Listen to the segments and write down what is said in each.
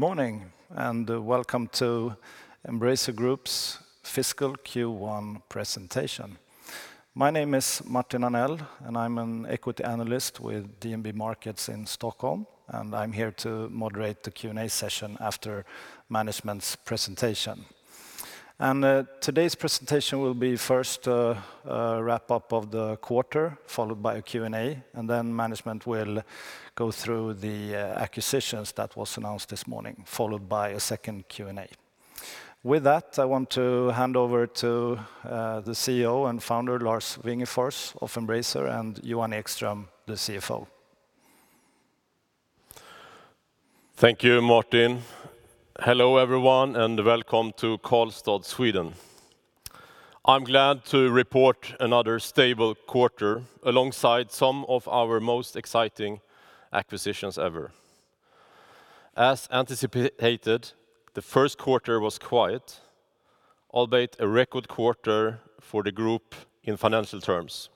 Good morning, and welcome to Embracer Group's fiscal Q1 presentation. My name is Martin Arnell, and I'm an equity analyst with DNB Markets in Stockholm, and I'm here to moderate the Q&A session after management's presentation. Today's presentation will be first a wrap-up of the quarter, followed by a Q&A, and then management will go through the acquisitions that was announced this morning, followed by a second Q&A. With that, I want to hand over to the CEO and founder Lars Wingefors of Embracer and Johan Ekström, the CFO. Thank you, Martin. Hello, everyone, and welcome to Karlstad, Sweden. I'm glad to report another stable quarter alongside some of our most exciting acquisitions ever. As anticipated, the first quarter was quiet, albeit a record quarter for the group in financial terms.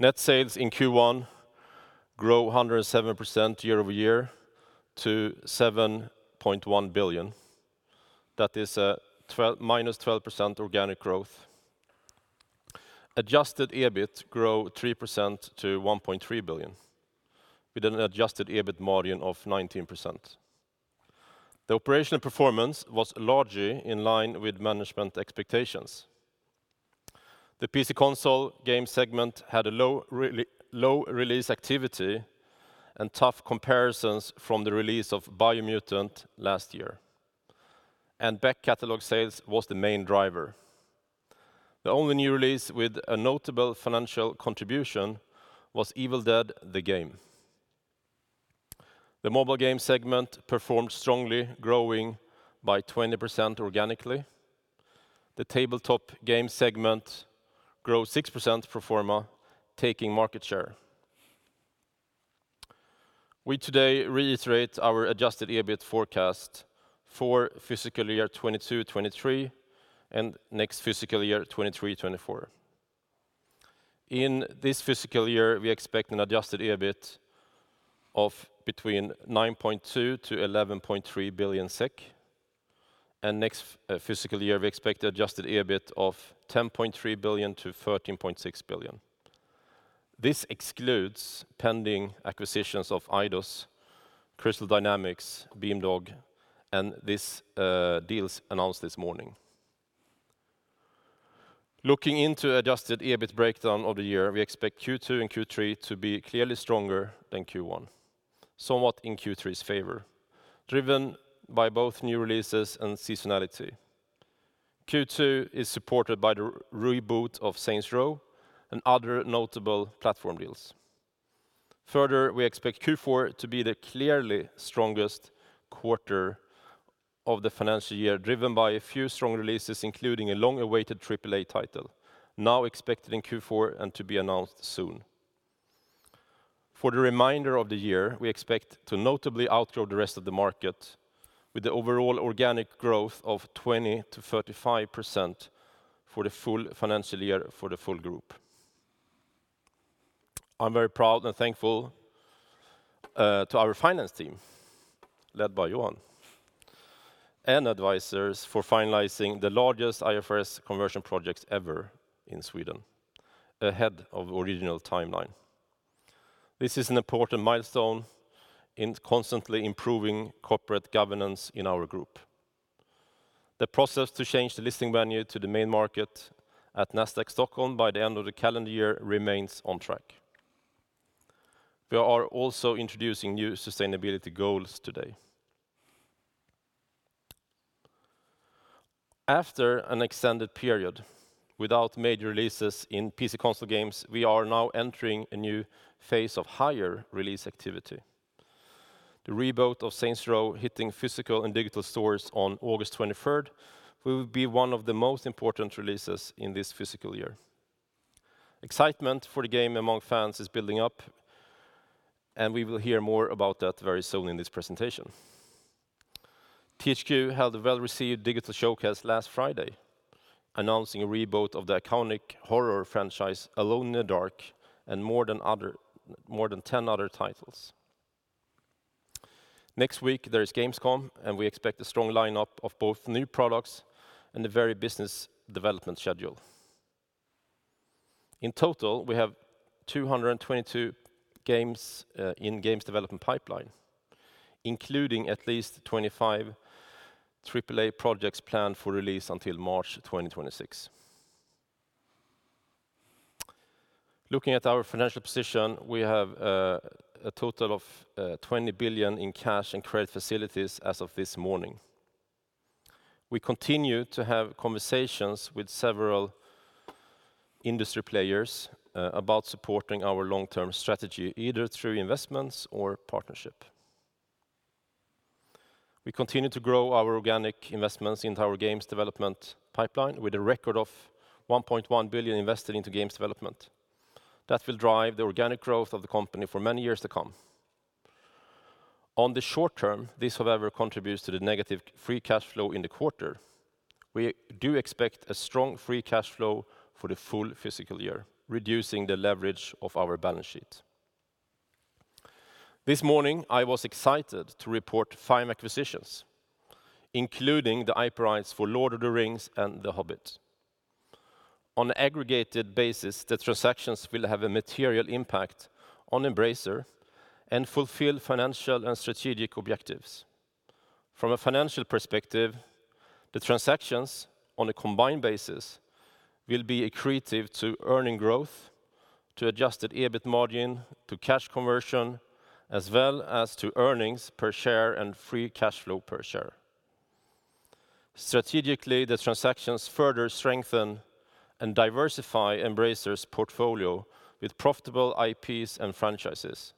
Net sales in Q1 grow 107% year-over-year to SEK 7.1 billion. That is, -12% organic growth. Adjusted EBIT grow 3% to 1.3 billion with an adjusted EBIT margin of 19%. The operational performance was largely in line with management expectations. The PC/console game segment had a low low release activity and tough comparisons from the release of Biomutant last year, and back catalog sales was the main driver. The only new release with a notable financial contribution was Evil Dead: The Game. The mobile game segment performed strongly, growing by 20% organically. The tabletop game segment grew 6% pro forma, taking market share. We today reiterate our adjusted EBIT forecast for fiscal year 2022/2023 and next fiscal year, 2023/2024. In this fiscal year, we expect an adjusted EBIT of between 9.2-11.3 billion SEK, and next fiscal year, we expect adjusted EBIT of 10.3-13.6 billion SEK. This excludes pending acquisitions of Eidos-Montréal, Crystal Dynamics, Beamdog and these deals announced this morning. Looking into adjusted EBIT breakdown of the year, we expect Q2 and Q3 to be clearly stronger than Q1, somewhat in Q3's favor, driven by both new releases and seasonality. Q2 is supported by the reboot of Saints Row and other notable platform deals. Further, we expect Q4 to be the clearly strongest quarter of the financial year, driven by a few strong releases, including a long-awaited AAA title, now expected in Q4 and to be announced soon. For the remainder of the year, we expect to notably outgrow the rest of the market with the overall organic growth of 20%-35% for the full financial year for the full group. I'm very proud and thankful to our finance team, led by Johan, and advisors for finalizing the largest IFRS conversion projects ever in Sweden ahead of original timeline. This is an important milestone in constantly improving corporate governance in our group. The process to change the listing venue to the main market at Nasdaq Stockholm by the end of the calendar year remains on track. We are also introducing new sustainability goals today. After an extended period without major releases in PC console games, we are now entering a new phase of higher release activity. The reboot of Saints Row hitting physical and digital stores on August 23 will be one of the most important releases in this fiscal year. Excitement for the game among fans is building up, and we will hear more about that very soon in this presentation. THQ held a well-received digital showcase last Friday, announcing a reboot of the iconic horror franchise, Alone in the Dark, and more than 10 other titles. Next week, there is Gamescom, and we expect a strong line-up of both new products and a varied business development schedule. In total, we have 222 games in our games development pipeline, including at least 25 AAA projects planned for release until March 2026. Looking at our financial position, we have a total of 20 billion in cash and credit facilities as of this morning. We continue to have conversations with several industry players about supporting our long-term strategy, either through investments or partnership. We continue to grow our organic investments into our games development pipeline with a record of 1.1 billion invested into games development. That will drive the organic growth of the company for many years to come. On the short term, this, however, contributes to the negative free cash flow in the quarter. We do expect a strong free cash flow for the full fiscal year, reducing the leverage of our balance sheet. This morning, I was excited to report five acquisitions, including the IP rights for The Lord of the Rings and The Hobbit. On an aggregated basis, the transactions will have a material impact on Embracer and fulfill financial and strategic objectives. From a financial perspective, the transactions on a combined basis will be accretive to earnings growth, to Adjusted EBIT margin, to cash conversion, as well as to earnings per share and free cash flow per share. Strategically, the transactions further strengthen and diversify Embracer's portfolio with profitable IPs and franchises.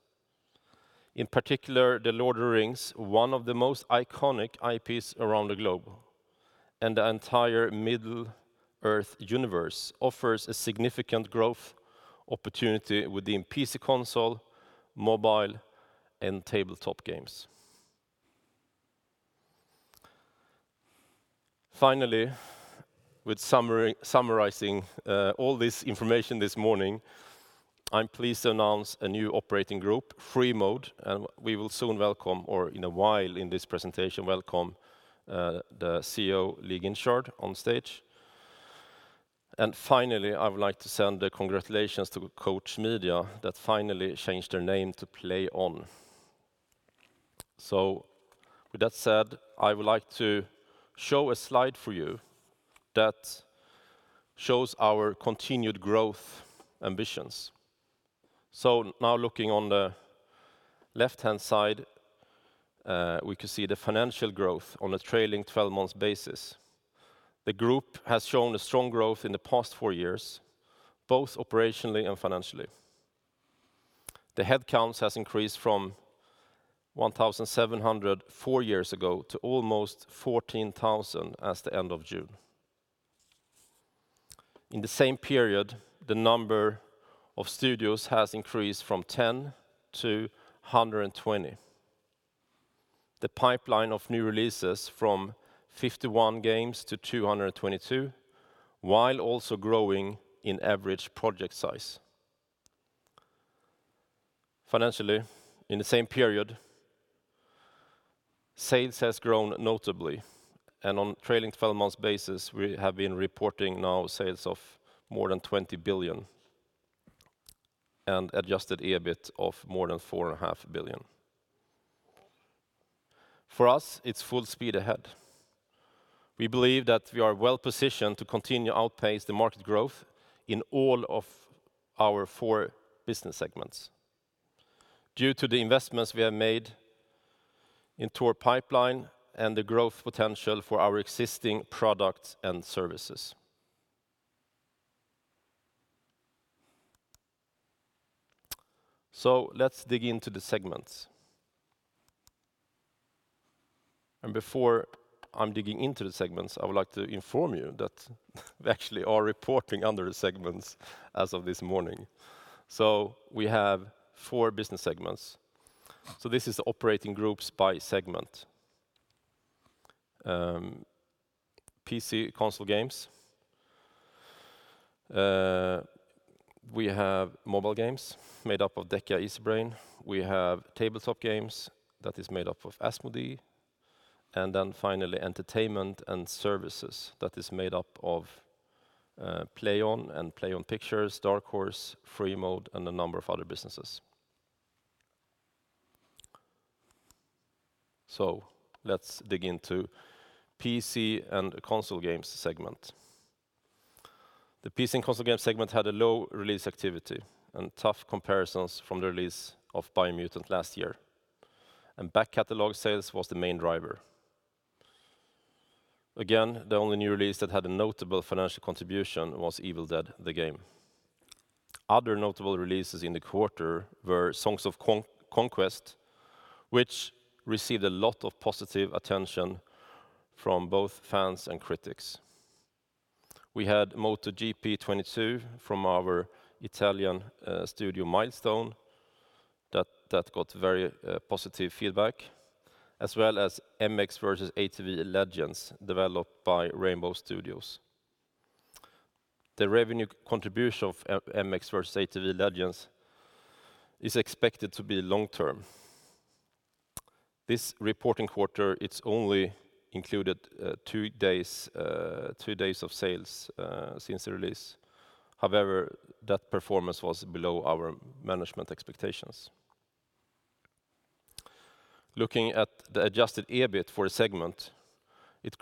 In particular, The Lord of the Rings, one of the most iconic IPs around the globe, and the entire Middle-earth universe offers a significant growth opportunity within PC, console, mobile, and tabletop games. Finally, summarizing all this information this morning, I'm pleased to announce a new operating group, Freemode, and we will soon welcome, or in a while in this presentation, welcome the CEO Lee Guinchard on stage. Finally, I would like to send a congratulations to Koch Media that finally changed their name to Plaion. With that said, I would like to show a slide for you that shows our continued growth ambitions. Now looking on the left-hand side, we can see the financial growth on a trailing twelve-month basis. The group has shown a strong growth in the past four years, both operationally and financially. The headcounts has increased from 1,700 four years ago to almost 14,000 as of the end of June. In the same period, the number of studios has increased from 10 to 120. The pipeline of new releases from 51 games to 222, while also growing in average project size. Financially, in the same period, sales has grown notably, and on trailing twelve months basis, we have been reporting now sales of more than 20 billion and adjusted EBIT of more than 4.5 billion. For us, it's full speed ahead. We believe that we are well-positioned to continue to outpace the market growth in all of our four business segments due to the investments we have made into our pipeline and the growth potential for our existing products and services. Let's dig into the segments. Before I'm digging into the segments, I would like to inform you that we actually are reporting under the segments as of this morning. We have four business segments. This is operating groups by segment. PC console games. We have mobile games made up of DECA Easybrain. We have tabletop games that is made up of Asmodee, and then finally, entertainment and services that is made up of, Plaion and Plaion Pictures, Dark Horse, Freemode, and a number of other businesses. Let's dig into PC and console games segment. The PC and console games segment had a low release activity and tough comparisons from the release of Biomutant last year, and back catalog sales was the main driver. Again, the only new release that had a notable financial contribution was Evil Dead: The Game. Other notable releases in the quarter were Songs of Conquest, which received a lot of positive attention from both fans and critics. We had MotoGP 22 from our Italian studio Milestone that got very positive feedback, as well as MX vs. ATV Legends developed by Rainbow Studios. The revenue contribution of MX vs. ATV Legends is expected to be long-term. This reporting quarter, it's only included two days of sales since the release. However, that performance was below our management expectations. Looking at the Adjusted EBIT for a segment, it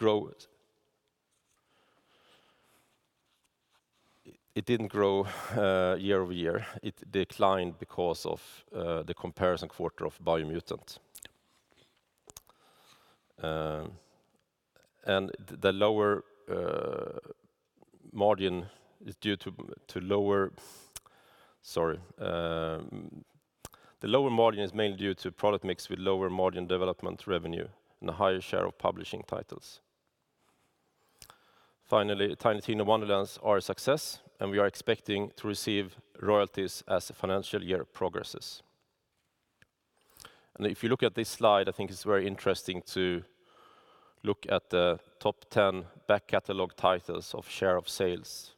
didn't grow year-over-year. It declined because of the comparison quarter of Biomutant, and the lower margin is mainly due to product mix with lower margin development revenue and a higher share of publishing titles. Finally, Tiny Tina's Wonderlands are a success, and we are expecting to receive royalties as the financial year progresses. If you look at this slide, I think it's very interesting to look at the top 10 back catalog titles of share of sales,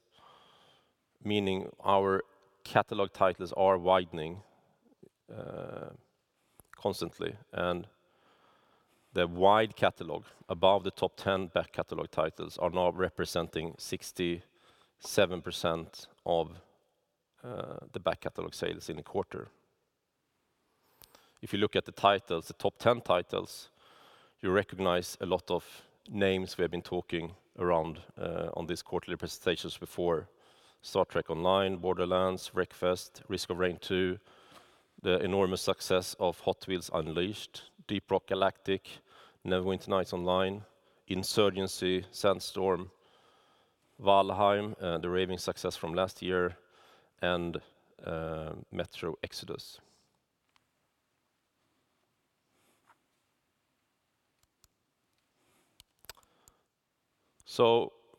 meaning our catalog titles are widening constantly, and the wide catalog above the top 10 back catalog titles are now representing 67% of the back catalog sales in the quarter. If you look at the titles, the top 10 titles, you recognize a lot of names we have been talking around on these quarterly presentations before. Star Trek Online, Borderlands, Wreckfest, Risk of Rain 2, the enormous success of Hot Wheels Unleashed, Deep Rock Galactic, Neverwinter, Insurgency: Sandstorm, Valheim, the raving success from last year, and Metro Exodus.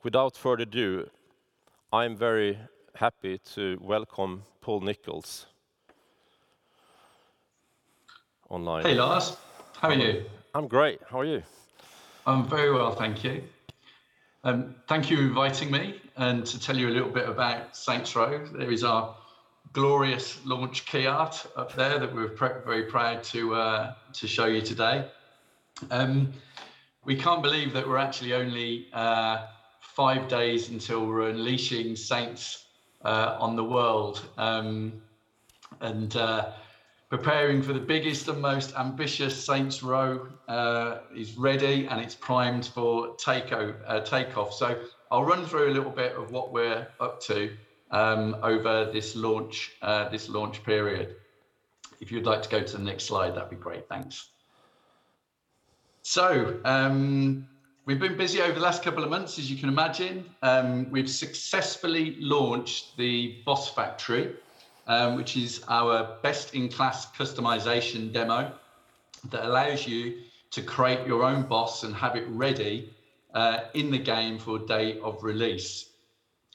Without further ado, I'm very happy to welcome Paul Nicholls online. Hey, Lars. How are you? I'm great. How are you? I'm very well, thank you. Thank you for inviting me, and to tell you a little bit about Saints Row. There is our glorious launch key art up there that we're very proud to show you today. We can't believe that we're actually only five days until we're unleashing Saints on the world and preparing for the biggest and most ambitious Saints Row is ready, and it's primed for takeoff. I'll run through a little bit of what we're up to over this launch, this launch period. If you'd like to go to the next slide, that'd be great. Thanks. We've been busy over the last couple of months, as you can imagine. We've successfully launched the Boss Factory, which is our best-in-class customization demo that allows you to create your own boss and have it ready in the game for day of release.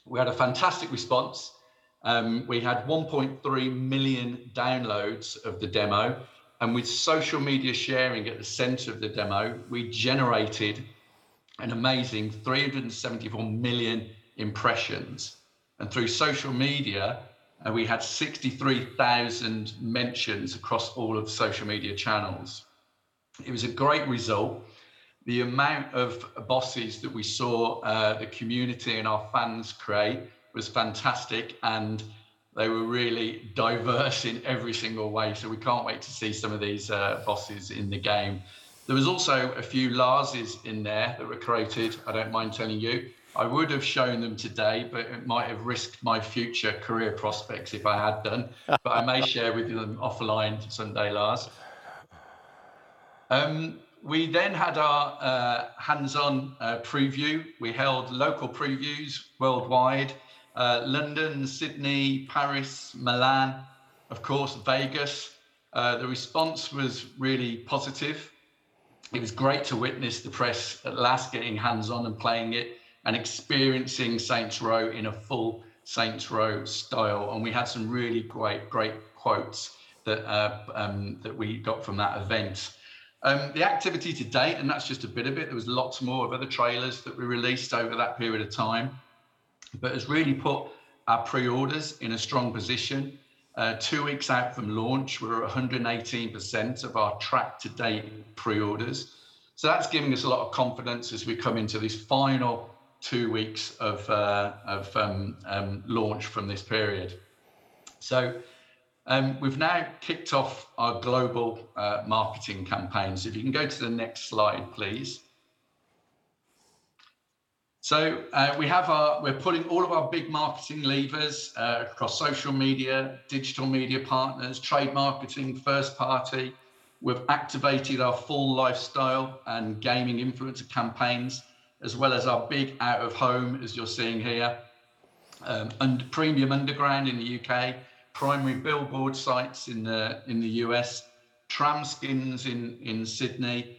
We had a fantastic response. We had 1.3 million downloads of the demo, and with social media sharing at the center of the demo, we generated an amazing 374 million impressions. Through social media, we had 63,000 mentions across all of the social media channels. It was a great result. The amount of bosses that we saw the community and our fans create was fantastic, and they were really diverse in every single way, so we can't wait to see some of these bosses in the game. There was also a few Lars in there that were created, I don't mind telling you. I would have shown them today, but it might have risked my future career prospects if I had done. I may share with you them offline some day, Lars. We had our hands-on preview. We held local previews worldwide, London, Sydney, Paris, Milan, of course, Vegas. The response was really positive. It was great to witness the press at last getting hands-on and playing it and experiencing Saints Row in a full Saints Row style, and we had some really great quotes that we got from that event. The activity to date, and that's just a bit of it, there was lots more of other trailers that we released over that period of time but has really put our pre-orders in a strong position. Two weeks out from launch, we're at 118% of our track to date pre-orders. That's given us a lot of confidence as we come into these final two weeks of launch from this period. We've now kicked off our global marketing campaign. If you can go to the next slide, please. We're pulling all of our big marketing levers across social media, digital media partners, trade marketing, first party. We've activated our full lifestyle and gaming influencer campaigns, as well as our big out of home, as you're seeing here. Under premium underground in the U.K., primary billboard sites in the U.S., tram skins in Sydney,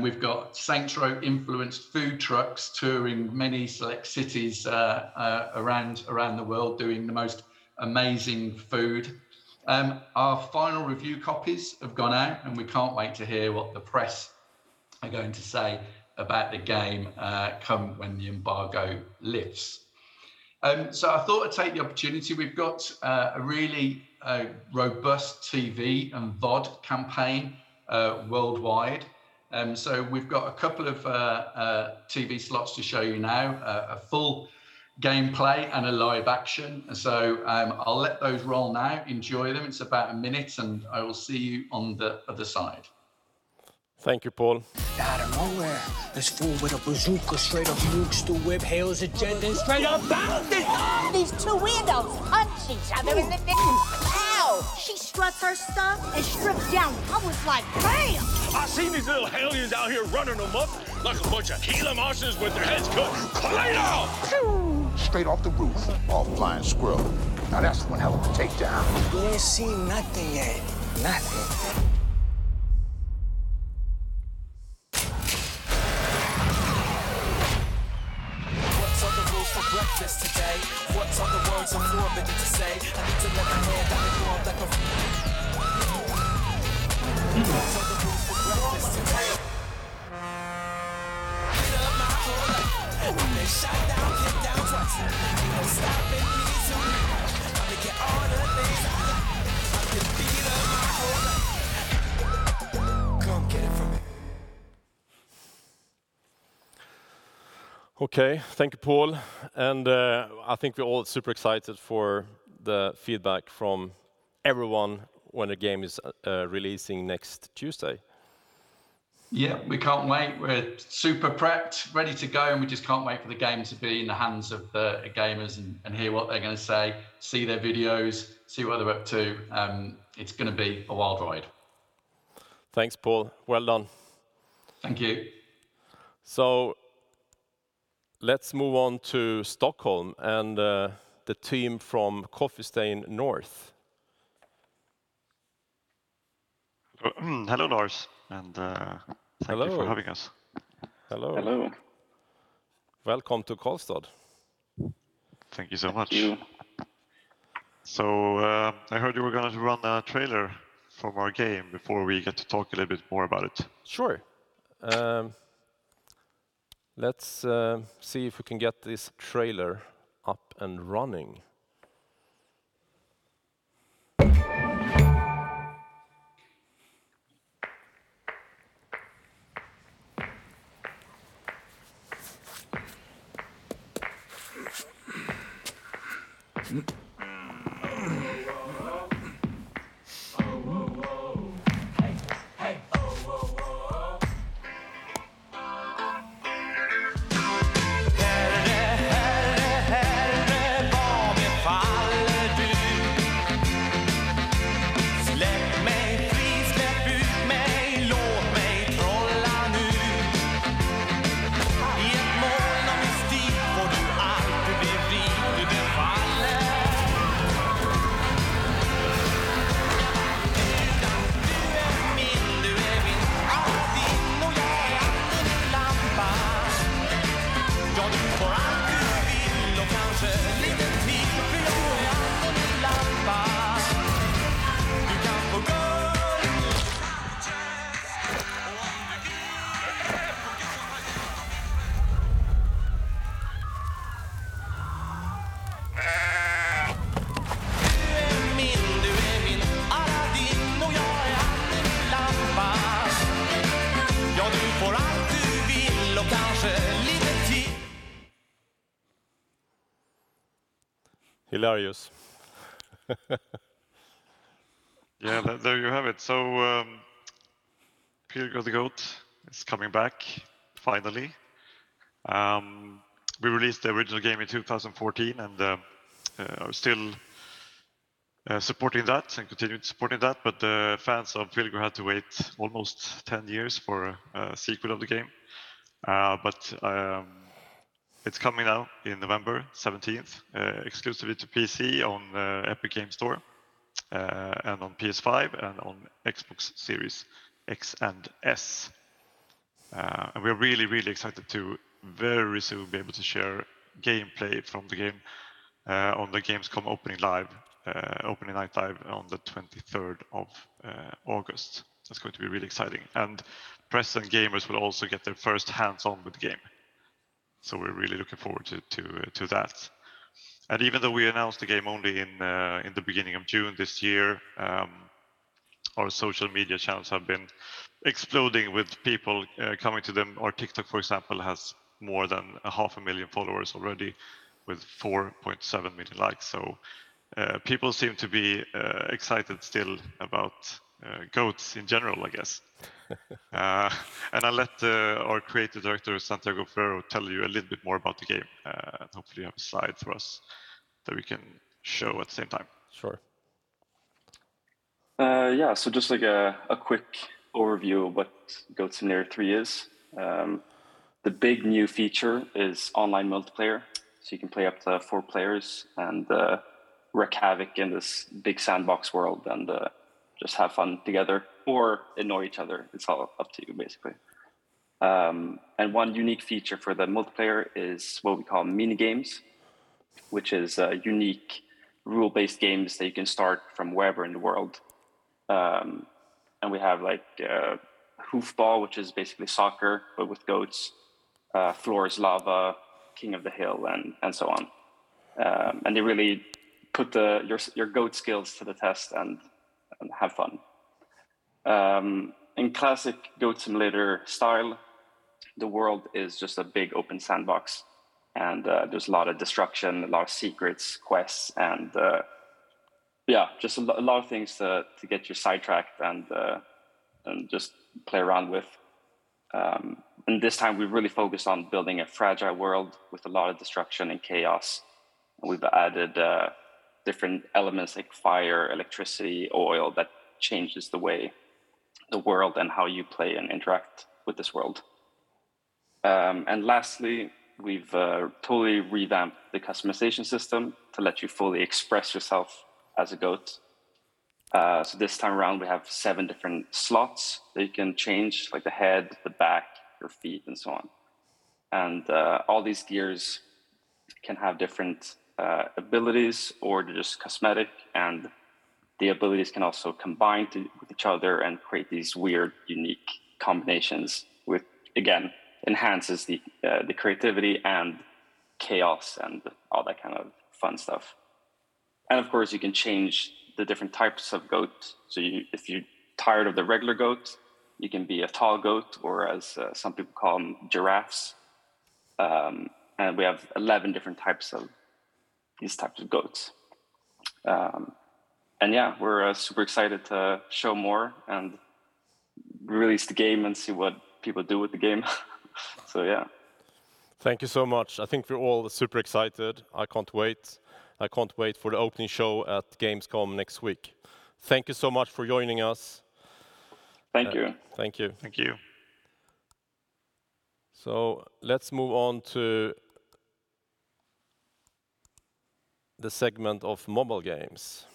we've got Saints Row influenced food trucks touring many select cities around the world doing the most amazing food. Our final review copies have gone out, and we can't wait to hear what the press are going to say about the game come when the embargo lifts. I thought I'd take the opportunity. We've got a really robust TV and VOD campaign worldwide. We've got a couple of TV slots to show you now, a full gameplay and a live action. I'll let those roll now. Enjoy them. It's about a minute, and I will see you on the other side. Thank you, Paul. Out of nowhere, this fool with a bazooka straight up nukes the whip, hails a jet, then straight up bounces. These two weirdos punch each other in the damn mouth. She struts her stuff and strips down. I was like, "Bam." I see these little aliens out here running amok like a bunch of Gila monsters with their heads cut clean off. Straight off the roof, all flying squirrels. Now that's one hell of a take down. You ain't seen nothing yet. What are the rules for breakfast today? What are the words of love that you say? I need to let my hair down and throw up like a. What are the rules for breakfast today? Hit up my whole life. When they shot down, get down twice. Ain't no stopping me tonight. I'ma get all the things I like. I can feel up my whole life. Come get it from me. Okay, thank you, Paul. I think we're all super excited for the feedback from everyone when the game is releasing next Tuesday. Yeah, we can't wait. We're super prepped, ready to go, and we just can't wait for the game to be in the hands of the gamers and hear what they're going to say, see their videos, see what they're up to. It's going to be a wild ride. Thanks, Paul. Well done. Thank you. Let's move on to Stockholm and the team from Coffee Stain North. Hello, Lars. Hello Thank you for having us. Hello. Hello. Welcome to Karlstad. Thank you so much. Thank you. I heard you were going to run a trailer from our game before we get to talk a little bit more about it. Sure. Let's see if we can get this trailer up and running. Hilarious. Yeah, there you have it. Pilgor the Goat is coming back finally. We released the original game in 2014 and are still supporting that and continued supporting that. The fans of Pilgor had to wait almost 10 years for a sequel of the game. It's coming out in November 17th, exclusively to PC on Epic Games Store, and on PS5 and on Xbox Series X and S. We're really excited to very soon be able to share gameplay from the game on the Gamescom Opening Night Live on the 23rd of August. It's going to be really exciting. Press and gamers will also get their first hands-on with the game. We're really looking forward to that. Even though we announced the game only in the beginning of June this year, our social media channels have been exploding with people coming to them. Our TikTok, for example, has more than 500,000 followers already with 4.7 million likes. People seem to be excited still about goats in general, I guess. I'll let our creative director, Santiago Ferro, tell you a little bit more about the game. Hopefully you have a slide for us that we can show at the same time. Sure. Yeah, just like a quick overview of what Goat Simulator 3 is. The big new feature is online multiplayer. You can play up to 4 players and wreak havoc in this big sandbox world and just have fun together or annoy each other. It's all up to you basically. One unique feature for the multiplayer is what we call mini games, which is unique rule-based games that you can start from wherever in the world. We have like Hoofball, which is basically soccer, but with goats, Floor is Lava, King of the Hill, and so on. They really put your goat skills to the test and have fun. In classic Goat Simulator style, the world is just a big open sandbox, and there's a lot of destruction, a lot of secrets, quests, and yeah, just a lot of things to get you sidetracked and just play around with. This time we've really focused on building a fragile world with a lot of destruction and chaos. We've added different elements like fire, electricity, oil that changes the way the world and how you play and interact with this world. Lastly, we've totally revamped the customization system to let you fully express yourself as a goat. This time around we have seven different slots that you can change, like the head, the back, your feet, and so on. All these gears can have different abilities or they're just cosmetic, and the abilities can also combine with each other and create these weird, unique combinations which, again, enhances the creativity and chaos and all that kind of fun stuff. Of course, you can change the different types of goats. If you're tired of the regular goat, you can be a tall goat, or as some people call them, giraffes. We have 11 different types of these types of goats. Yeah, we're super excited to show more and release the game and see what people do with the game. Yeah. Thank you so much. I think we're all super excited. I can't wait. I can't wait for the opening show at Gamescom next week. Thank you so much for joining us. Thank you. Thank you. Thank you. Let's move on to the segment of mobile games.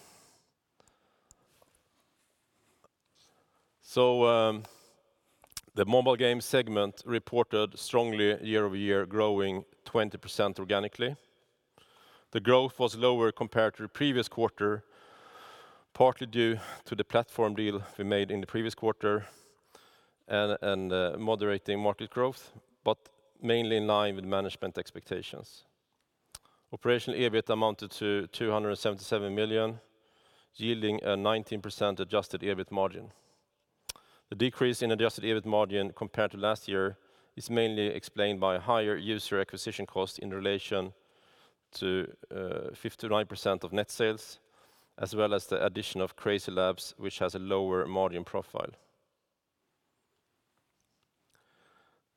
The mobile game segment reported strongly year-over-year, growing 20% organically. The growth was lower compared to the previous quarter, partly due to the platform deal we made in the previous quarter and moderating market growth, but mainly in line with management expectations. Operational EBIT amounted to 277 million, yielding a 19% adjusted EBIT margin. The decrease in adjusted EBIT margin compared to last year is mainly explained by higher user acquisition cost in relation to 59% of net sales, as well as the addition of CrazyLabs, which has a lower margin profile.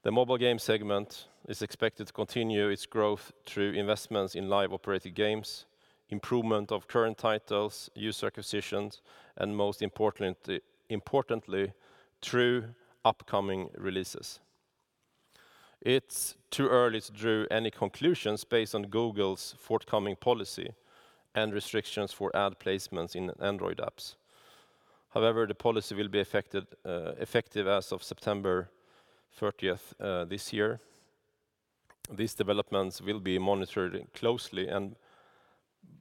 The mobile game segment is expected to continue its growth through investments in live operating games, improvement of current titles, user acquisitions, and most importantly, through upcoming releases. It's too early to draw any conclusions based on Google's forthcoming policy and restrictions for ad placements in Android apps. However, the policy will be effective as of September 30th, this year. These developments will be monitored closely, and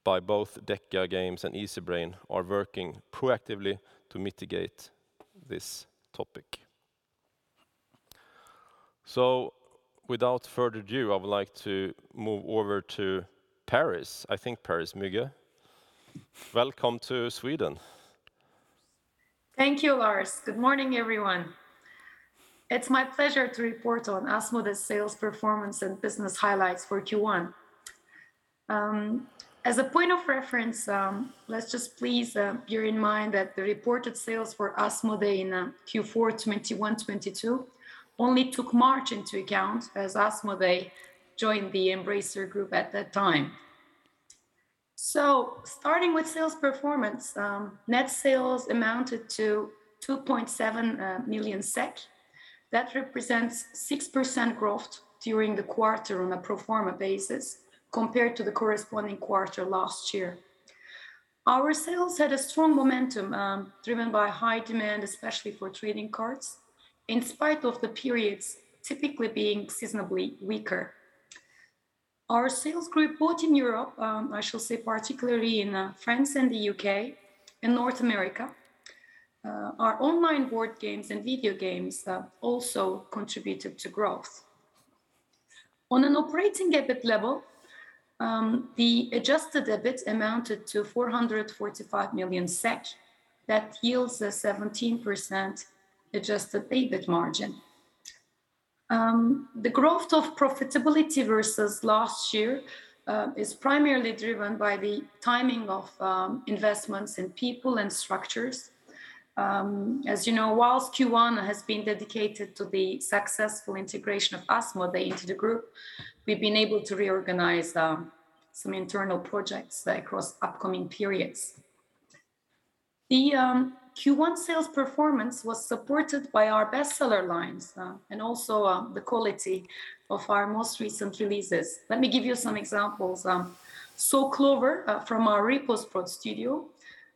both DECA Games and Easybrain are working proactively to mitigate this topic. Without further ado, I would like to move over to Müge. Welcome to Sweden. Thank you, Lars. Good morning, everyone. It's my pleasure to report on Asmodee's sales performance and business highlights for Q1. As a point of reference, let's just please bear in mind that the reported sales for Asmodee in Q4 21/22 only took March into account as Asmodee joined the Embracer Group at that time. Starting with sales performance, net sales amounted to 2.7 million SEK. That represents 6% growth during the quarter on a pro forma basis compared to the corresponding quarter last year. Our sales had a strong momentum, driven by high demand, especially for trading cards, in spite of the periods typically being seasonably weaker. Our sales grew both in Europe, I shall say particularly in France and the UK, and North America. Our online board games and video games also contributed to growth. On an operating EBIT level, the adjusted EBIT amounted to 445 million SEK. That yields a 17% adjusted EBIT margin. The growth of profitability versus last year is primarily driven by the timing of investments in people and structures. As you know, while Q1 has been dedicated to the successful integration of Asmodee into the group, we've been able to reorganize some internal projects across upcoming periods. The Q1 sales performance was supported by our bestseller lines and also the quality of our most recent releases. Let me give you some examples. So, Clover from our Repos Production studio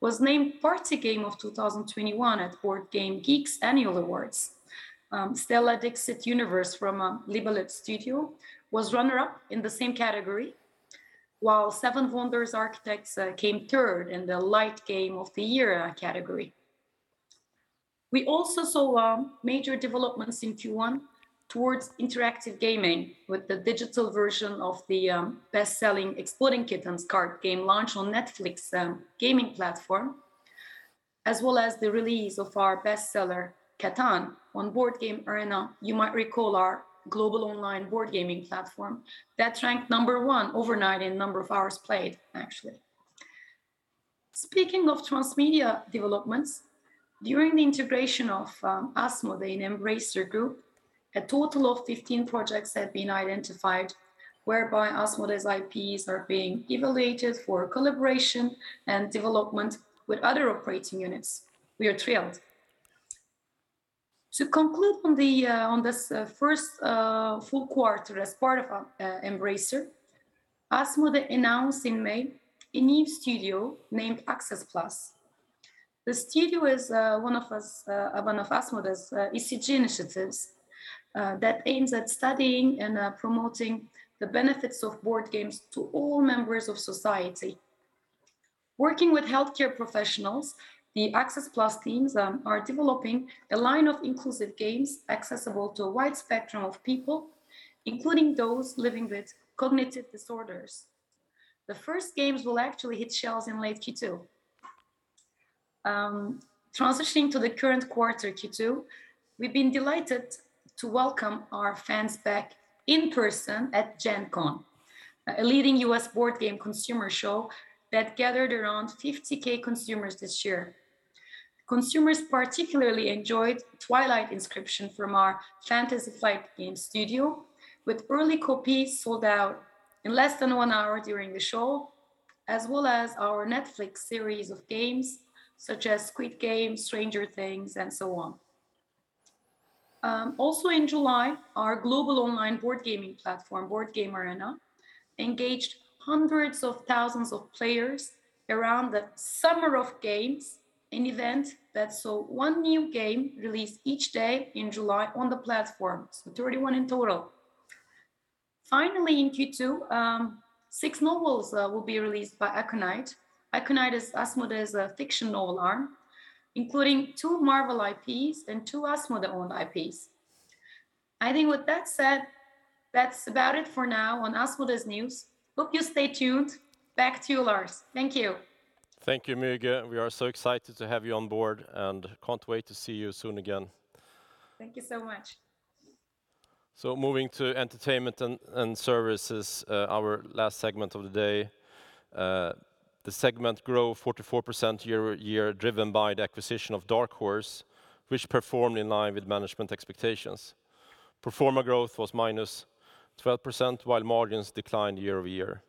was named Party Game of 2021 at BoardGameGeek's annual awards. Stella – Dixit Universe from Libellud was runner-up in the same category, while 7 Wonders Architects came third in the Light Game of the Year category. We also saw major developments in Q1 towards interactive gaming with the digital version of the bestselling Exploding Kittens card game launch on Netflix gaming platform, as well as the release of our bestseller Catan on Board Game Arena, you might recall our global online board gaming platform that ranked number one overnight in number of hours played, actually. Speaking of transmedia developments, during the integration of Asmodee and Embracer Group, a total of 15 projects have been identified whereby Asmodee's IPs are being evaluated for collaboration and development with other operating units. We are thrilled. To conclude on this first full quarter as part of Embracer, Asmodee announced in May a new studio named Access+. The studio is one of Asmodee's ESG initiatives that aims at studying and promoting the benefits of board games to all members of society. Working with healthcare professionals, the Access+ teams are developing a line of inclusive games accessible to a wide spectrum of people, including those living with cognitive disorders. The first games will actually hit shelves in late Q2. Transitioning to the current quarter, Q2, we've been delighted to welcome our fans back in person at Gen Con, a leading U.S. board game consumer show that gathered around 50,000 consumers this year. Consumers particularly enjoyed Twilight Inscription from our Fantasy Flight Games studio, with early copies sold out in less than one hour during the show, as well as our Netflix series of games such as Squid Game, Stranger Things, and so on. Also in July, our global online board gaming platform, Board Game Arena, engaged hundreds of thousands of players around the Summer of Games, an event that saw one new game released each day in July on the platform, so 31 in total. Finally, in Q2, six novels will be released by Aconyte. Aconyte is Asmodee's fiction novel arm, including two Marvel IPs and two Asmodee-owned IPs. I think with that said, that's about it for now on Asmodee's news. Hope you stay tuned. Back to you, Lars. Thank you. Thank you, Müge. We are so excited to have you on board and can't wait to see you soon again. Thank you so much. Moving to Entertainment and Services, our last segment of the day. The segment grew 44% year-over-year, driven by the acquisition of Dark Horse, which performed in line with management expectations. Pro forma growth was -12%, while margins declined year-over-year.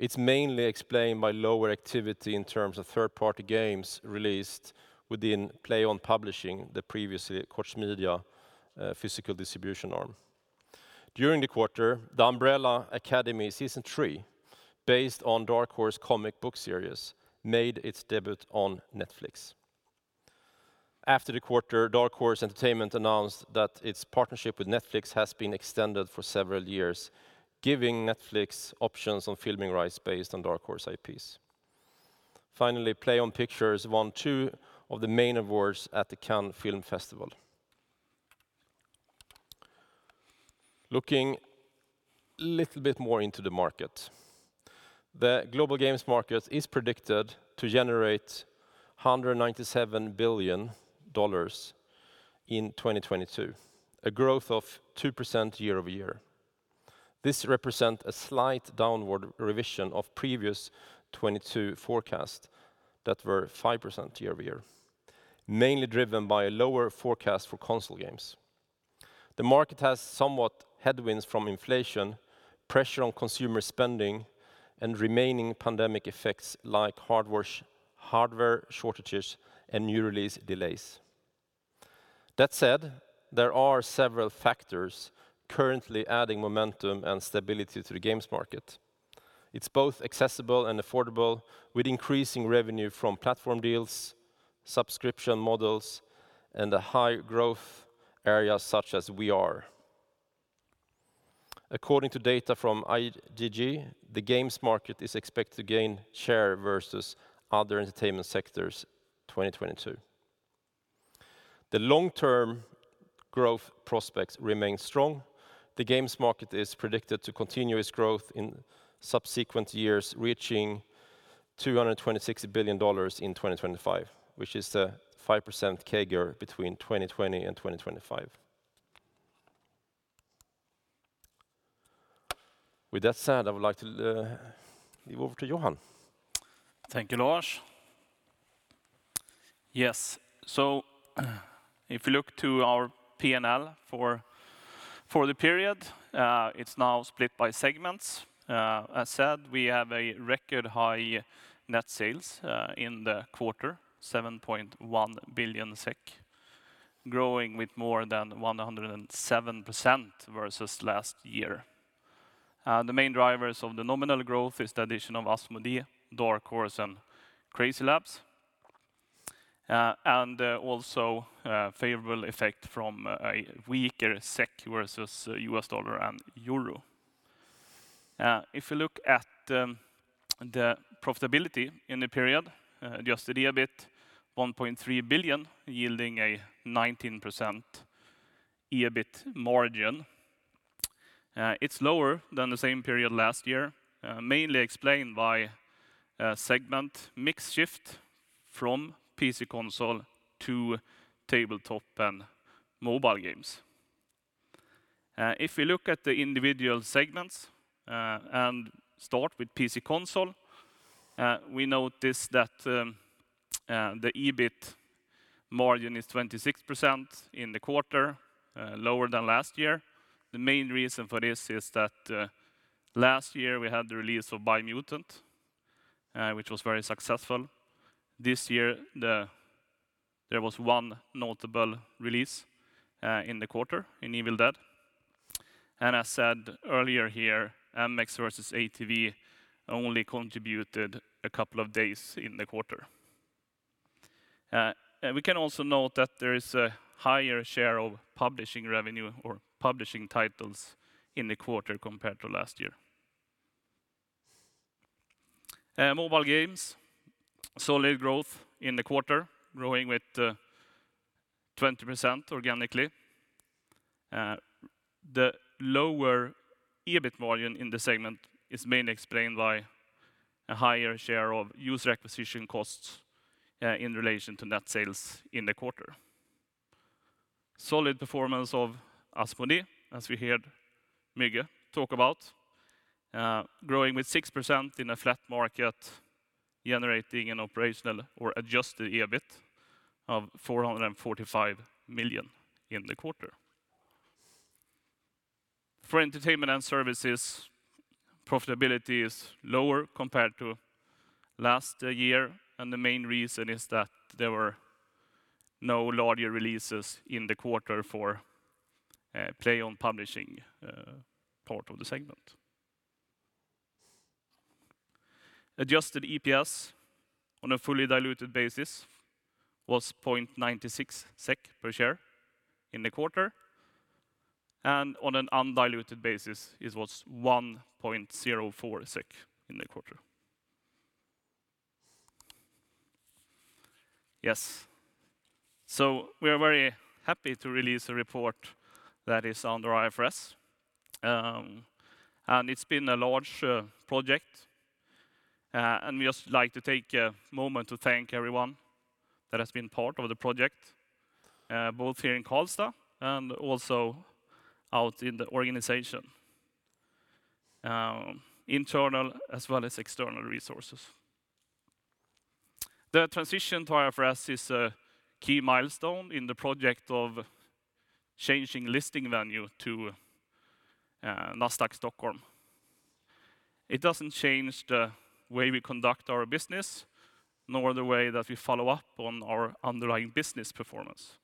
It's mainly explained by lower activity in terms of third-party games released within Plaion publishing, the previously Koch Media physical distribution arm. During the quarter, The Umbrella Academy Season Three, based on Dark Horse comic book series, made its debut on Netflix. After the quarter, Dark Horse Entertainment announced that its partnership with Netflix has been extended for several years, giving Netflix options on filming rights based on Dark Horse IPs. Finally, Plaion Pictures won two of the main awards at the Cannes Film Festival. Looking little bit more into the market. The global games market is predicted to generate $197 billion in 2022, a growth of 2% year-over-year. This represents a slight downward revision of previous 2022 forecasts that were 5% year-over-year, mainly driven by a lower forecast for console games. The market has somewhat headwinds from inflation, pressure on consumer spending, and remaining pandemic effects like hardware shortages and new release delays. That said, there are several factors currently adding momentum and stability to the games market. It's both accessible and affordable with increasing revenue from platform deals, subscription models, and the high growth areas such as VR. According to data from IDG, the games market is expected to gain share versus other entertainment sectors 2022. The long-term growth prospects remain strong. The games market is predicted to continue its growth in subsequent years, reaching $226 billion in 2025, which is a 5% CAGR between 2020 and 2025. With that said, I would like to hand over to Johan. Thank you, Lars. If you look to our P&L for the period, it's now split by segments. As said, we have a record high net sales in the quarter, 7.1 billion SEK, growing with more than 107% versus last year. The main drivers of the nominal growth is the addition of Asmodee, Dark Horse, and CrazyLabs, and also favorable effect from a weaker SEK versus US dollar and euro. If you look at the profitability in the period, adjusted EBIT 1.3 billion, yielding a 19% EBIT margin. It's lower than the same period last year, mainly explained by a segment mix shift from PC console to tabletop and mobile games. If we look at the individual segments and start with PC console, we notice that the EBIT margin is 26% in the quarter, lower than last year. The main reason for this is that last year we had the release of Biomutant, which was very successful. This year, there was one notable release in the quarter in Evil Dead. I said earlier here, MX vs. ATV only contributed a couple of days in the quarter. We can also note that there is a higher share of publishing revenue or publishing titles in the quarter compared to last year. Mobile games, solid growth in the quarter, growing with 20% organically. The lower EBIT volume in the segment is mainly explained by a higher share of user acquisition costs in relation to net sales in the quarter. Solid performance of Asmodee, as we heard Müge talk about, growing with 6% in a flat market, generating an operational or adjusted EBIT of 445 million in the quarter. For entertainment and services, profitability is lower compared to last year, and the main reason is that there were no larger releases in the quarter for Plaion publishing, part of the segment. Adjusted EPS on a fully diluted basis was 0.96 SEK per share in the quarter, and on an undiluted basis, it was 1.04 SEK in the quarter. Yes. We are very happy to release a report that is under IFRS, and it's been a large project, and we just like to take a moment to thank everyone that has been part of the project, both here in Karlstad and also out in the organization, internal as well as external resources. The transition to IFRS is a key milestone in the project of changing listing venue to Nasdaq Stockholm. It doesn't change the way we conduct our business, nor the way that we follow up on our underlying business performance.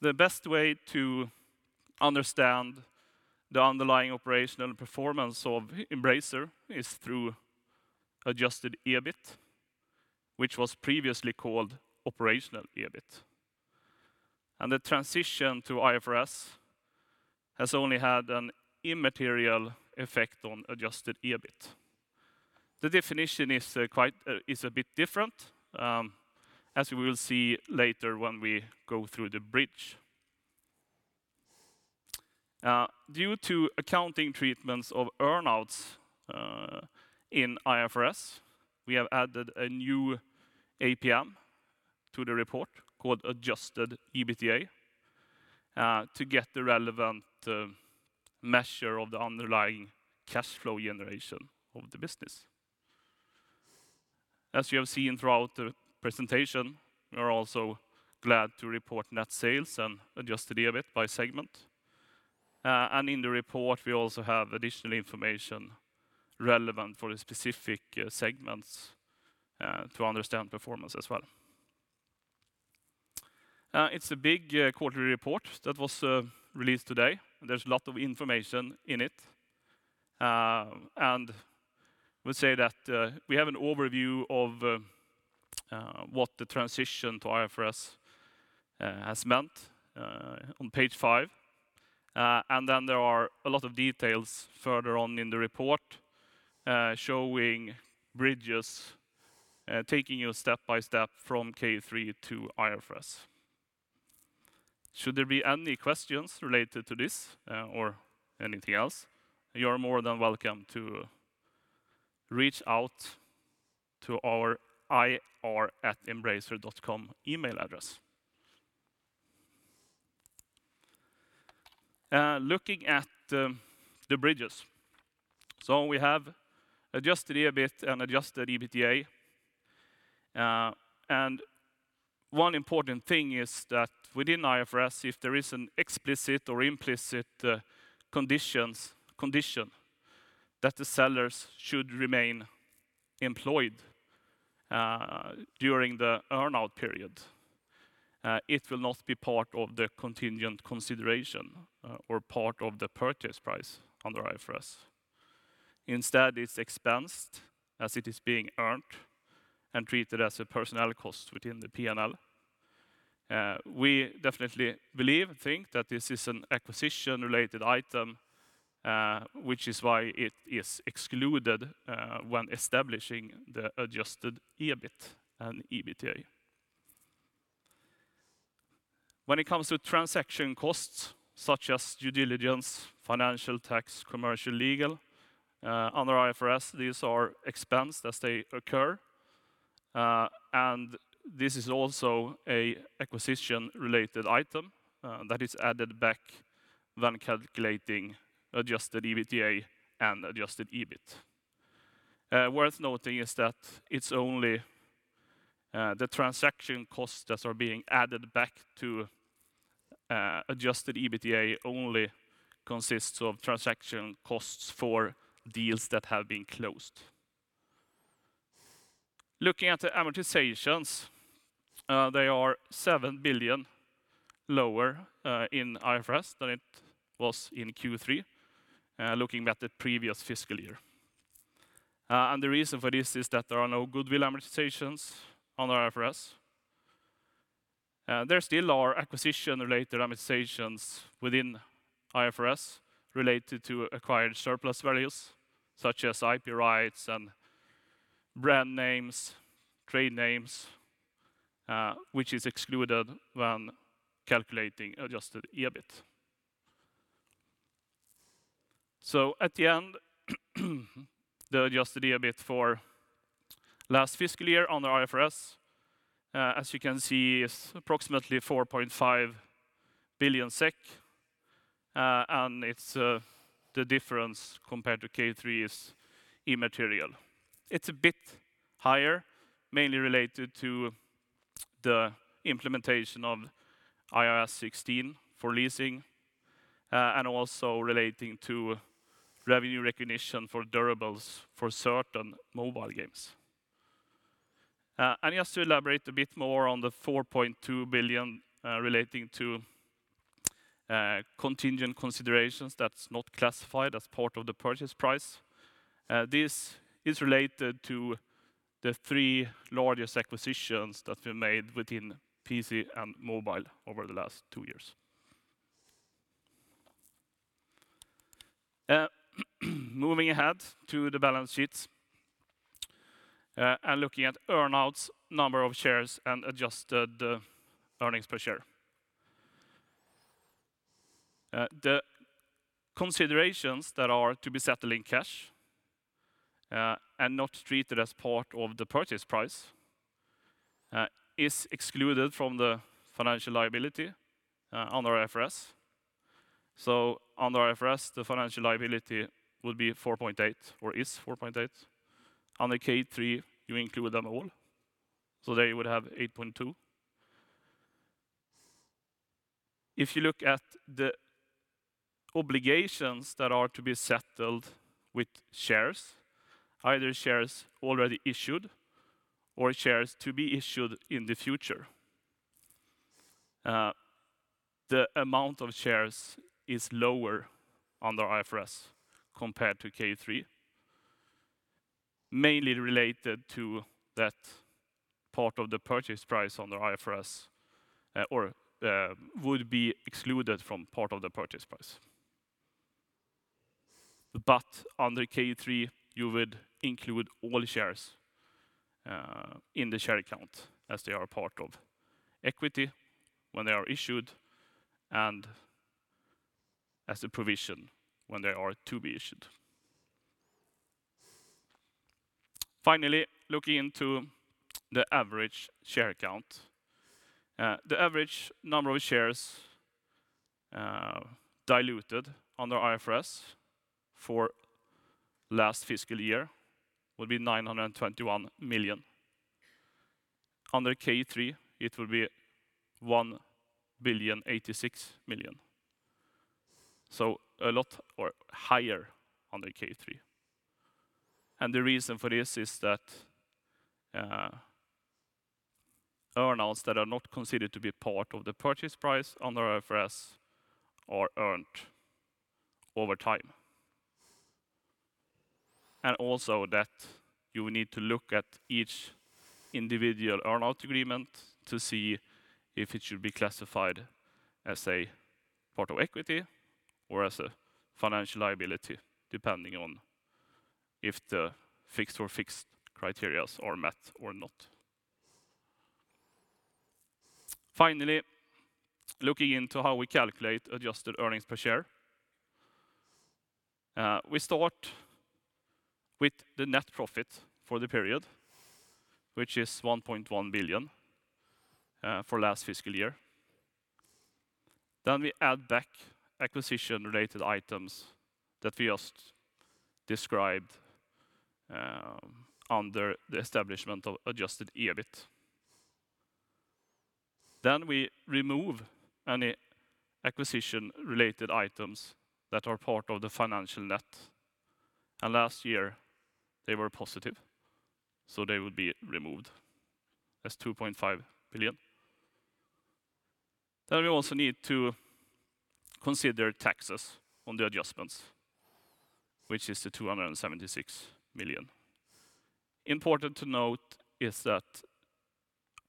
The best way to understand the underlying operational performance of Embracer is through adjusted EBIT, which was previously called operational EBIT. The transition to IFRS has only had an immaterial effect on adjusted EBIT. The definition is quite a bit different, as we will see later when we go through the bridge. Due to accounting treatments of earn-outs in IFRS, we have added a new APM to the report called Adjusted EBITA to get the relevant measure of the underlying cash flow generation of the business. As you have seen throughout the presentation, we are also glad to report net sales and adjusted EBIT by segment. In the report, we also have additional information relevant for the specific segments to understand performance as well. It's a big quarterly report that was released today, and there's a lot of information in it. I would say that we have an overview of what the transition to IFRS has meant on page five. There are a lot of details further on in the report, showing bridges, taking you step by step from K3 to IFRS. Should there be any questions related to this, or anything else, you're more than welcome to reach out to our ir@embracer.com email address. Looking at the bridges. We have adjusted EBIT and adjusted EBITA. One important thing is that within IFRS, if there is an explicit or implicit condition that the sellers should remain employed during the earn-out period, it will not be part of the contingent consideration or part of the purchase price under IFRS. Instead, it's expensed as it is being earned and treated as a personnel cost within the P&L. We definitely believe and think that this is an acquisition-related item, which is why it is excluded when establishing the adjusted EBIT and EBITDA. When it comes to transaction costs such as due diligence, financial, tax, commercial, legal, under IFRS, these are expensed as they occur. This is also an acquisition-related item that is added back when calculating adjusted EBITDA and adjusted EBIT. Worth noting is that it's only the transaction costs that are being added back to adjusted EBITDA only consists of transaction costs for deals that have been closed. Looking at the amortizations, they are 7 billion lower in IFRS than it was in Q3 looking at the previous fiscal year. The reason for this is that there are no goodwill amortizations under IFRS. There still are acquisition-related amortizations within IFRS related to acquired surplus values such as IP rights and brand names, trade names, which is excluded when calculating adjusted EBIT. At the end, the adjusted EBIT for last fiscal year under IFRS, as you can see, is approximately 4.5 billion SEK, and the difference compared to Q3 is immaterial. It's a bit higher, mainly related to the implementation of IAS 16 for leasing, and also relating to revenue recognition for durables for certain mobile games. Just to elaborate a bit more on the 4.2 billion relating to contingent considerations that's not classified as part of the purchase price, this is related to the three largest acquisitions that we made within PC and mobile over the last two years. Moving ahead to the balance sheets and looking at earnouts, number of shares, and adjusted earnings per share. The considerations that are to be settled in cash and not treated as part of the purchase price is excluded from the financial liability under IFRS. Under IFRS, the financial liability will be 4.8 billion, or is 4.8 billion. Under Q3, you include them all, so there you would have 8.2 billion. If you look at the obligations that are to be settled with shares, either shares already issued or shares to be issued in the future, the amount of shares is lower under IFRS compared to Q3, mainly related to that part of the purchase price under IFRS would be excluded from part of the purchase price. Under Q3, you would include all shares in the share count as they are part of equity when they are issued and as a provision when they are to be issued. Finally, looking into the average share count. The average number of shares diluted under IFRS for last fiscal year would be 921 million. Under Q3, it will be 1,086 million, so a lot higher under Q3. The reason for this is that earnouts that are not considered to be part of the purchase price under IFRS are earned over time. Also, that you need to look at each individual earnout agreement to see if it should be classified as a part of equity or as a financial liability, depending on if the fixed criteria are met or not. Finally, looking into how we calculate adjusted earnings per share. We start with the net profit for the period, which is 1.1 billion, for last fiscal year. We add back acquisition-related items that we just described under the establishment of adjusted EBIT. We remove any acquisition-related items that are part of the financial net. Last year, they were positive, so they will be removed as 2.5 billion. We also need to consider taxes on the adjustments, which is 276 million. Important to note is that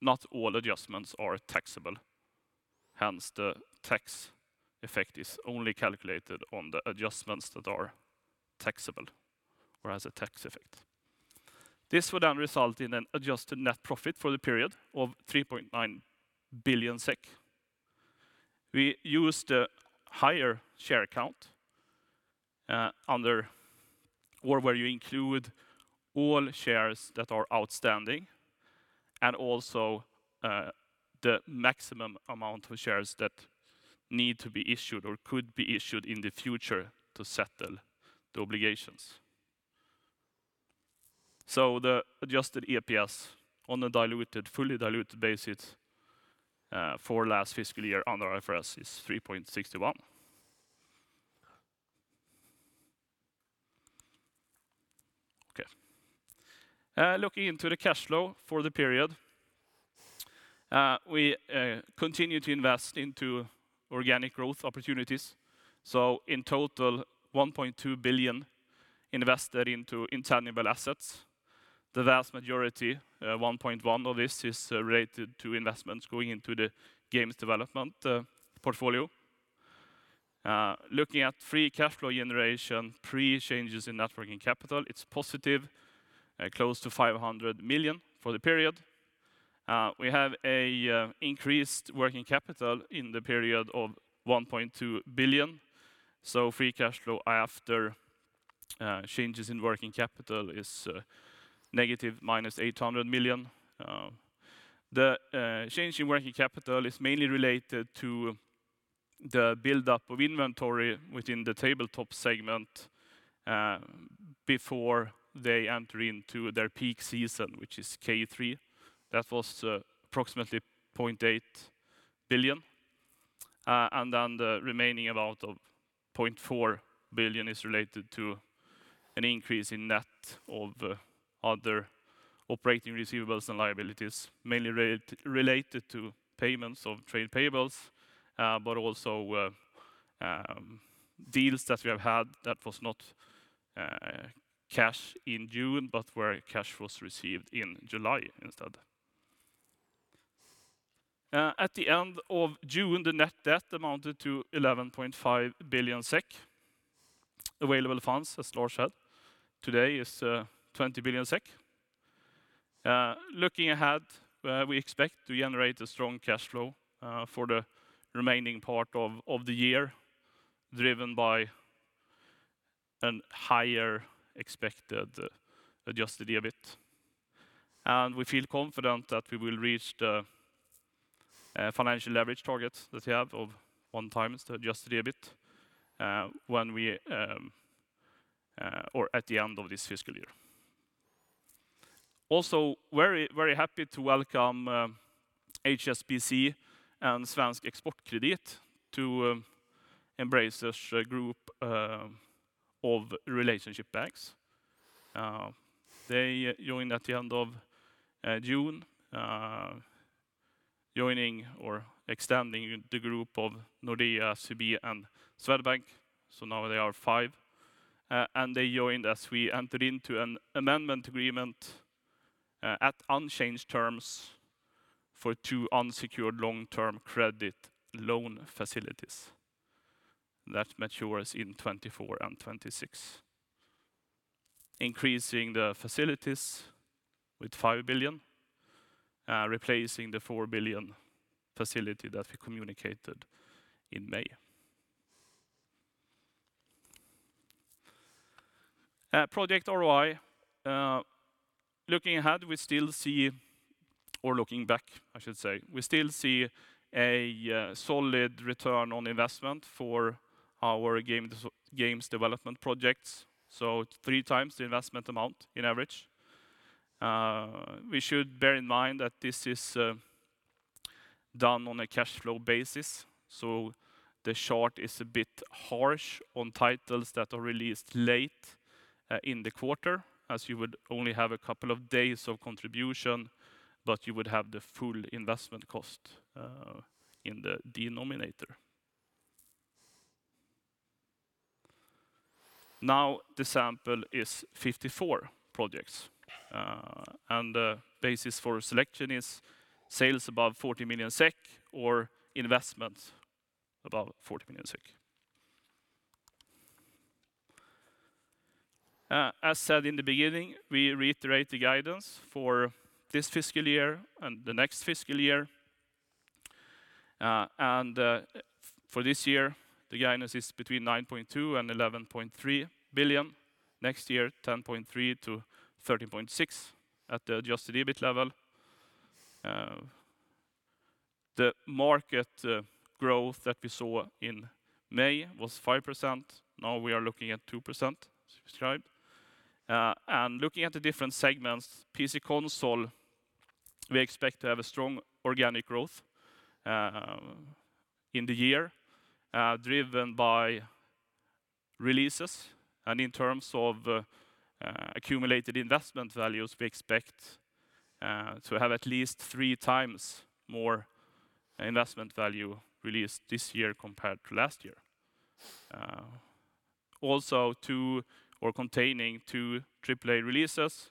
not all adjustments are taxable, hence the tax effect is only calculated on the adjustments that are taxable or as a tax effect. This would then result in an adjusted net profit for the period of 3.9 billion SEK. We use the higher share count, under or where you include all shares that are outstanding and also, the maximum amount of shares that need to be issued or could be issued in the future to settle the obligations. The adjusted EPS on a diluted, fully diluted basis, for last fiscal year under IFRS is 3.61. Okay. Looking into the cash flow for the period, we continue to invest into organic growth opportunities, so in total 1.2 billion invested into intangible assets. The vast majority, 1.1 of this is related to investments going into the games development portfolio. Looking at free cash flow generation pre changes in net working capital, it's positive, close to 500 million for the period. We have an increased working capital in the period of 1.2 billion, so free cash flow after changes in working capital is negative minus 800 million. The change in working capital is mainly related to the buildup of inventory within the tabletop segment, before they enter into their peak season, which is Q3. That was approximately 0.8 billion. The remaining amount of 0.4 billion SEK is related to an increase in net of other operating receivables and liabilities, mainly related to payments of trade payables, but also deals that we have had that was not cash in June, but where cash was received in July instead. At the end of June, the net debt amounted to 11.5 billion SEK. Available funds, as Lars said today, is twenty billion SEK. Looking ahead, we expect to generate a strong cash flow for the remaining part of the year, driven by an higher expected adjusted EBIT. We feel confident that we will reach the financial leverage target that we have of 1x adjusted EBIT, or at the end of this fiscal year. Very, very happy to welcome HSBC and Svensk Exportkredit to Embracer Group of relationship banks. They joined at the end of June, joining or extending the group of Nordea, SEB, and Swedbank. Now they are five. They joined as we entered into an amendment agreement at unchanged terms for two unsecured long-term credit loan facilities that mature in 2024 and 2026, increasing the facilities with 5 billion, replacing the 4 billion facility that we communicated in May. Project ROI. Looking back, I should say, we still see a solid return on investment for our games development projects, three times the investment amount in average. We should bear in mind that this is done on a cash flow basis, so the chart is a bit harsh on titles that are released late in the quarter, as you would only have a couple of days of contribution, but you would have the full investment cost in the denominator. Now the sample is 54 projects, and the basis for selection is sales above 40 million SEK or investments above 40 million SEK. As said in the beginning, we reiterate the guidance for this fiscal year and the next fiscal year. For this year, the guidance is between 9.2 billion and 11.3 billion. Next year, 10.3 billion to 13.6 billion at the Adjusted EBIT level. The market growth that we saw in May was 5%. Now we are looking at 2% sub growth. Looking at the different segments, PC/Console, we expect to have a strong organic growth in the year, driven by releases and in terms of accumulated investment values, we expect to have at least three times more investment value released this year compared to last year. Also containing 2 AAA releases,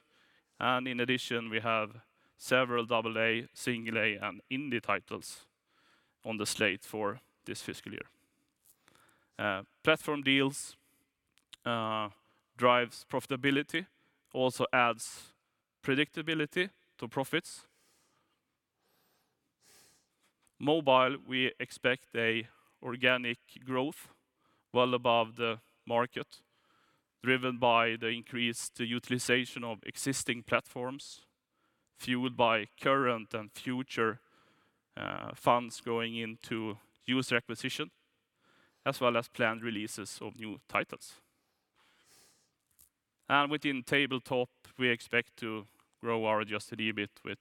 and in addition, we have several AA, single A, and indie titles on the slate for this fiscal year. Platform deals drive profitability, also adds predictability to profits. Mobile, we expect an organic growth well above the market, driven by the increased utilization of existing platforms, fueled by current and future funds going into user acquisition, as well as planned releases of new titles. Within tabletop, we expect to grow our adjusted EBIT with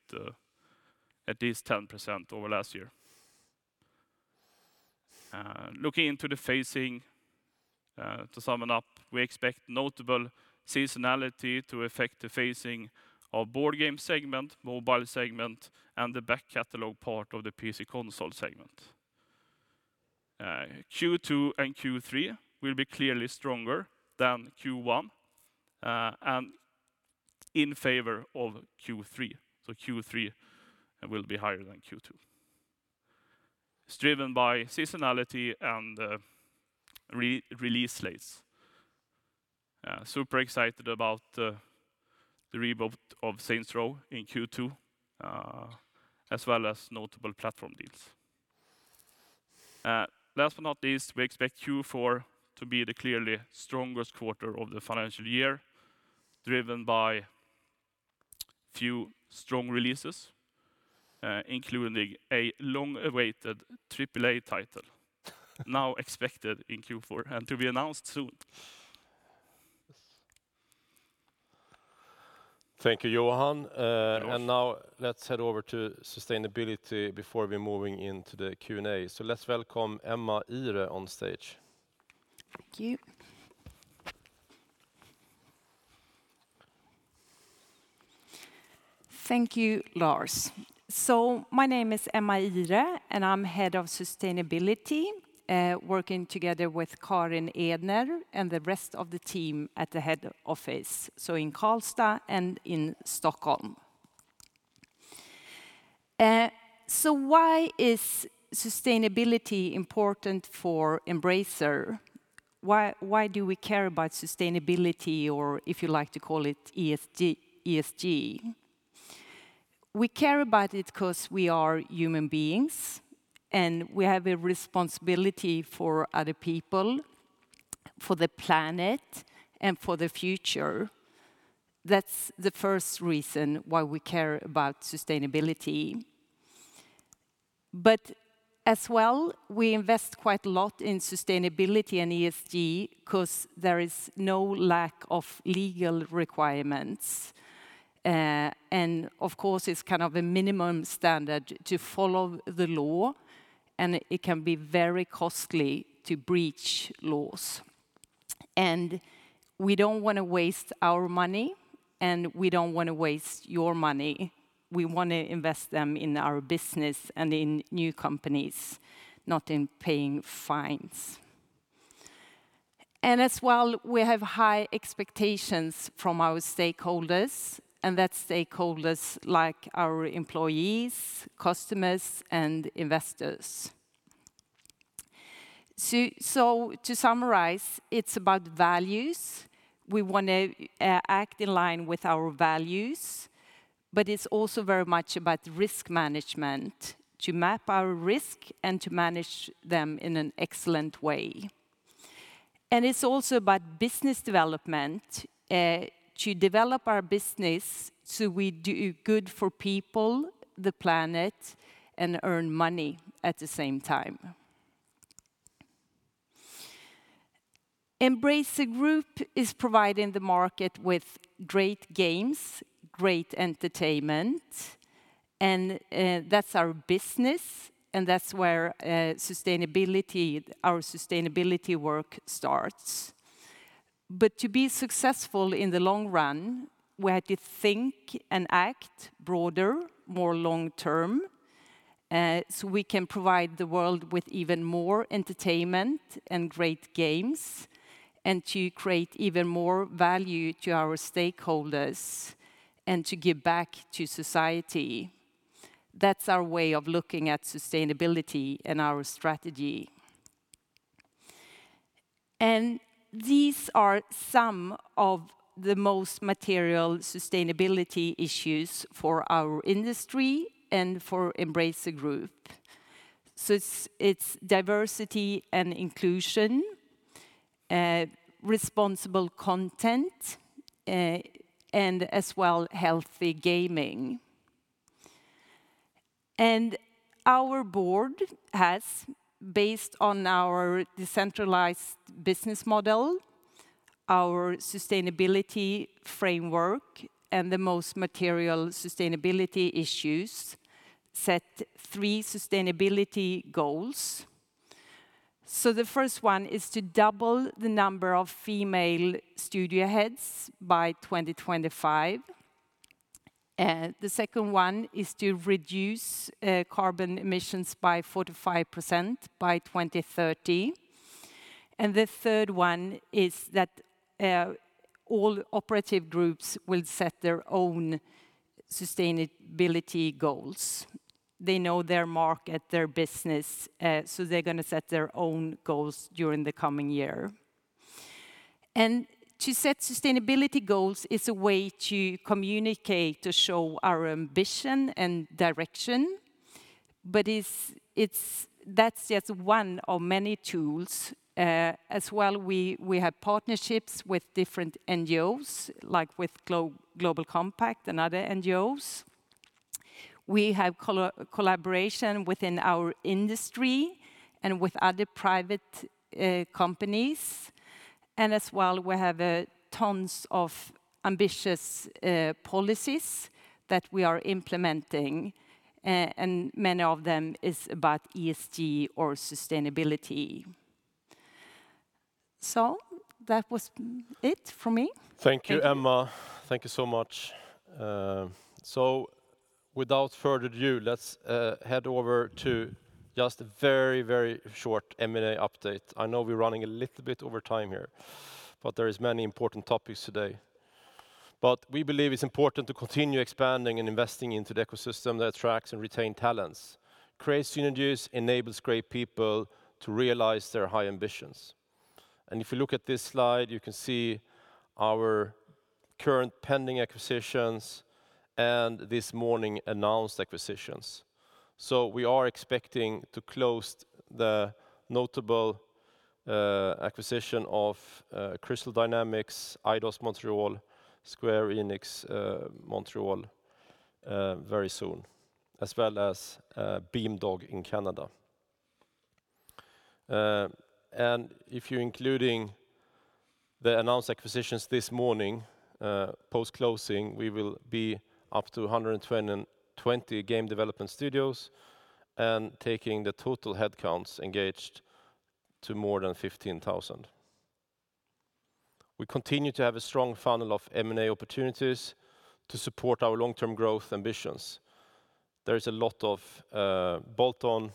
at least 10% over last year. Looking into the phasing, to sum up, we expect notable seasonality to affect the phasing of board game segment, mobile segment, and the back catalog part of the PC/console segment. Q2 and Q3 will be clearly stronger than Q1, and in favor of Q3. Q3 will be higher than Q2. It's driven by seasonality and re-release slates. Super excited about the reboot of Saints Row in Q2, as well as notable platform deals. Last but not least, we expect Q4 to be the clearly strongest quarter of the financial year, driven by a few strong releases, including a long-awaited AAA title now expected in Q4 and to be announced soon. Thank you, Johan. Yes. Now let's head over to sustainability before we're moving into the Q&A. Let's welcome Emma Ihre on stage. Thank you. Thank you, Lars. My name is Emma Ihre, and I'm Head of Sustainability, working together with Karin Edner and the rest of the team at the head office, so in Karlstad and in Stockholm. Why is sustainability important for Embracer? Why do we care about sustainability or if you like to call it ESG? We care about it 'cause we are human beings, and we have a responsibility for other people, for the planet, and for the future. That's the first reason why we care about sustainability. As well, we invest quite a lot in sustainability and ESG 'cause there is no lack of legal requirements. Of course, it's kind of a minimum standard to follow the law, and it can be very costly to breach laws. We don't wanna waste our money, and we don't wanna waste your money. We wanna invest them in our business and in new companies, not in paying fines. As well, we have high expectations from our stakeholders, and that's stakeholders like our employees, customers, and investors. To summarize, it's about values. We wanna act in line with our values, but it's also very much about risk management, to map our risk and to manage them in an excellent way. It's also about business development, to develop our business, so we do good for people, the planet, and earn money at the same time. Embracer Group is providing the market with great games, great entertainment, and that's our business, and that's where sustainability, our sustainability work starts. To be successful in the long run, we have to think and act broader, more long-term, so we can provide the world with even more entertainment and great games, and to create even more value to our stakeholders, and to give back to society. That's our way of looking at sustainability and our strategy. These are some of the most material sustainability issues for our industry and for Embracer Group. It's diversity and inclusion, responsible content, and as well, healthy gaming. Our board has, based on our decentralized business model, our sustainability framework, and the most material sustainability issues, set three sustainability goals. The first one is to double the number of female studio heads by 2025. The second one is to reduce carbon emissions by 45% by 2030. The third one is that all operative groups will set their own sustainability goals. They know their market, their business, so they're gonna set their own goals during the coming year. To set sustainability goals is a way to communicate, to show our ambition and direction. But it's that's just one of many tools. As well we have partnerships with different NGOs, like with UN Global Compact and other NGOs. We have collaboration within our industry and with other private companies. As well, we have tons of ambitious policies that we are implementing, and many of them is about ESG or sustainability. That was it for me. Thank you. Thank you, Emma. Thank you so much. Without further ado, let's head over to just a very, very short M&A update. I know we're running a little bit over time here, but there is many important topics today. We believe it's important to continue expanding and investing into the ecosystem that attracts and retain talents. Creates synergies, enables great people to realize their high ambitions. If you look at this slide, you can see our current pending acquisitions and this morning announced acquisitions. We are expecting to close the notable acquisition of Crystal Dynamics, Eidos-Montréal, Square Enix Montréal very soon, as well as Beamdog in Canada. If you're including the announced acquisitions this morning, post-closing, we will be up to 120 game development studios and taking the total headcounts engaged to more than 15,000. We continue to have a strong funnel of M&A opportunities to support our long-term growth ambitions. There is a lot of bolt-on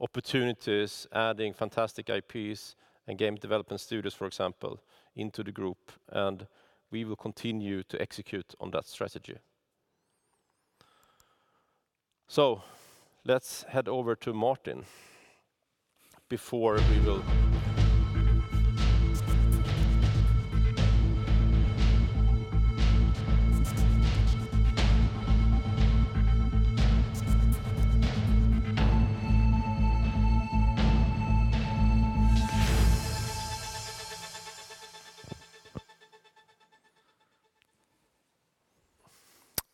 opportunities adding fantastic IPs and game development studios, for example, into the group, and we will continue to execute on that strategy. Let's head over to Martin before we will.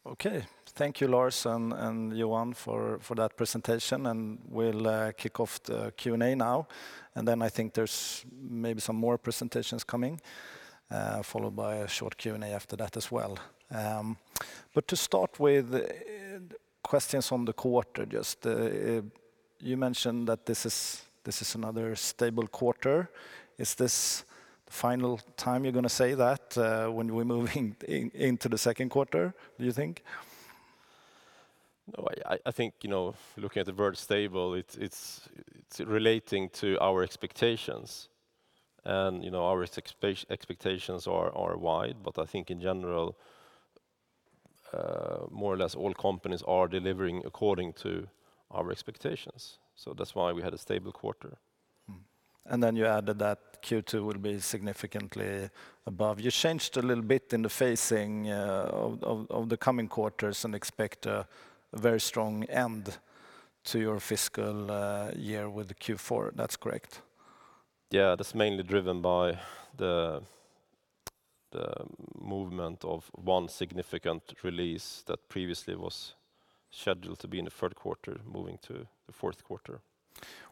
Okay. Thank you, Lars and Johan for that presentation, and we'll kick off the Q&A now. Then I think there's maybe some more presentations coming, followed by a short Q&A after that as well. But to start with questions on the quarter, just you mentioned that this is another stable quarter. Is this the final time you're gonna say that, when we're moving into the second quarter, do you think? No, I think, you know, looking at the word stable, it's relating to our expectations and, you know, our expectations are wide. I think in general, more or less all companies are delivering according to our expectations, that's why we had a stable quarter. Mm-hmm. You added that Q2 will be significantly above. You changed a little bit in the phasing of the coming quarters and expect a very strong end to your fiscal year with the Q4. That's correct? Yeah. That's mainly driven by the movement of one significant release that previously was scheduled to be in the third quarter, moving to the fourth quarter.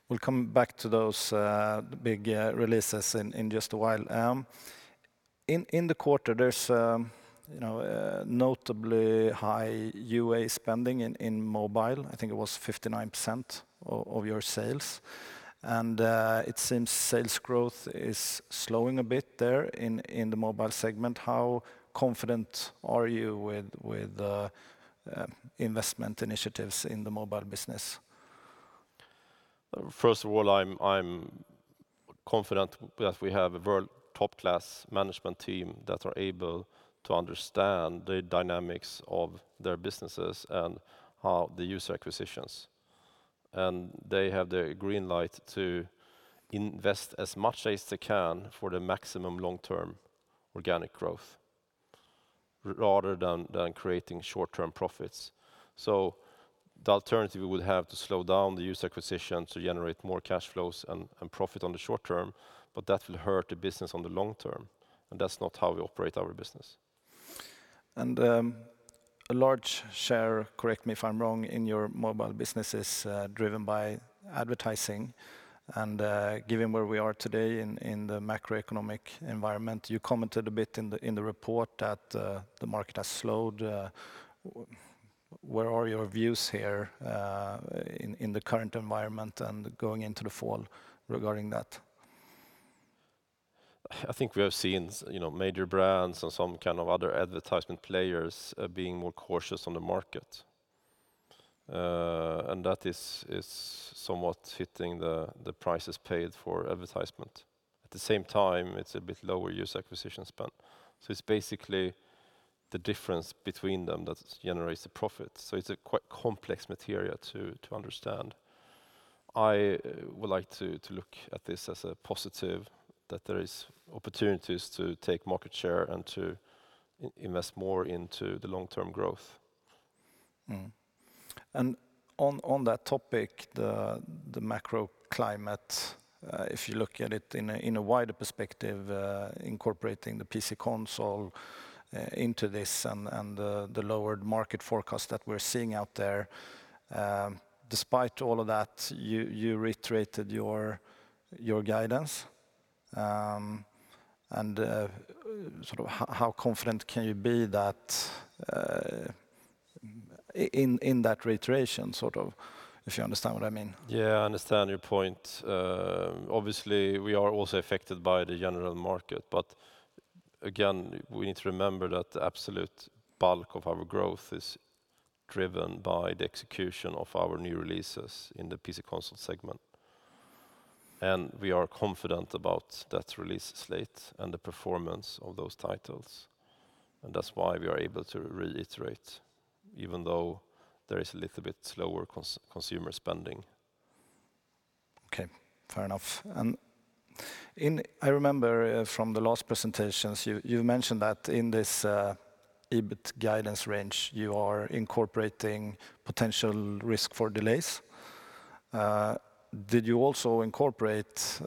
We'll come back to those big releases in just a while. In the quarter, there's you know, notably high UA spending in mobile. I think it was 59% of your sales. It seems sales growth is slowing a bit there in the mobile segment. How confident are you with the investment initiatives in the mobile business? First of all, I'm confident that we have a world top-class management team that are able to understand the dynamics of their businesses and how the user acquisitions. They have the green light to invest as much as they can for the maximum long-term organic growth rather than creating short-term profits. The alternative, we would have to slow down the user acquisition to generate more cash flows and profit on the short term, but that will hurt the business on the long term, and that's not how we operate our business. A large share, correct me if I'm wrong, in your mobile business is driven by advertising. Given where we are today in the macroeconomic environment, you commented a bit in the report that the market has slowed. Where are your views here in the current environment and going into the fall regarding that? I think we have seen you know, major brands and some kind of other advertisement players being more cautious on the market. That is somewhat hitting the prices paid for advertisement. At the same time, it's a bit lower user acquisition spend. It's basically the difference between them that generates the profit, so it's a quite complex material to understand. I would like to look at this as a positive, that there is opportunities to take market share and to invest more into the long-term growth. On that topic, the macro climate, if you look at it in a wider perspective, incorporating the PC and console into this and the lowered market forecast that we're seeing out there, despite all of that, you reiterated your guidance. Sort of how confident can you be that, in that reiteration, sort of, if you understand what I mean? Yeah, I understand your point. Obviously we are also affected by the general market. Again, we need to remember that the absolute bulk of our growth is driven by the execution of our new releases in the PC console segment. We are confident about that release slate and the performance of those titles, and that's why we are able to reiterate even though there is a little bit slower consumer spending. Okay, fair enough. I remember from the last presentations, you mentioned that in this EBIT guidance range, you are incorporating potential risk for delays. Did you also incorporate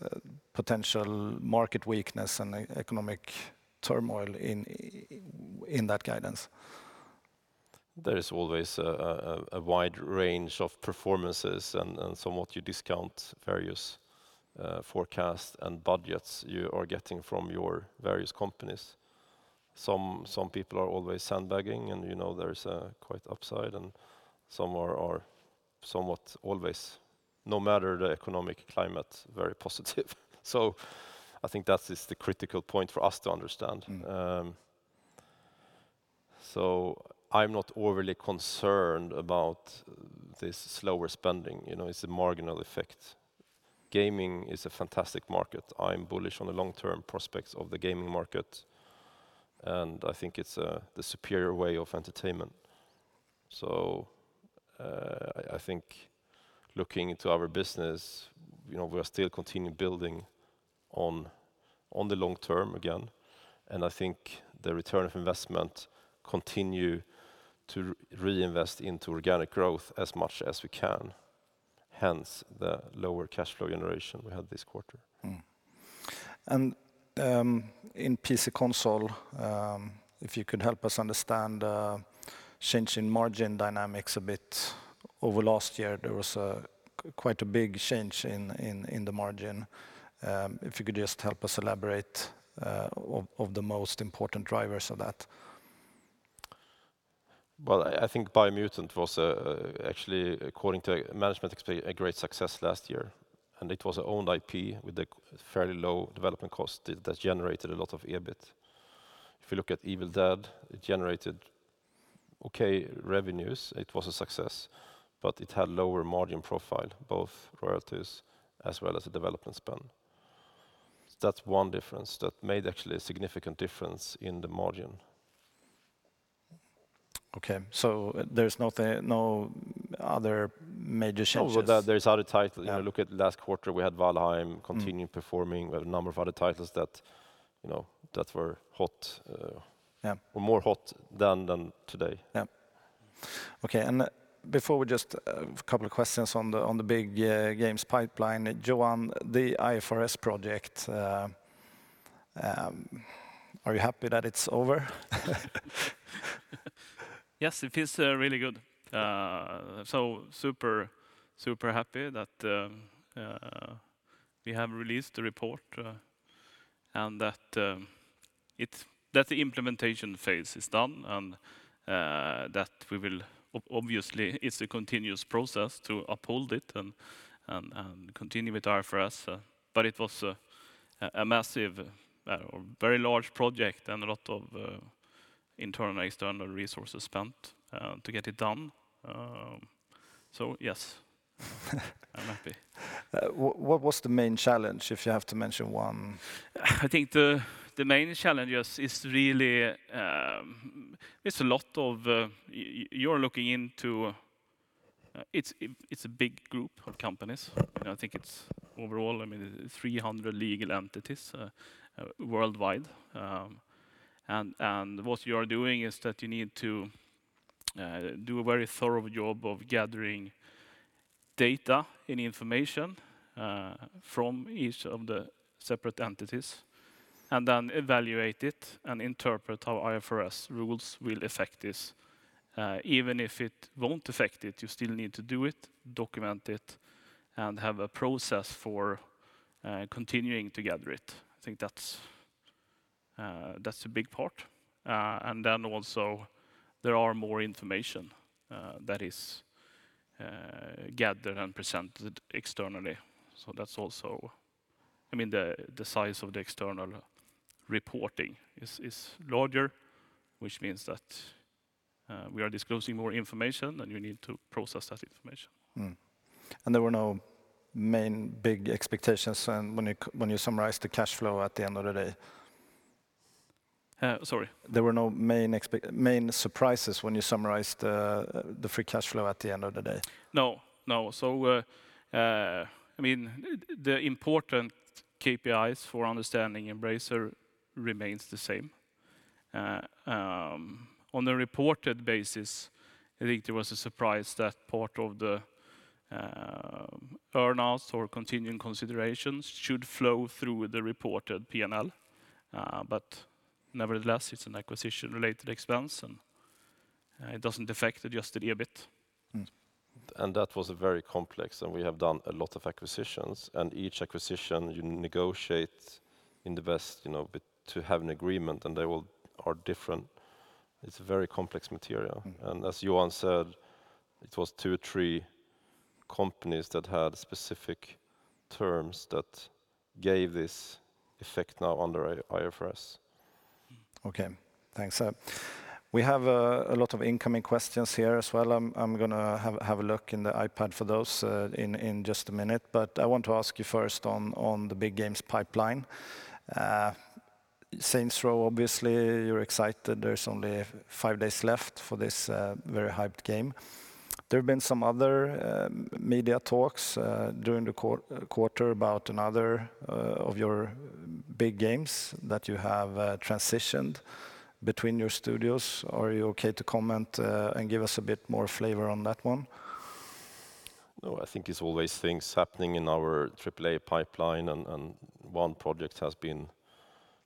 potential market weakness and economic turmoil in that guidance? There is always a wide range of performances and somewhat you discount various forecasts and budgets you are getting from your various companies. Some people are always sandbagging, and you know there is quite an upside, and some are somewhat always, no matter the economic climate, very positive. I think that is the critical point for us to understand. Mm. I'm not overly concerned about this slower spending, you know. It's a marginal effect. Gaming is a fantastic market. I'm bullish on the long-term prospects of the gaming market, and I think it's the superior way of entertainment. I think looking into our business, you know, we are still continuing building on the long term again, and I think the return on investment continue to reinvest into organic growth as much as we can, hence the lower cash flow generation we had this quarter. In PC and console, if you could help us understand change in margin dynamics a bit. Over last year, there was quite a big change in the margin. If you could just help us elaborate on the most important drivers of that. Well, I think Biomutant was actually, according to management, a great success last year, and it was an owned IP with a fairly low development cost that generated a lot of EBIT. If you look at Evil Dead, it generated okay revenues. It was a success, but it had lower margin profile, both royalties as well as the development spend. That's one difference that made actually a significant difference in the margin. Okay. There's nothing, no other major changes? No, there's other title. Yeah. You know, look at last quarter, we had Valheim. Mm Continuing performing. We had a number of other titles that, you know, that were hot. Yeah or more hot than today. Yeah. Okay, before we just a couple of questions on the big games pipeline. Johan, the IFRS project, are you happy that it's over? Yes, it feels really good. Super happy that we have released the report and that the implementation phase is done and that we will obviously, it's a continuous process to uphold it and continue with IFRS. It was a massive or very large project and a lot of internal and external resources spent to get it done. Yes, I'm happy. What was the main challenge, if you have to mention one? I think the main challenge, yes, is really, it's a big group of companies. You know, I think it's overall, I mean, 300 legal entities worldwide. What you are doing is that you need to do a very thorough job of gathering data and information from each of the separate entities and then evaluate it and interpret how IFRS rules will affect this. Even if it won't affect it, you still need to do it, document it, and have a process for continuing to gather it. I think that's a big part. There are more information that is gathered and presented externally. That's also. I mean, the size of the external reporting is larger, which means that we are disclosing more information, and we need to process that information. There were no main big expectations when you summarized the cash flow at the end of the day? Sorry? There were no main surprises when you summarized the free cash flow at the end of the day? No. I mean, the important KPIs for understanding Embracer remains the same. On a reported basis, I think there was a surprise that part of the earn-outs or continuing considerations should flow through the reported P&L. Nevertheless, it's an acquisition-related expense, and it doesn't affect the adjusted EBIT. Mm. That was very complex, and we have done a lot of acquisitions. Each acquisition you negotiate in the best, you know, to have an agreement, and they all are different. It's very complex material. Mm-hmm. As Johan said, it was 2, 3 companies that had specific terms that gave this effect now under IFRS. Okay. Thanks. We have a lot of incoming questions here as well. I'm gonna have a look in the iPad for those in just a minute, but I want to ask you first on the big games pipeline. Saints Row, obviously you're excited there's only five days left for this very hyped game. There have been some other media talks during the quarter about another of your big games that you have transitioned between your studios. Are you okay to comment and give us a bit more flavor on that one? No, I think it's always things happening in our AAA pipeline and one project has been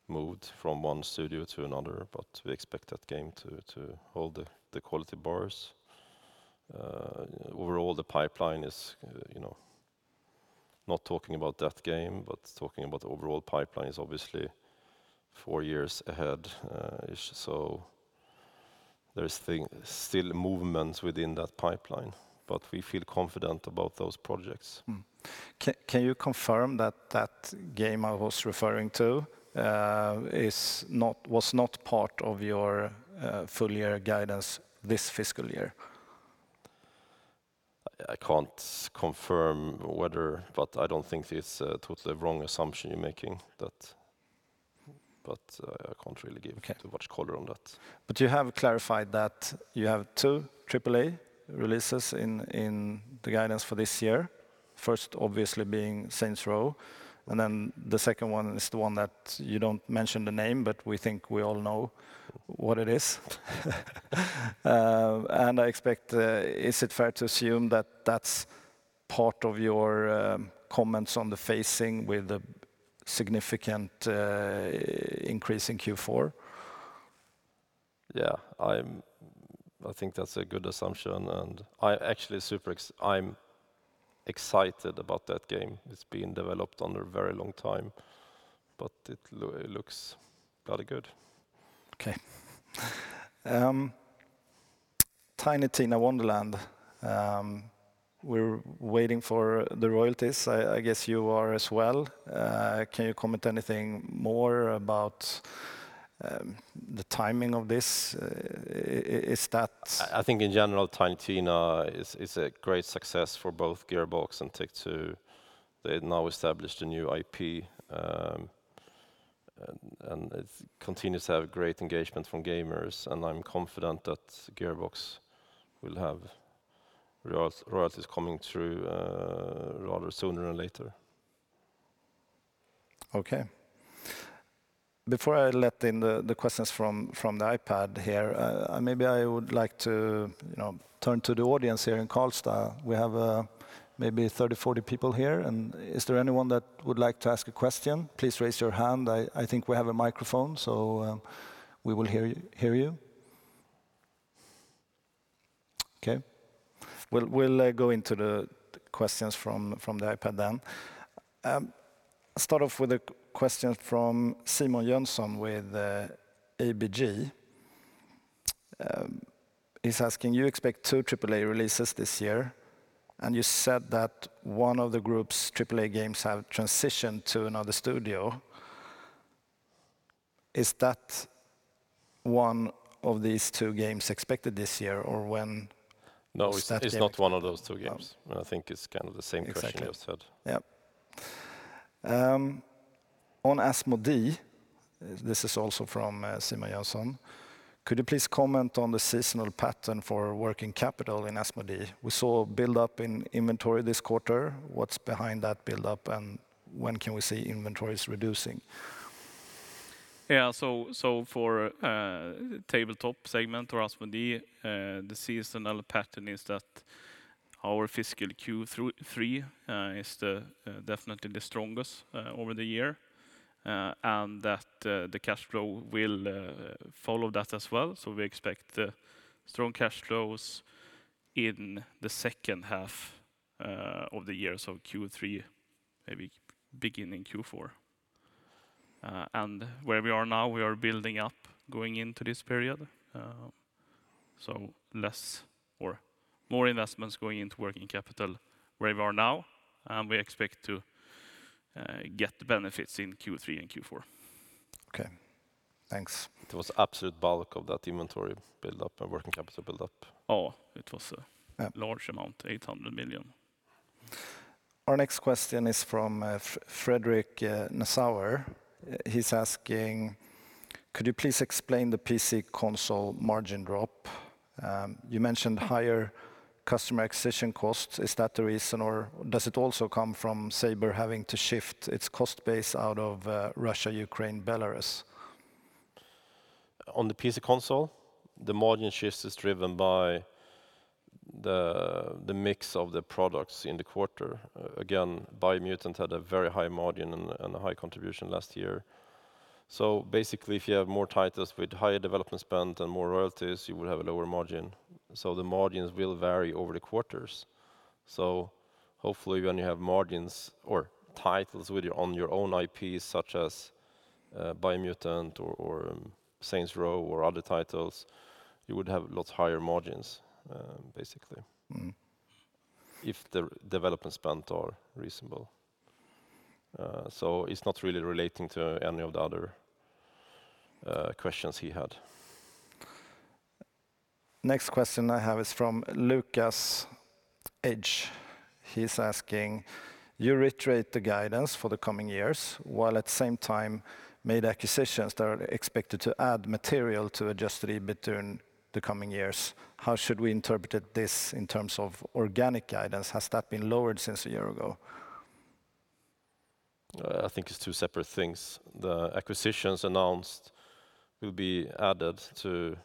moved from one studio to another, but we expect that game to hold the quality bars. Overall the pipeline is, you know, not talking about that game, but talking about overall pipeline is obviously four years ahead, ish, so there's still movement within that pipeline, but we feel confident about those projects. Can you confirm that game I was referring to was not part of your full year guidance this fiscal year? I can't confirm whether, but I don't think it's a wrong assumption you're making that, but I can't really give- Okay Too much color on that. You have clarified that you have two AAA releases in the guidance for this year. First obviously being Saints Row, and then the second one is the one that you don't mention the name, but we think we all know what it is. I expect, is it fair to assume that that's part of your comments on the phasing with a significant increase in Q4? Yeah, I think that's a good assumption, and I actually super excited about that game. It's been developed for a very long time, but it looks bloody good. Okay. Tiny Tina's Wonderlands, we're waiting for the royalties. I guess you are as well. Can you comment anything more about the timing of this? Is that- I think in general, Tiny Tina is a great success for both Gearbox and Take-Two. They now established a new IP, and it continues to have great engagement from gamers, and I'm confident that Gearbox will have royalties coming through, sooner rather than later. Okay. Before I let in the questions from the iPad here, maybe I would like to turn to the audience here in Karlstad. We have maybe 30, 40 people here, and is there anyone that would like to ask a question? Please raise your hand. I think we have a microphone, so we will hear you. Okay. We'll go into the questions from the iPad then. Start off with a question from Simon Jönsson with ABG. He's asking, you expect 2 AAA releases this year, and you said that 1 of the group's AAA games have transitioned to another studio. Is that 1 of these 2 games expected this year, or when is that game? No, it's not one of those two games. Oh. I think it's kind of the same question you have said. Exactly. Yep. On Asmodee, this is also from Simon Jönsson. Could you please comment on the seasonal pattern for working capital in Asmodee? We saw a buildup in inventory this quarter. What's behind that buildup, and when can we see inventories reducing? For the tabletop segment of Asmodee, the seasonal pattern is that our fiscal Q3 is definitely the strongest over the year, and that the cash flow will follow that as well. We expect strong cash flows in the second half. End of the year, Q3, maybe beginning Q4. Where we are now, we are building up going into this period, so more or less investments going into working capital where we are now, and we expect to get the benefits in Q3 and Q4. Okay, thanks. It was absolute bulk of that inventory build-up and working capital build-up. Oh, it was a large amount, 800 million. Our next question is from Frederic Nassauer. He's asking, "Could you please explain the PC console margin drop? You mentioned higher customer acquisition costs. Is that the reason, or does it also come from Saber having to shift its cost base out of Russia, Ukraine, Belarus? On the PC and console, the margin shift is driven by the mix of the products in the quarter. Biomutant had a very high margin and a high contribution last year. Basically, if you have more titles with higher development spend and more royalties, you will have a lower margin. The margins will vary over the quarters. Hopefully when you have margins or titles with your own IPs, such as Biomutant or Saints Row or other titles, you would have a lot higher margins, basically. Mm-hmm. If the development spend are reasonable. It's not really relating to any of the other questions he had. Next question I have is from Lukas Ege. He's asking, "You reiterate the guidance for the coming years, while at the same time made acquisitions that are expected to add material to Adjusted EBIT during the coming years. How should we interpret this in terms of organic guidance? Has that been lowered since a year ago? I think it's two separate things. The acquisitions announced will be added to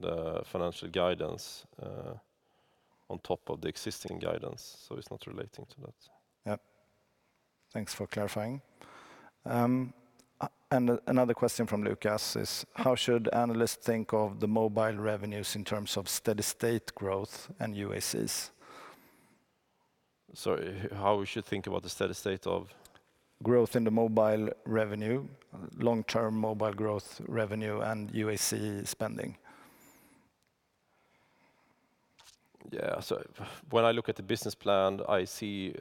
the financial guidance, on top of the existing guidance, so it's not relating to that. Yeah. Thanks for clarifying. Another question from Lukas Ege is, "How should analysts think of the mobile revenues in terms of steady-state growth and UACs? Sorry, how we should think about the steady-state of? Growth in the mobile revenue, long-term mobile growth revenue, and UAC spending. Yeah, when I look at the business plan, I see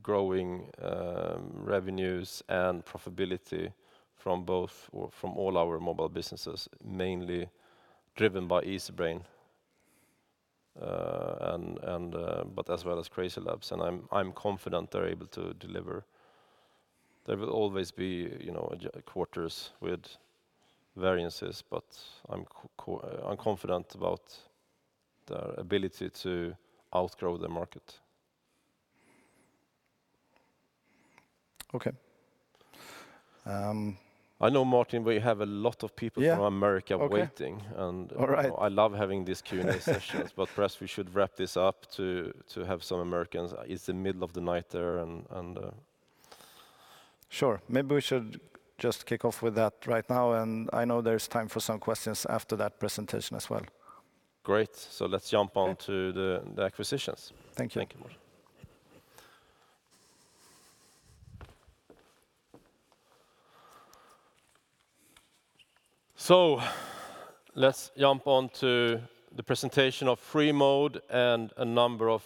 growing revenues and profitability from both or from all our mobile businesses, mainly driven by Easybrain, and but as well as CrazyLabs, and I'm confident they're able to deliver. There will always be, you know, quarters with variances, but I'm confident about their ability to outgrow the market. Okay. I know, Martin, we have a lot of people. Yeah. Okay from America waiting. All right. I love having these Q&A sessions, but perhaps we should wrap this up to have some Americans. It's the middle of the night there and... Sure. Maybe we should just kick off with that right now, and I know there's time for some questions after that presentation as well. Great. Let's jump on to the acquisitions. Thank you. Thank you, Martin. Let's jump on to the presentation of Freemode and a number of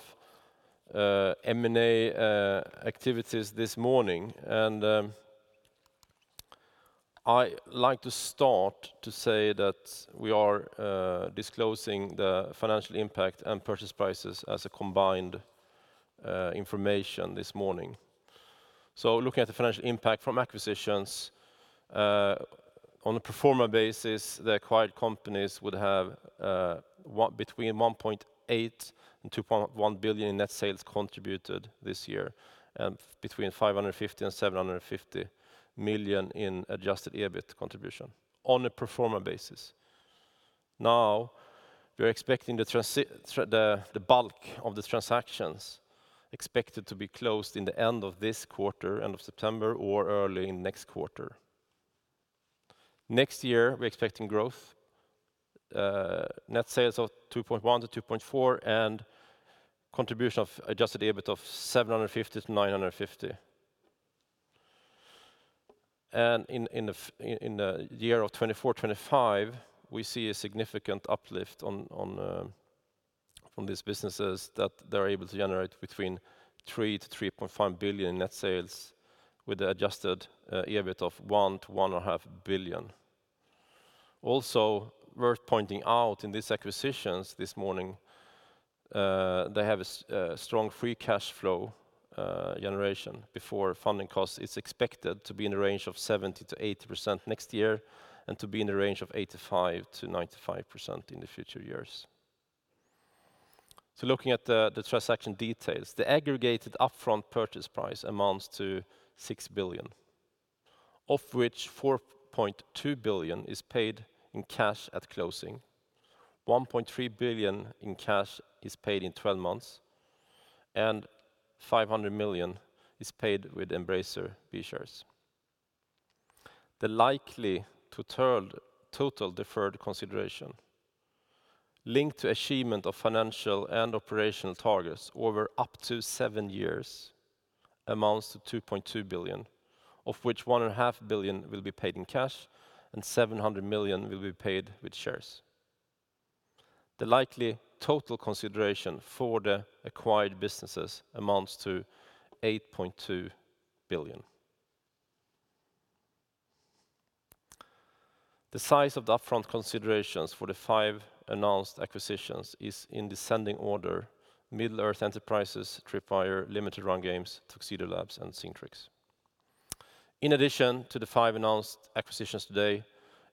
M&A activities this morning. I like to start to say that we are disclosing the financial impact and purchase prices as a combined information this morning. Looking at the financial impact from acquisitions on a pro forma basis, the acquired companies would have between 1.8 billion and 2.1 billion in net sales contributed this year, and between 550 million and 750 million in Adjusted EBIT contribution on a pro forma basis. Now, we're expecting the bulk of the transactions expected to be closed in the end of this quarter, end of September or early in next quarter. Next year, we're expecting growth, net sales of 2.1-2.4, and contribution of Adjusted EBIT of 750-950. In the year of 2024/2025, we see a significant uplift from these businesses that they're able to generate between 3-3.5 billion in net sales with the Adjusted EBIT of 1-1.5 billion. Also worth pointing out in these acquisitions this morning, they have a strong free cash flow generation before funding costs. It's expected to be in the range of 70%-80% next year and to be in the range of 85%-95% in the future years. Looking at the transaction details, the aggregated upfront purchase price amounts to 6 billion, of which 4.2 billion is paid in cash at closing. 1.3 billion in cash is paid in twelve months, and 500 million is paid with Embracer B shares. The likely total deferred consideration linked to achievement of financial and operational targets over up to seven years amounts to 2.2 billion, of which 1.5 billion will be paid in cash and 700 million will be paid with shares. The likely total consideration for the acquired businesses amounts to SEK 8.2 billion. The size of the upfront considerations for the five announced acquisitions is in descending order: Middle-earth Enterprises, Tripwire Interactive, Limited Run Games, Tuxedo Labs, and Singtrix. In addition to the 5 announced acquisitions today,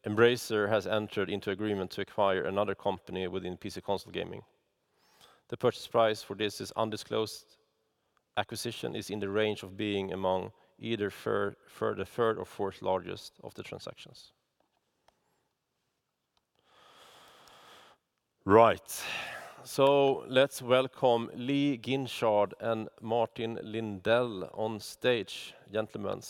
Embracer has entered into agreement to acquire another company within PC/console gaming. The purchase price for this is undisclosed. Acquisition is in the range of being among either for the third or fourth largest of the transactions. Right. Let's welcome Lee Guinchard and Martin Lindell on stage. Gentlemen.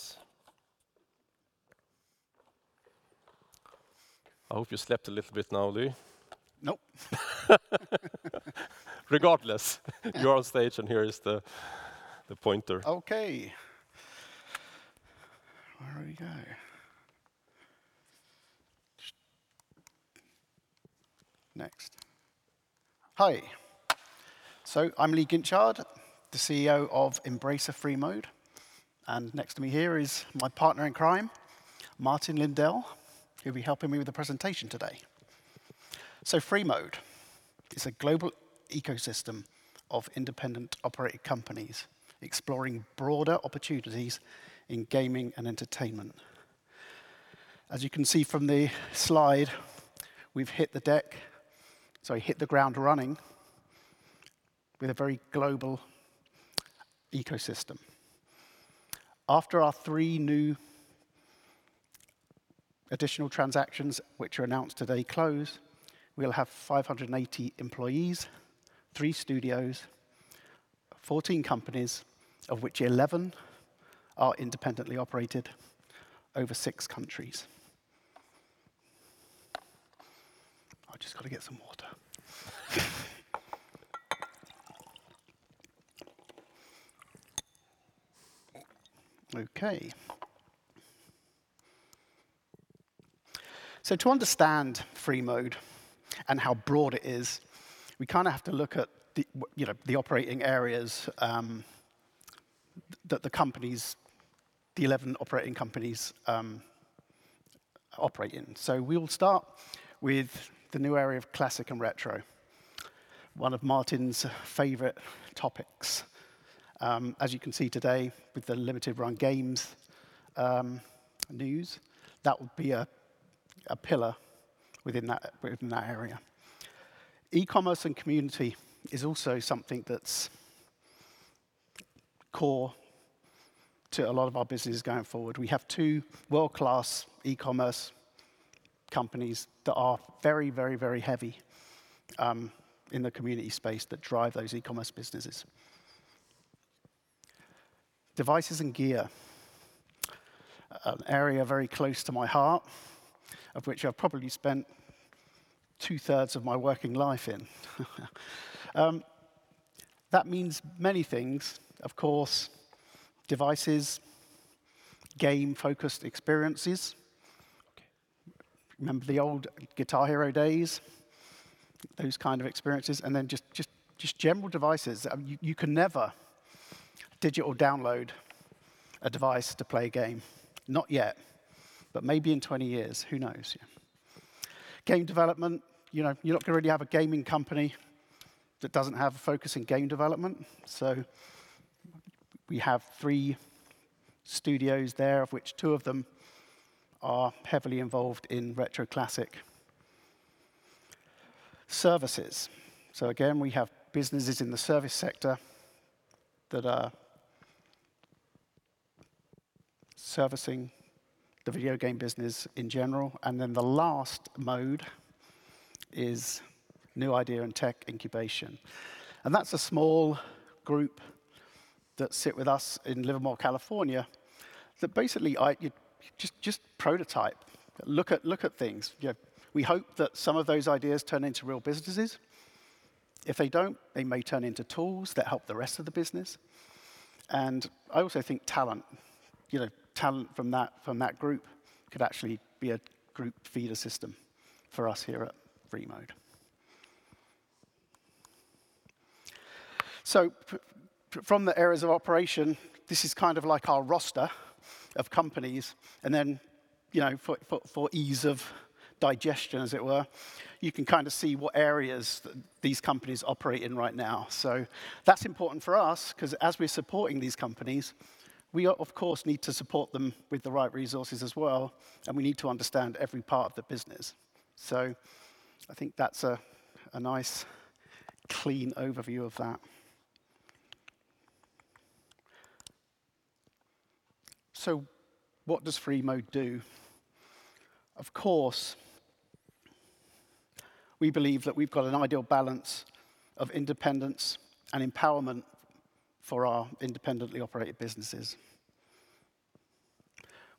I hope you slept a little bit now, Lee. Nope. Regardless, you're on stage and here is the pointer. Hi. I'm Lee Guinchard, the CEO of Embracer Freemode, and next to me here is my partner in crime, Martin Lindell, who'll be helping me with the presentation today. Freemode is a global ecosystem of independent operating companies exploring broader opportunities in gaming and entertainment. As you can see from the slide, we've hit the ground running with a very global ecosystem. After our three new additional transactions which are announced today close, we'll have 580 employees, three studios, 14 companies, of which 11 are independently operated over six countries. I've just got to get some water. Okay. To understand Freemode and how broad it is, we kind of have to look at the operating areas, you know, that the companies, the 11 operating companies, operate in. We'll start with the new area of Classic and Retro, one of Martin's favorite topics. As you can see today with the Limited Run Games news, that would be a pillar within that area. E-commerce and community is also something that's core to a lot of our businesses going forward. We have two world-class e-commerce companies that are very heavy in the community space that drive those e-commerce businesses. Devices and gear, an area very close to my heart, of which I've probably spent two-thirds of my working life in. That means many things, of course, devices, game-focused experiences. Okay. Remember the old Guitar Hero days, those kind of experiences, and then just general devices. You can never digital download a device to play a game, not yet. Maybe in 20 years, who knows? Game development, you know, you're not gonna really have a gaming company that doesn't have a focus in game development. We have three studios there, of which two of them are heavily involved in retro classic services. We have businesses in the service sector that are servicing the video game business in general. Then the last mode is new idea and tech incubation. That's a small group that sit with us in Livermore, California, that basically you just prototype, look at things. You know, we hope that some of those ideas turn into real businesses. If they don't, they may turn into tools that help the rest of the business. I also think talent, you know, from that group could actually be a group feeder system for us here at Freemode. From the areas of operation, this is kind of like our roster of companies, and then, you know, for ease of digestion, as it were, you can kind of see what areas these companies operate in right now. That's important for us 'cause as we're supporting these companies, we of course need to support them with the right resources as well, and we need to understand every part of the business. I think that's a nice clean overview of that. What does Freemode do? Of course, we believe that we've got an ideal balance of independence and empowerment for our independently operated businesses.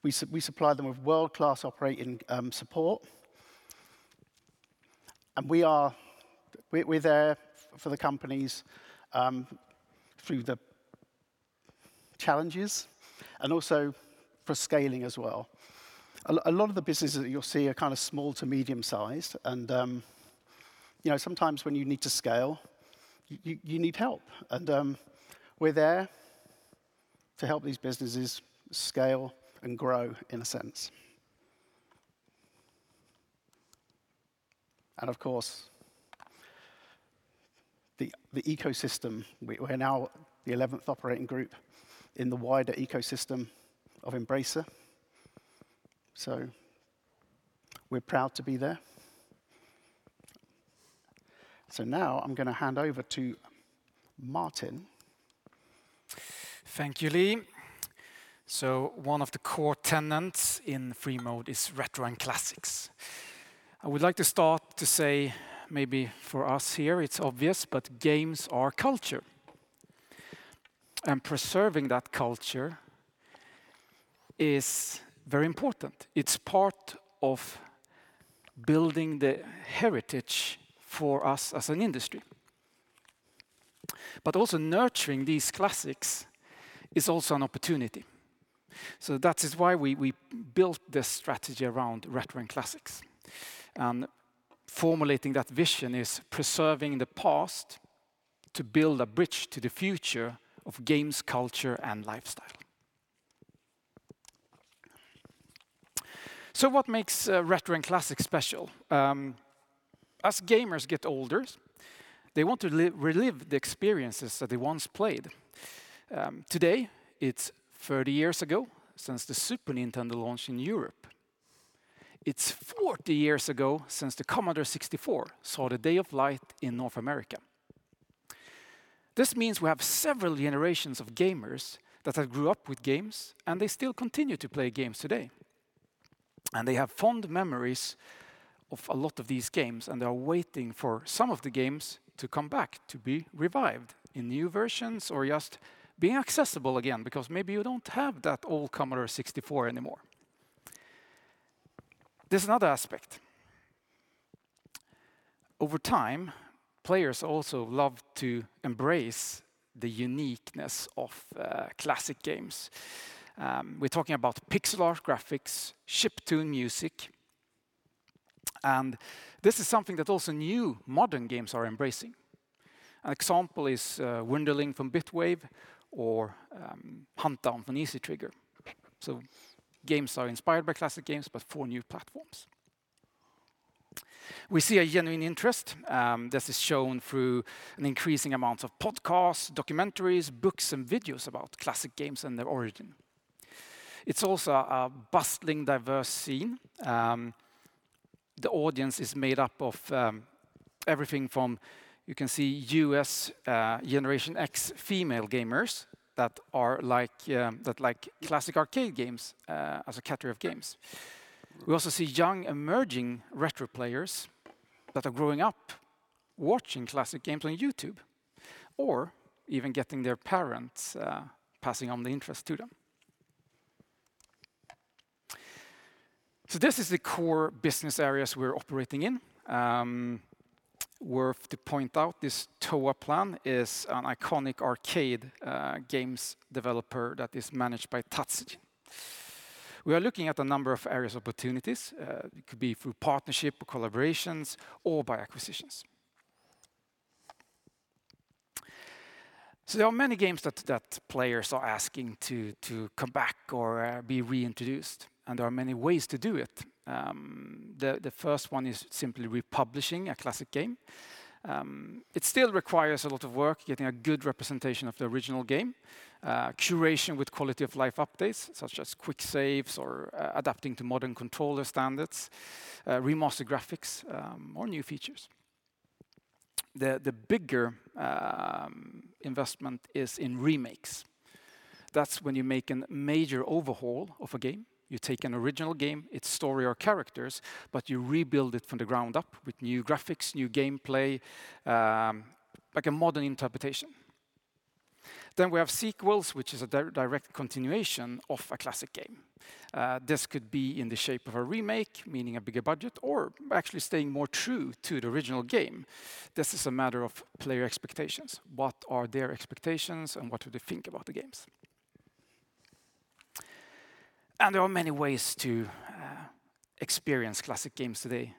We supply them with world-class operating support, and we're there for the companies through the challenges and also for scaling as well. A lot of the businesses that you'll see are kind of small to medium sized, and you know, sometimes when you need to scale, you need help. We're there to help these businesses scale and grow in a sense. Of course, the ecosystem. We're now the eleventh operating group in the wider ecosystem of Embracer, so we're proud to be there. Now I'm gonna hand over to Martin. Thank you, Lee. One of the core tenets in Freemode is Retro and Classics. I would like to start to say, maybe for us here it's obvious, but games are culture. Preserving that culture is very important. It's part of building the heritage for us as an industry. Also nurturing these classics is also an opportunity, so that is why we built this strategy around Retro and Classics. Formulating that vision is preserving the past to build a bridge to the future of games, culture, and lifestyle. What makes Retro and Classics special? As gamers get older, they want to relive the experiences that they once played. Today it's 30 years ago since the Super Nintendo launched in Europe. It's 40 years ago since the Commodore 64 saw the light of day in North America. This means we have several generations of gamers that have grew up with games, and they still continue to play games today. They have fond memories of a lot of these games, and they are waiting for some of the games to come back, to be revived in new versions or just being accessible again because maybe you don't have that old Commodore 64 anymore. There's another aspect. Over time, players also love to embrace the uniqueness of classic games. We're talking about pixel art graphics, chiptune music, and this is something that also new modern games are embracing. An example is Wanderling from Bitwave or Huntdown from Easy Trigger. Games are inspired by classic games, but for new platforms. We see a genuine interest, this is shown through an increasing amount of podcasts, documentaries, books, and videos about classic games and their origin. It's also a bustling, diverse scene. The audience is made up of everything from you can see U.S. Generation X female gamers that are like that like classic arcade games as a category of games. We also see young emerging retro players that are growing up watching classic games on YouTube or even getting their parents passing on the interest to them. This is the core business areas we're operating in. Worth to point out, this Toaplan is an iconic arcade games developer that is managed by Tatsuya. We are looking at a number of areas of opportunities, it could be through partnership, collaborations, or by acquisitions. There are many games that players are asking to come back or be reintroduced, and there are many ways to do it. The first one is simply republishing a classic game. It still requires a lot of work getting a good representation of the original game, curation with quality-of-life updates, such as quick saves or adapting to modern controller standards, remastered graphics, or new features. The bigger investment is in remakes. That's when you make a major overhaul of a game. You take an original game, its story or characters, but you rebuild it from the ground up with new graphics, new gameplay, like a modern interpretation. We have sequels, which is a direct continuation of a classic game. This could be in the shape of a remake, meaning a bigger budget, or actually staying more true to the original game. This is a matter of player expectations. What are their expectations, and what do they think about the games? There are many ways to experience classic games today.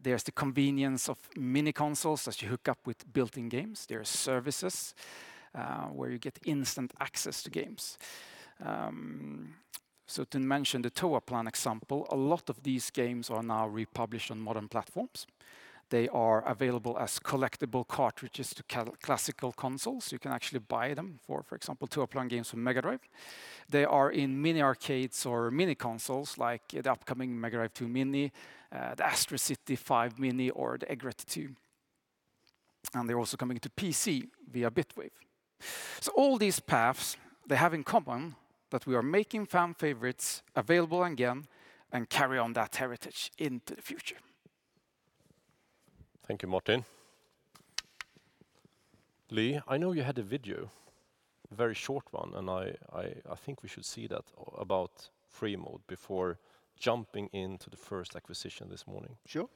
There's the convenience of mini consoles that you hook up with built-in games. There are services where you get instant access to games. To mention the Toaplan example, a lot of these games are now republished on modern platforms. They are available as collectible cartridges to classical consoles. You can actually buy them for example, Toaplan games from Mega Drive. They are in mini arcades or mini consoles like the upcoming Mega Drive Mini 2, the Astro City Mini V, or the Egret II Mini. They're also coming to PC via Bitwave. All these paths, they have in common that we are making fan favorites available again and carry on that heritage into the future. Thank you, Martin. Lee, I know you had a video, a very short one, and I think we should see that about Freemode before jumping into the first acquisition this morning. Sure.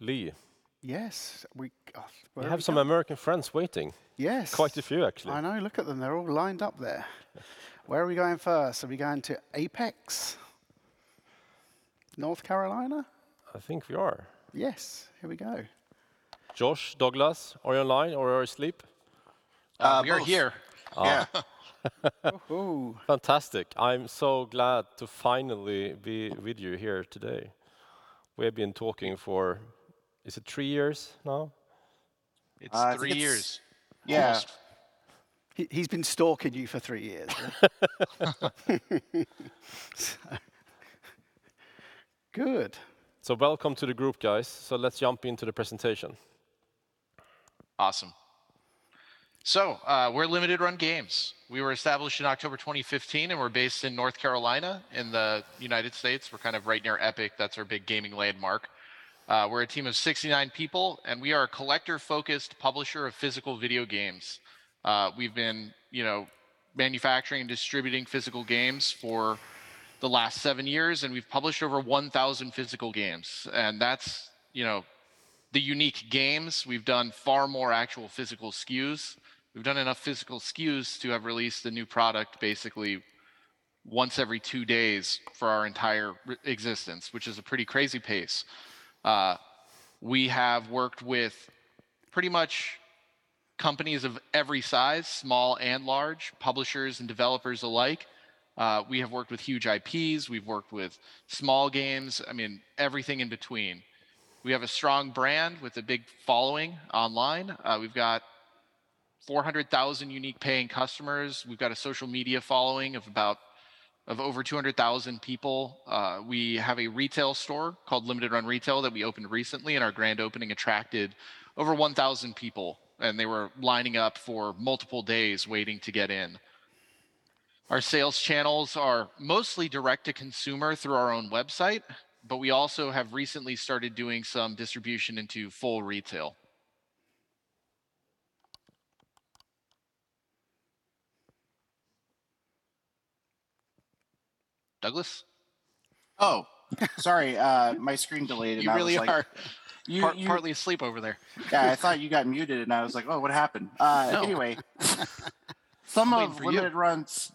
Lee. Yes. Where are we going? You have some American friends waiting. Yes. Quite a few, actually. I know. Look at them, they're all lined up there. Where are we going first? Are we going to Apex, North Carolina? I think we are. Yes. Here we go. Josh, Douglas, are you online or are you asleep? Both. We are here. Yeah. Woo-hoo. Fantastic. I'm so glad to finally be with you here today. We have been talking for, is it three years now? It's three years. I think it's. Yeah. He, he's been stalking you for three years. Good. Welcome to the group, guys. Let's jump into the presentation. Awesome. We're Limited Run Games. We were established in October 2015, and we're based in North Carolina in the United States. We're kind of right near Epic, that's our big gaming landmark. We're a team of 69 people, and we are a collector-focused publisher of physical video games. We've been, you know, manufacturing, distributing physical games for the last seven years, and we've published over 1,000 physical games, and that's, you know, the unique games. We've done far more actual physical SKUs. We've done enough physical SKUs to have released a new product basically once every two days for our entire existence, which is a pretty crazy pace. We have worked with pretty much companies of every size, small and large, publishers and developers alike. We have worked with huge IPs. We've worked with small games, I mean, everything in between. We have a strong brand with a big following online. We've got 400,000 unique paying customers. We've got a social media following of over 200,000 people. We have a retail store called Limited Run Retail that we opened recently, and our grand opening attracted over 1,000 people, and they were lining up for multiple days waiting to get in. Our sales channels are mostly direct to consumer through our own website, but we also have recently started doing some distribution into full retail. Douglas? Oh, sorry. My screen delayed. You really are partly asleep over there.... yeah, I thought you got muted, and I was like, "Oh, what happened? No Anyway. Waiting for you. Some of Limited Run's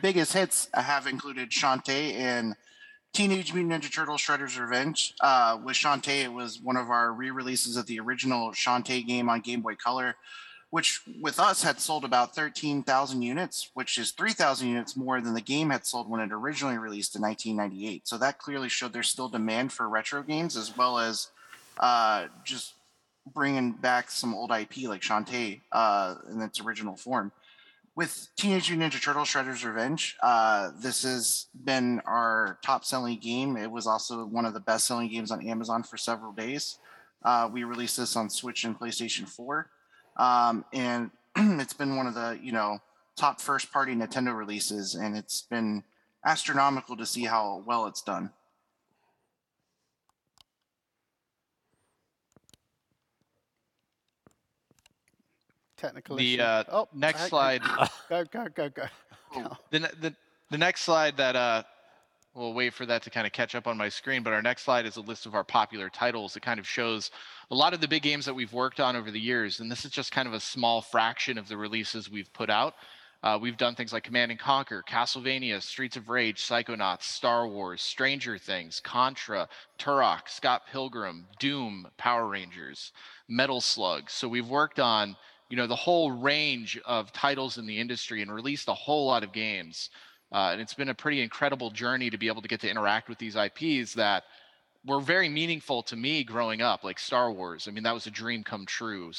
biggest hits have included Shantae and Teenage Mutant Ninja Turtles: Shredder's Revenge. With Shantae, it was one of our re-releases of the original Shantae game on Game Boy Color, which with us had sold about 13,000 units, which is 3,000 units more than the game had sold when it originally released in 1998. That clearly showed there's still demand for retro games as well as just bringing back some old IP like Shantae in its original form. With Teenage Mutant Ninja Turtles: Shredder's Revenge, this has been our top selling game. It was also one of the best-selling games on Amazon for several days. We released this on Switch and PlayStation 4. It's been one of the, you know, top first party Nintendo releases, and it's been astronomical to see how well it's done. Technical issue. The, uh- Oh. Next slide. Go, go, go. We'll wait for that to kind of catch up on my screen, but our next slide is a list of our popular titles. It kind of shows a lot of the big games that we've worked on over the years, and this is just kind of a small fraction of the releases we've put out. We've done things like Command & Conquer, Castlevania, Streets of Rage, Psychonauts, Star Wars, Stranger Things, Contra, Turok, Scott Pilgrim, Doom, Power Rangers, Metal Slug. We've worked on, you know, the whole range of titles in the industry and released a whole lot of games. It's been a pretty incredible journey to be able to get to interact with these IPs that were very meaningful to me growing up, like Star Wars. I mean, that was a dream come true.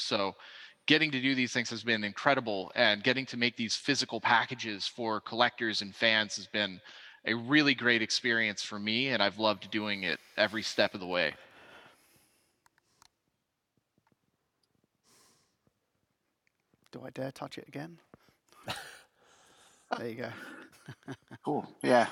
Getting to do these things has been incredible, and getting to make these physical packages for collectors and fans has been a really great experience for me, and I've loved doing it every step of the way. Do I dare touch it again? There you go. Cool. Yeah.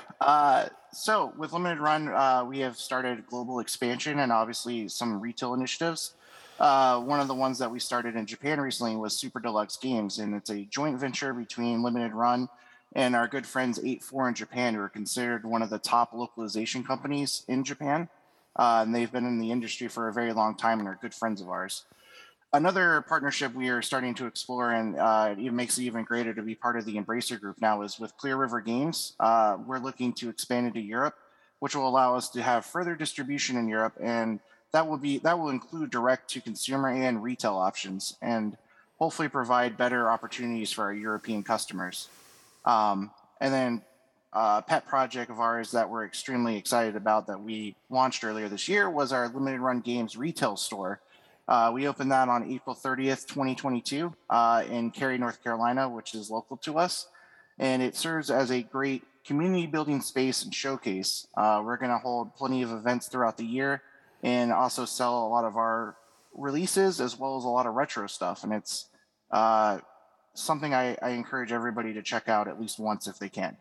With Limited Run, we have started global expansion and obviously some retail initiatives. One of the ones that we started in Japan recently was Super Deluxe Games, and it's a joint venture between Limited Run and our good friends 8-4 in Japan, who are considered one of the top localization companies in Japan. They've been in the industry for a very long time and are good friends of ours. Another partnership we are starting to explore and, it makes it even greater to be part of the Embracer Group now is with Clear River Games. We're looking to expand into Europe which will allow us to have further distribution in Europe and that will include direct to consumer and retail options and hopefully provide better opportunities for our European customers. A pet project of ours that we're extremely excited about that we launched earlier this year was our Limited Run Games retail store. We opened that on April 30, 2022, in Cary, North Carolina which is local to us, and it serves as a great community building space and showcase. We're gonna hold plenty of events throughout the year and also sell a lot of our releases as well as a lot of retro stuff, and it's something I encourage everybody to check out at least once if they can.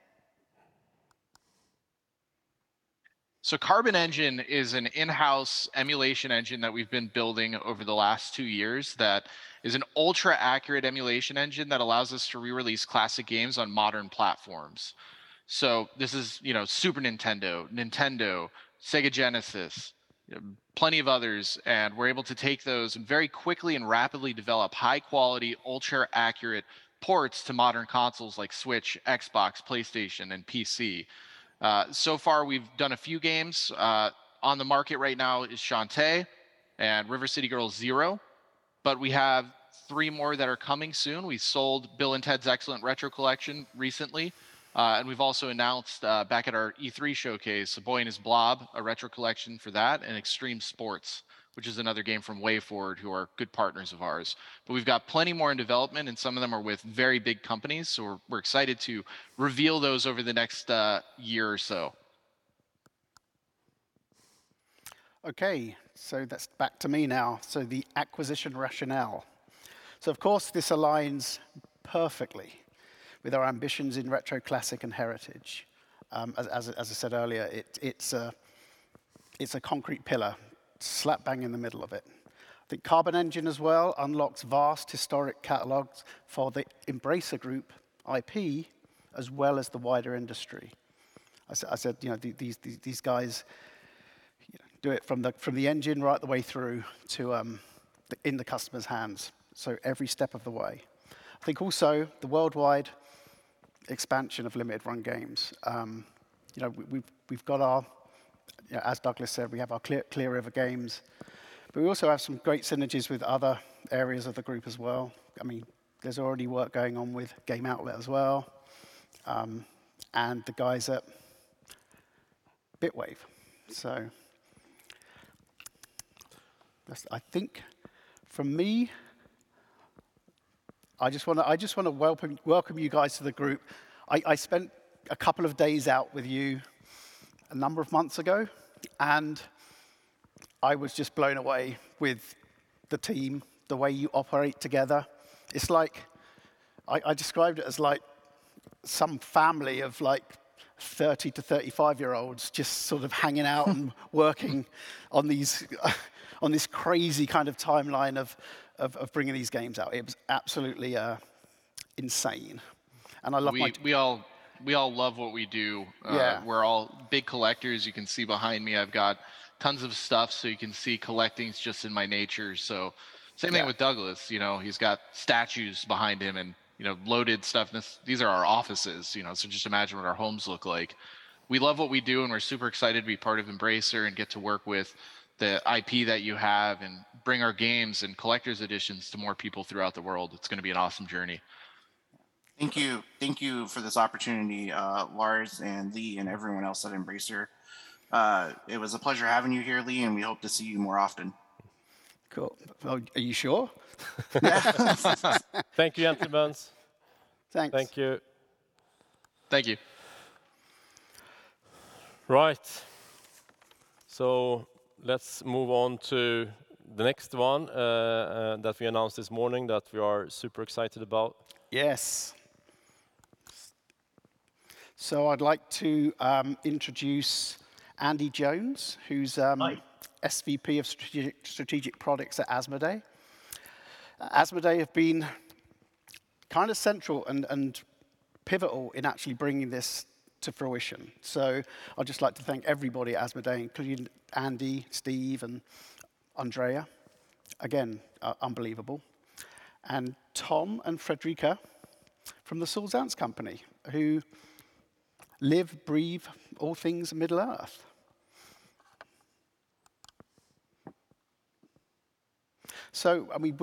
Carbon Engine is an in-house emulation engine that we've been building over the last two years that is an ultra-accurate emulation engine that allows us to re-release classic games on modern platforms. This is, you know, Super Nintendo, Sega Genesis, plenty of others, and we're able to take those and very quickly and rapidly develop high quality, ultra-accurate ports to modern consoles like Switch, Xbox, PlayStation, and PC. So far, we've done a few games. On the market right now is Shantae and River City Girls Zero, but we have three more that are coming soon. We sold Bill & Ted's Excellent Retro Collection recently. We've also announced back at our E3 showcase, A Boy and His Blob, a retro collection for that, and Xtreme Sports which is another game from WayForward who are good partners of ours. We've got plenty more in development, and some of them are with very big companies, so we're excited to reveal those over the next year or so. Okay. That's back to me now. The acquisition rationale. Of course, this aligns perfectly with our ambitions in retro, classic, and heritage. As I said earlier, it's a concrete pillar slap bang in the middle of it. The Carbon Engine as well unlocks vast historic catalogs for the Embracer Group IP as well as the wider industry. As I said, you know, these guys do it from the engine right the way through to in the customer's hands, so every step of the way. I think also the worldwide expansion of Limited Run Games. You know, we've got our, you know, as Douglas said, we have our Clear River Games, but we also have some great synergies with other areas of the group as well. I mean, there's already work going on with Game Outlet as well, and the guys at Bitwave Games. So that's, I think, from me. I just wanna welcome you guys to the group. I spent a couple of days out with you a number of months ago, and I was just blown away with the team, the way you operate together. It's like I described it as like some family of like 30-35-year-olds just sort of hanging out and working on this crazy kind of timeline of bringing these games out. It was absolutely insane. I love my t- We all love what we do. Yeah. We're all big collectors. You can see behind me I've got tons of stuff, so you can see collecting's just in my nature. Same thing with Douglas, you know. He's got statues behind him and, you know, loaded stuff. These are our offices, you know, so just imagine what our homes look like. We love what we do, and we're super excited to be part of Embracer and get to work with the IP that you have and bring our games and collector's editions to more people throughout the world. It's gonna be an awesome journey. Thank you. Thank you for this opportunity, Lars and Lee and everyone else at Embracer Group. It was a pleasure having you here, Lee, and we hope to see you more often. Cool. Are you sure? Thank you, gentlemen. Thanks. Thank you. Thank you. Right. Let's move on to the next one that we announced this morning that we are super excited about. Yes. I'd like to introduce Andy Jones who's Hi SVP of Strategic Products at Asmodee. Asmodee have been kind of central and pivotal in actually bringing this to fruition. I'd just like to thank everybody at Asmodee, including Andy, Steve, and Andrea. Again, unbelievable. Tom and Fredrica from The Saul Zaentz Company who live, breathe all things Middle-earth. I mean,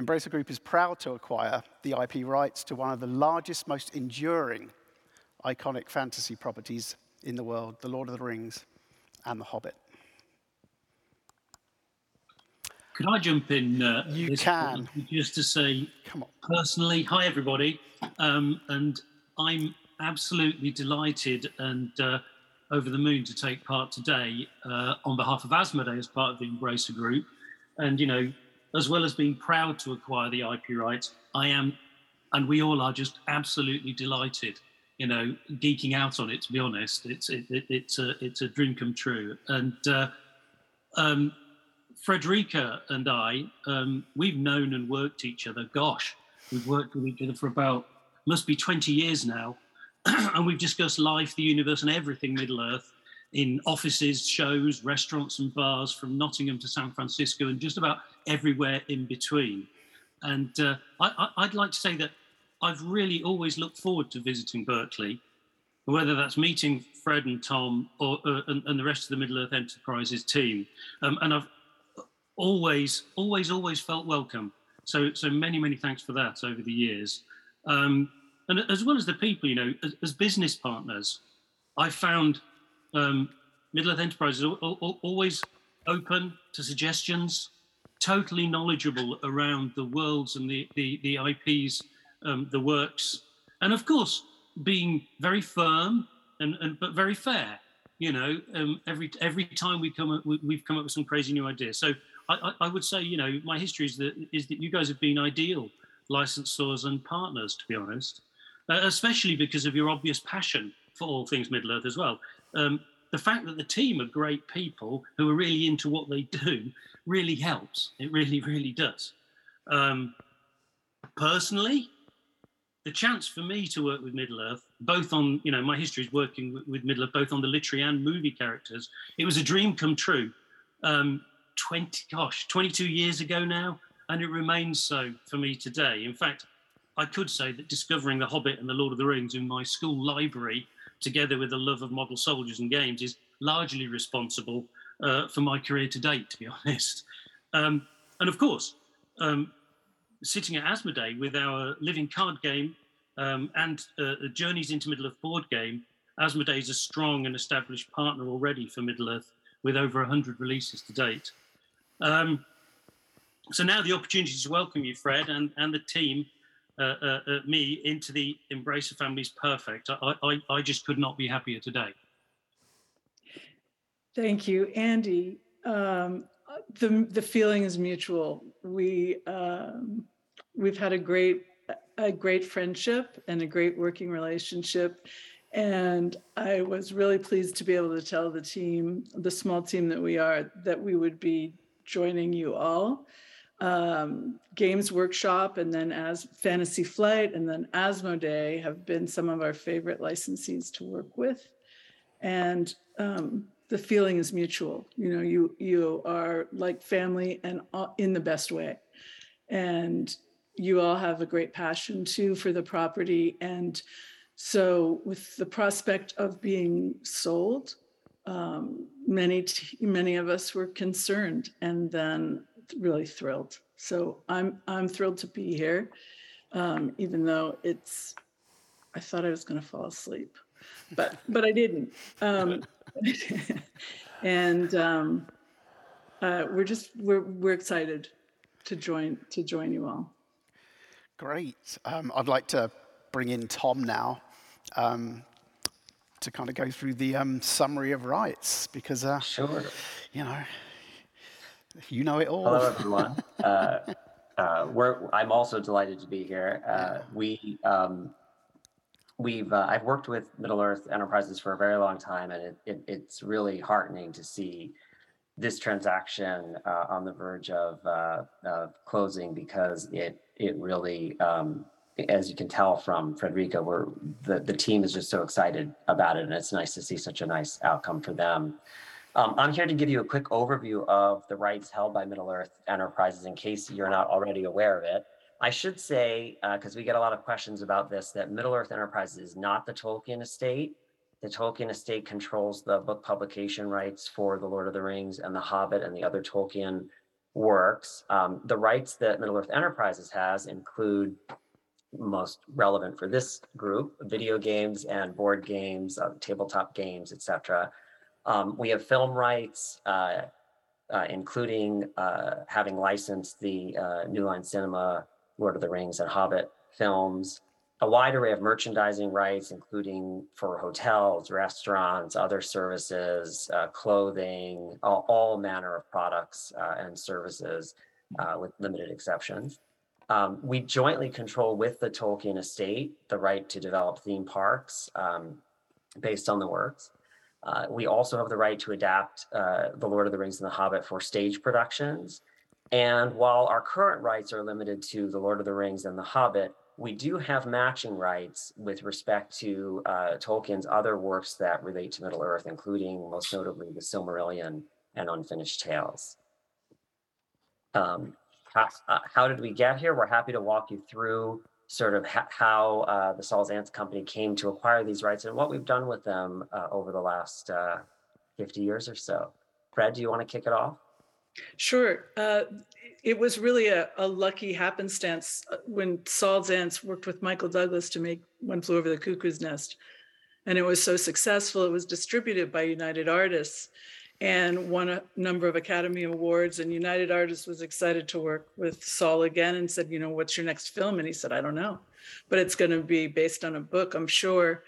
Embracer Group is proud to acquire the IP rights to one of the largest, most enduring iconic fantasy properties in the world, The Lord of the Rings and The Hobbit. Could I jump in? You can Just to say. Come on.... personally, hi, everybody. I'm absolutely delighted and over the moon to take part today on behalf of Asmodee as part of the Embracer Group. You know, as well as being proud to acquire the IP rights, I am, and we all are just absolutely delighted, you know, geeking out on it, to be honest. It's a dream come true. Fredrica and I, we've known and worked with each other for about, must be 20 years now. We've discussed life, the universe, and everything Middle-earth in offices, shows, restaurants, and bars from Nottingham to San Francisco, and just about everywhere in between. I'd like to say that I've really always looked forward to visiting Berkeley, whether that's meeting Fred and Tom, or the rest of the Middle-earth Enterprises team. I've always felt welcome, so many thanks for that over the years. As well as the people, you know, as business partners, I've found Middle-earth Enterprises always open to suggestions, totally knowledgeable around the worlds and the IPs, the works, and of course being very firm but very fair, you know, every time we come up, we've come up with some crazy new idea. I would say, you know, my history is that you guys have been ideal licensors and partners, to be honest, especially because of your obvious passion for all things Middle-earth as well. The fact that the team are great people who are really into what they do really helps. It really does. Personally, the chance for me to work with Middle-earth, both on, you know, working with Middle-earth both on the literary and movie characters, it was a dream come true, 22 years ago now, and it remains so for me today. In fact, I could say that discovering The Hobbit and The Lord of the Rings in my school library, together with a love of model soldiers and games, is largely responsible for my career to date, to be honest. Of course, sitting at Asmodee with our Living Card Game and Journeys in Middle-earth board game, Asmodee is a strong and established partner already for Middle-earth with over 100 releases to date. Now the opportunity to welcome you, Fred, and the team and me into the Embracer family is perfect. I just could not be happier today. Thank you, Andy. The feeling is mutual. We've had a great friendship and a great working relationship, and I was really pleased to be able to tell the team, the small team that we are, that we would be joining you all. Games Workshop, and then at Fantasy Flight, and then Asmodee have been some of our favorite licensees to work with, and the feeling is mutual. You know, you are like family and in the best way, and you all have a great passion too for the property. With the prospect of being sold, many of us were concerned, and then really thrilled. I'm thrilled to be here, even though I thought I was gonna fall asleep. I didn't. We're just excited to join you all. Great. I'd like to bring in Tom now, to kind of go through the summary of rights because, Sure you know it all. Hello, everyone. I'm also delighted to be here. I've worked with Middle-earth Enterprises for a very long time, and it's really heartening to see this transaction on the verge of closing because it really, as you can tell from Fredrica, the team is just so excited about it, and it's nice to see such a nice outcome for them. I'm here to give you a quick overview of the rights held by Middle-earth Enterprises in case you're not already aware of it. I should say, because we get a lot of questions about this, that Middle-earth Enterprises is not the Tolkien Estate. The Tolkien Estate controls the book publication rights for The Lord of the Rings and The Hobbit and the other Tolkien works. The rights that Middle-earth Enterprises has include, most relevant for this group, video games and board games, tabletop games, et cetera. We have film rights, including having licensed the New Line Cinema Lord of the Rings and Hobbit films. A wide array of merchandising rights, including for hotels, restaurants, other services, clothing, all manner of products, and services, with limited exceptions. We jointly control with the Tolkien Estate the right to develop theme parks based on the works. We also have the right to adapt The Lord of the Rings and The Hobbit for stage productions. While our current rights are limited to The Lord of the Rings and The Hobbit, we do have matching rights with respect to Tolkien's other works that relate to Middle-earth, including most notably The Silmarillion and Unfinished Tales. How did we get here? We're happy to walk you through how the Saul Zaentz Company came to acquire these rights and what we've done with them over the last 50 years or so. Fred, do you wanna kick it off? Sure. It was really a lucky happenstance when Saul Zaentz worked with Michael Douglas to make One Flew Over the Cuckoo's Nest. It was so successful, it was distributed by United Artists and won a number of Academy Awards. United Artists was excited to work with Saul again and said, "You know, what's your next film?" He said, "I don't know, but it's gonna be based on a book, I'm sure."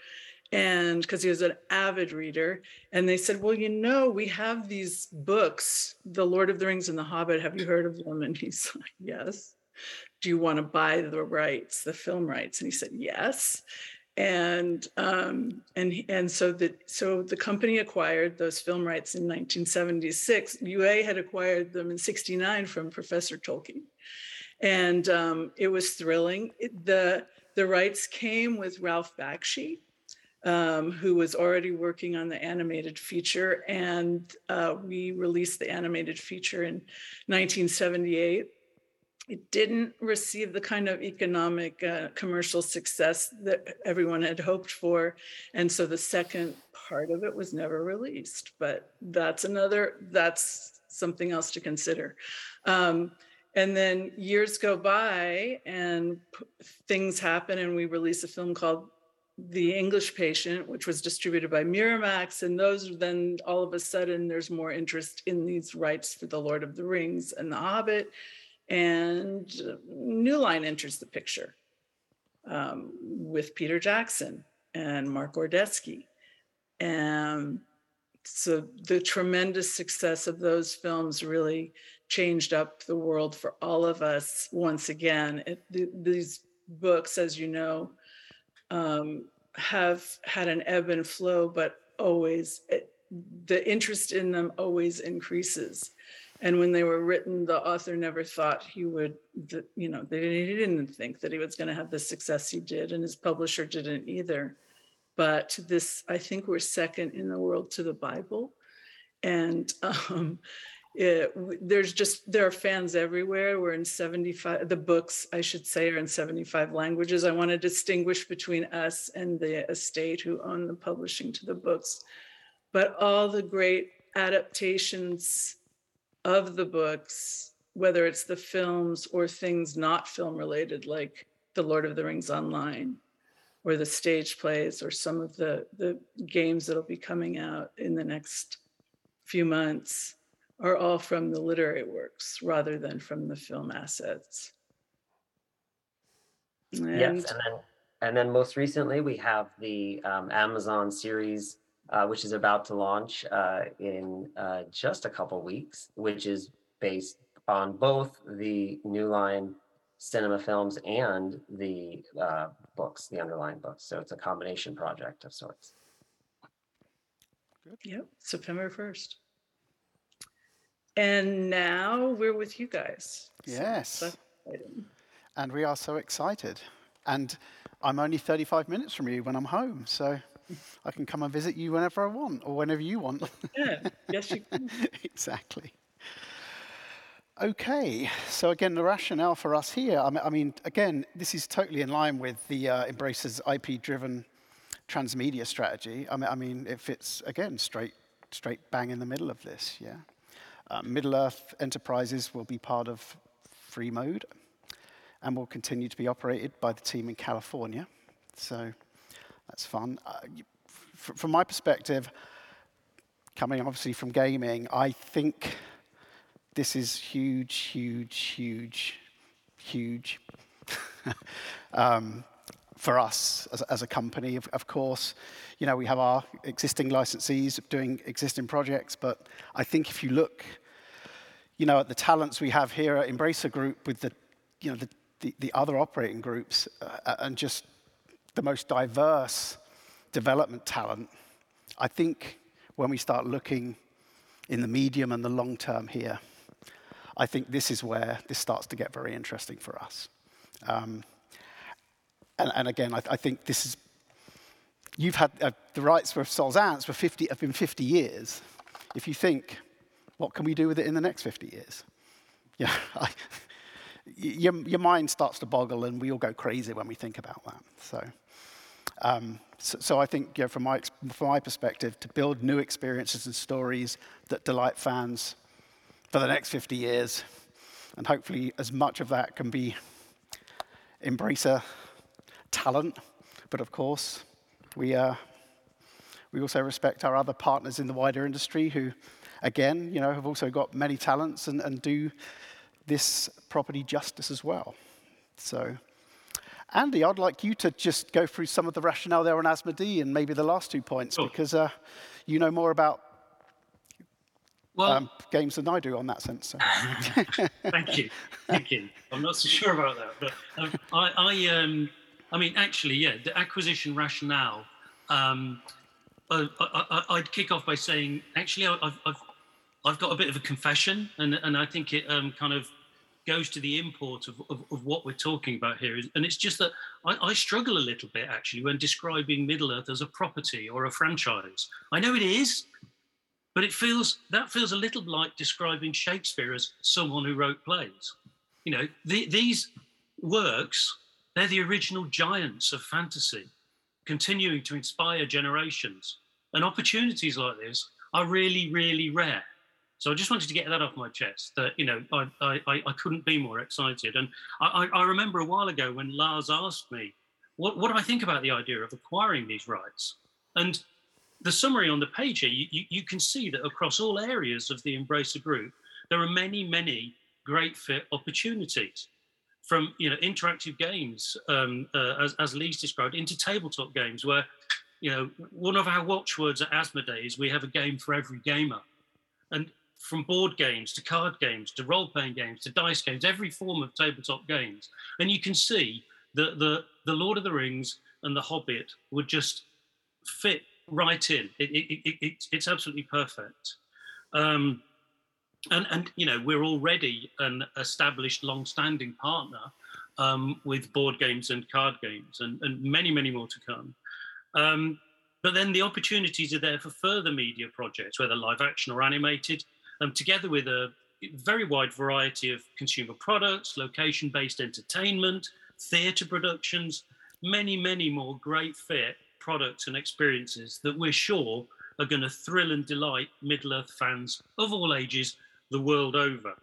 'Cause he was an avid reader, and they said, "Well, you know, we have these books, The Lord of the Rings and The Hobbit. Have you heard of them?" He's like, "Yes." "Do you wanna buy the rights, the film rights?" He said, "Yes." The company acquired those film rights in 1976. UA had acquired them in 1969 from Professor Tolkien. It was thrilling. The rights came with Ralph Bakshi, who was already working on the animated feature, and we released the animated feature in 1978. It didn't receive the kind of economic, commercial success that everyone had hoped for, and so the second part of it was never released, but that's something else to consider. Then years go by, and things happen, and we release a film called The English Patient, which was distributed by Miramax, and then all of a sudden there's more interest in these rights for The Lord of the Rings and The Hobbit, and New Line Cinema enters the picture, with Peter Jackson and Mark Ordesky. The tremendous success of those films really changed up the world for all of us once again. These books, as you know, have had an ebb and flow, but always, the interest in them always increases. When they were written, the author never thought he would, you know, he didn't think that he was gonna have the success he did, and his publisher didn't either. This, I think, we're second in the world to the Bible. There's just, there are fans everywhere. We're in – the books, I should say, are in 75 languages. I wanna distinguish between us and the estate who own the publishing to the books. All the great adaptations of the books, whether it's the films or things not film related like The Lord of the Rings Online or the stage plays or some of the games that'll be coming out in the next few months, are all from the literary works rather than from the film assets. Yes, then most recently, we have the Amazon series, which is about to launch in just a couple weeks, which is based on both the New Line Cinema films and the books, the underlying books. It's a combination project of sorts. Good. Yep. September first. Now we're with you guys. Yes. That's exciting. We are so excited. I'm only 35 minutes from you when I'm home, so I can come and visit you whenever I want, or whenever you want. Yeah. Yes, you can. Exactly. Okay. Again, the rationale for us here, I mean, again, this is totally in line with the Embracer's IP-driven transmedia strategy. I mean, it fits, again, straight bang in the middle of this, yeah? Middle-earth Enterprises will be part of Freemode and will continue to be operated by the team in California, so that's fun. From my perspective, coming obviously from gaming, I think this is huge for us as a company. Of course, you know, we have our existing licensees doing existing projects, but I think if you look, you know, at the talents we have here at Embracer Group with the, you know, the other operating groups, and just the most diverse development talent, I think when we start looking in the medium and the long term here, I think this is where this starts to get very interesting for us. And again, I think this is. You've had the rights for Saul Zaentz for 50 years. If you think, what can we do with it in the next 50 years? Yeah. Like, your mind starts to boggle, and we all go crazy when we think about that, so. I think, you know, from my perspective, to build new experiences and stories that delight fans for the next 50 years, and hopefully as much of that can be Embracer talent. Of course, we also respect our other partners in the wider industry who, again, you know, have also got many talents and do this property justice as well. Andy, I'd like you to just go through some of the rationale there on Asmodee and maybe the last two points. Sure because, you know more about Well- games than I do in that sense, so Thank you. Thank you. I'm not so sure about that, but, I mean, actually, yeah, the acquisition rationale, I'd kick off by saying actually I've got a bit of a confession, and I think it kind of goes to the import of what we're talking about here. It's just that I struggle a little bit actually when describing Middle-earth as a property or a franchise. I know it is, but it feels, that feels a little like describing Shakespeare as someone who wrote plays. You know? These works, they're the original giants of fantasy, continuing to inspire generations, and opportunities like this are really, really rare. So I just wanted to get that off my chest that, you know, I couldn't be more excited. I remember a while ago when Lars asked me what do I think about the idea of acquiring these rights? The summary on the page here, you can see that across all areas of the Embracer Group, there are many great fit opportunities from, you know, interactive games, as Lee's described into tabletop games where, you know, one of our watch words at Asmodee is we have a game for every gamer. From board games to card games, to role-playing games, to dice games, every form of tabletop games. You can see that The Lord of the Rings and The Hobbit would just fit right in. It's absolutely perfect. you know, we're already an established long-standing partner with board games and card games and many, many more to come. But then the opportunities are there for further media projects, whether live action or animated, together with a very wide variety of consumer products, location-based entertainment, theater productions, many, many more great fit products and experiences that we are sure are gonna thrill and delight Middle-earth fans of all ages the world over.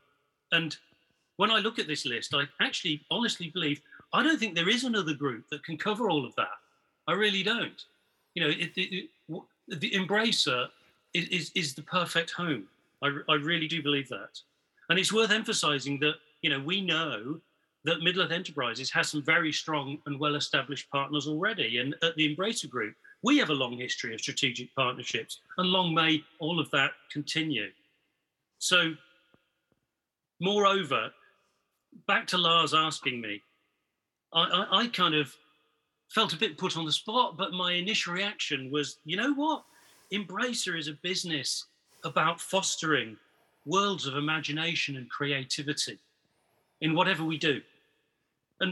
When I look at this list, I actually honestly believe, I don't think there is another group that can cover all of that. I really don't. You know, it, Embracer is the perfect home. I really do believe that. It's worth emphasizing that, you know, we know that Middle-earth Enterprises has some very strong and well-established partners already. At the Embracer Group, we have a long history of strategic partnerships, and long may all of that continue. Moreover, back to Lars asking me, I kind of felt a bit put on the spot, but my initial reaction was, "You know what? Embracer is a business about fostering worlds of imagination and creativity in whatever we do."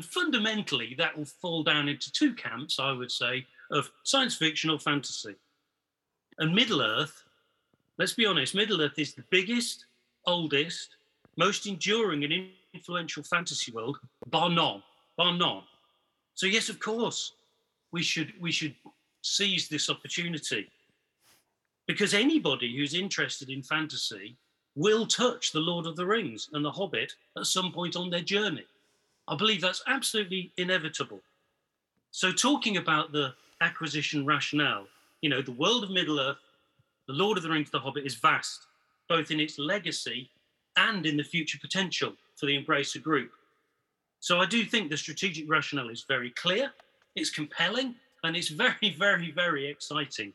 Fundamentally, that will fall down into two camps, I would say, of science fiction or fantasy. Middle-earth, let's be honest, Middle-earth is the biggest, oldest, most enduring and influential fantasy world, bar none. Bar none. Yes, of course, we should seize this opportunity because anybody who's interested in fantasy will touch The Lord of the Rings and The Hobbit at some point on their journey. I believe that's absolutely inevitable. Talking about the acquisition rationale, you know, the world of Middle-earth The Lord of the Rings, The Hobbit, is vast, both in its legacy and in the future potential for the Embracer Group. I do think the strategic rationale is very clear, it's compelling, and it's very, very, very exciting.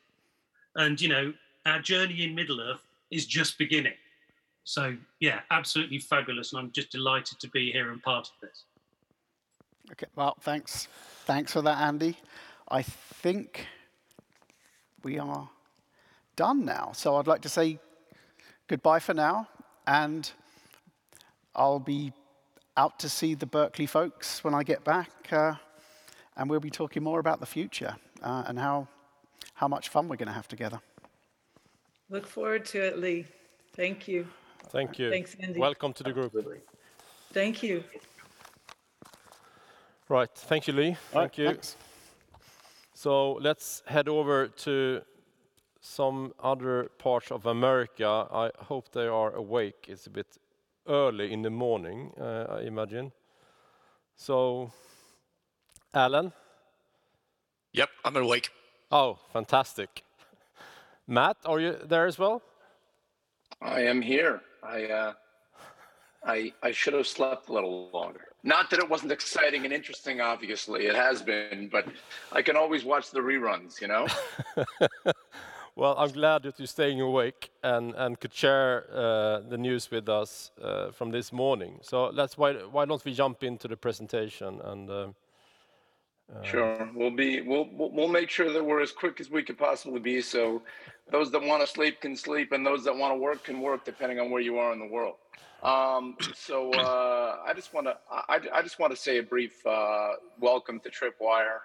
You know, our journey in Middle-earth is just beginning. Yeah, absolutely fabulous, and I'm just delighted to be here and part of this. Okay. Well, thanks. Thanks for that, Andy. I think we are done now, so I'd like to say goodbye for now, and I'll be out to see the Berkeley folks when I get back, and we'll be talking more about the future, and how much fun we're gonna have together. Look forward to it, Lee. Thank you. Thank you. Thanks, Andy. Welcome to the group. Absolutely. Thank you. Right. Thank you, Lee. Thank you. All right. Thanks. Let's head over to some other parts of America. I hope they are awake. It's a bit early in the morning, I imagine. Alan? Yep, I'm awake. Oh, fantastic. Matt, are you there as well? I am here. I should have slept a little longer. Not that it wasn't exciting and interesting, obviously it has been, but I can always watch the reruns, you know? Well, I'm glad that you're staying awake and could share the news with us from this morning. Why don't we jump into the presentation. Sure. We'll make sure that we're as quick as we could possibly be, so those that wanna sleep can sleep, and those that wanna work can work depending on where you are in the world. I just wanna say a brief welcome to Tripwire.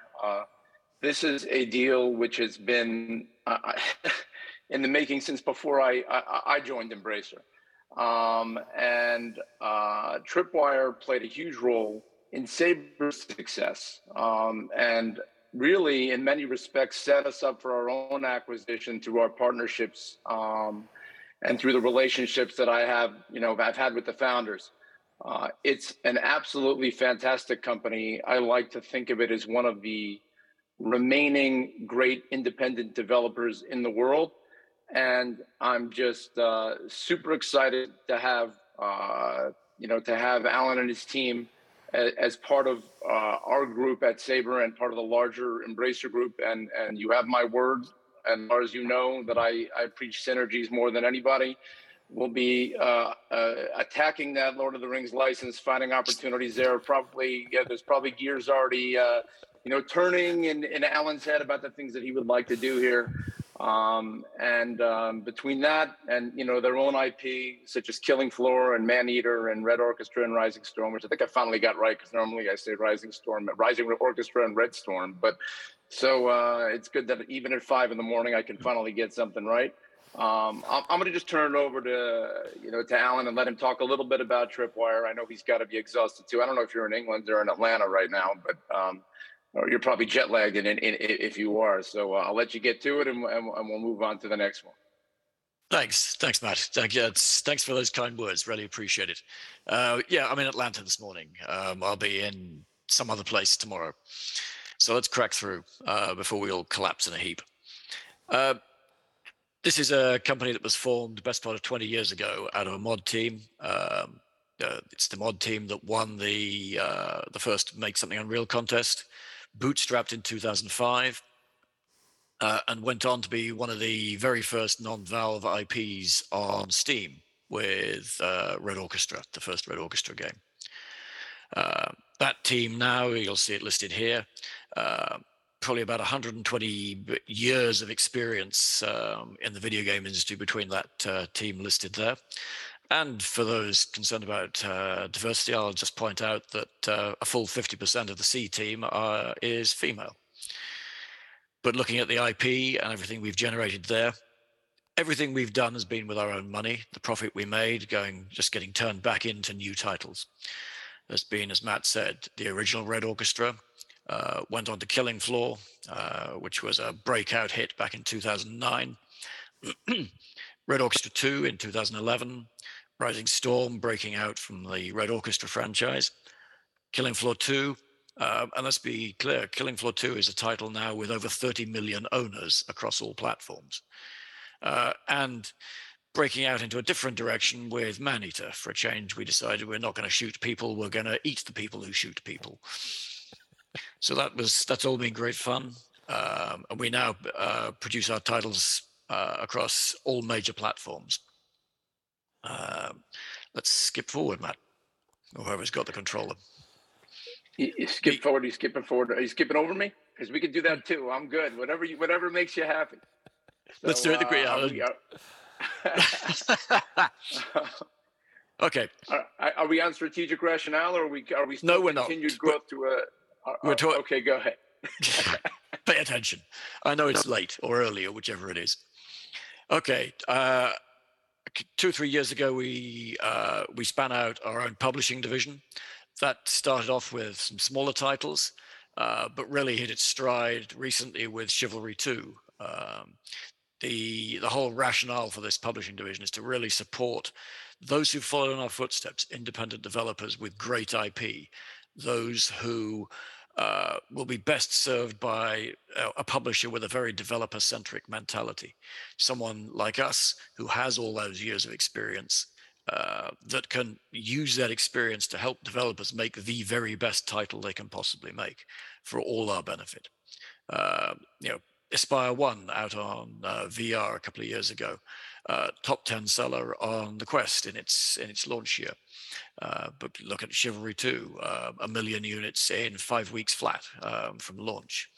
This is a deal which has been in the making since before I joined Embracer. Tripwire played a huge role in Saber's success, and really in many respects set us up for our own acquisition through our partnerships, and through the relationships that I have, you know, that I've had with the founders. It's an absolutely fantastic company. I like to think of it as one of the remaining great independent developers in the world, and I'm just super excited to have, you know, to have Alan and his team as part of our group at Saber and part of the larger Embracer Group. You have my word, and Lars, you know, that I preach synergies more than anybody. We'll be attacking that Lord of the Rings license, finding opportunities there. Probably, yeah, there's probably gears already, you know, turning in Alan's head about the things that he would like to do here. Between that and, you know, their own IP such as Killing Floor and Maneater and Red Orchestra and Rising Storm, which I think I finally got right 'cause normally I say Rising Storm, Rising Orchestra and Red Storm. It's good that even at five in the morning I can finally get something right. I'm gonna just turn it over to, you know, to Alan and let him talk a little bit about Tripwire. I know he's gotta be exhausted too. I don't know if you're in England or in Atlanta right now, but you're probably jet lagged and if you are, so I'll let you get to it and we'll move on to the next one. Thanks. Thanks, Matt. Thank you. Thanks for those kind words. Really appreciate it. Yeah, I'm in Atlanta this morning. I'll be in some other place tomorrow. Let's crack through before we all collapse in a heap. This is a company that was formed best part of 20 years ago out of a mod team. It's the mod team that won the first Make Something Unreal contest. Bootstrapped in 2005, and went on to be one of the very first non-Valve IPs on Steam with Red Orchestra, the first Red Orchestra game. That team now, you'll see it listed here, probably about 120 years of experience in the video game industry between that team listed there. For those concerned about diversity, I'll just point out that a full 50% of the C team is female. Looking at the IP and everything we've generated there, everything we've done has been with our own money, the profit we made going just getting turned back into new titles. As Matt said, the original Red Orchestra went on to Killing Floor, which was a breakout hit back in 2009. Red Orchestra II in 2011. Rising Storm, breaking out from the Red Orchestra franchise. Killing Floor 2, and let's be clear, Killing Floor 2 is a title now with over 30 million owners across all platforms. Breaking out into a different direction with Maneater. For a change, we decided we're not gonna shoot people, we're gonna eat the people who shoot people. That was. That's all been great fun. We now produce our titles across all major platforms. Let's skip forward, Matt, or whoever's got the controller. You skip forward, are you skipping forward, are you skipping over me? 'Cause we can do that too. I'm good. Whatever makes you happy. Okay. Are we on strategic rationale or are we? No, we're not. continued go up to We're talk- Okay, go ahead. Pay attention. I know it's late or early or whichever it is. Okay. two to three years ago we spun out our own publishing division. That started off with some smaller titles but really hit its stride recently with Chivalry 2. The whole rationale for this publishing division is to really support those who've followed in our footsteps, independent developers with great IP, those who will be best served by a publisher with a very developer-centric mentality. Someone like us who has all those years of experience that can use that experience to help developers make the very best title they can possibly make for all our benefit. You know, Espire 1 out on VR a couple of years ago, top 10 seller on the Quest in its launch year. Look at Chivalry 2, 1 million units in five weeks flat, from launch.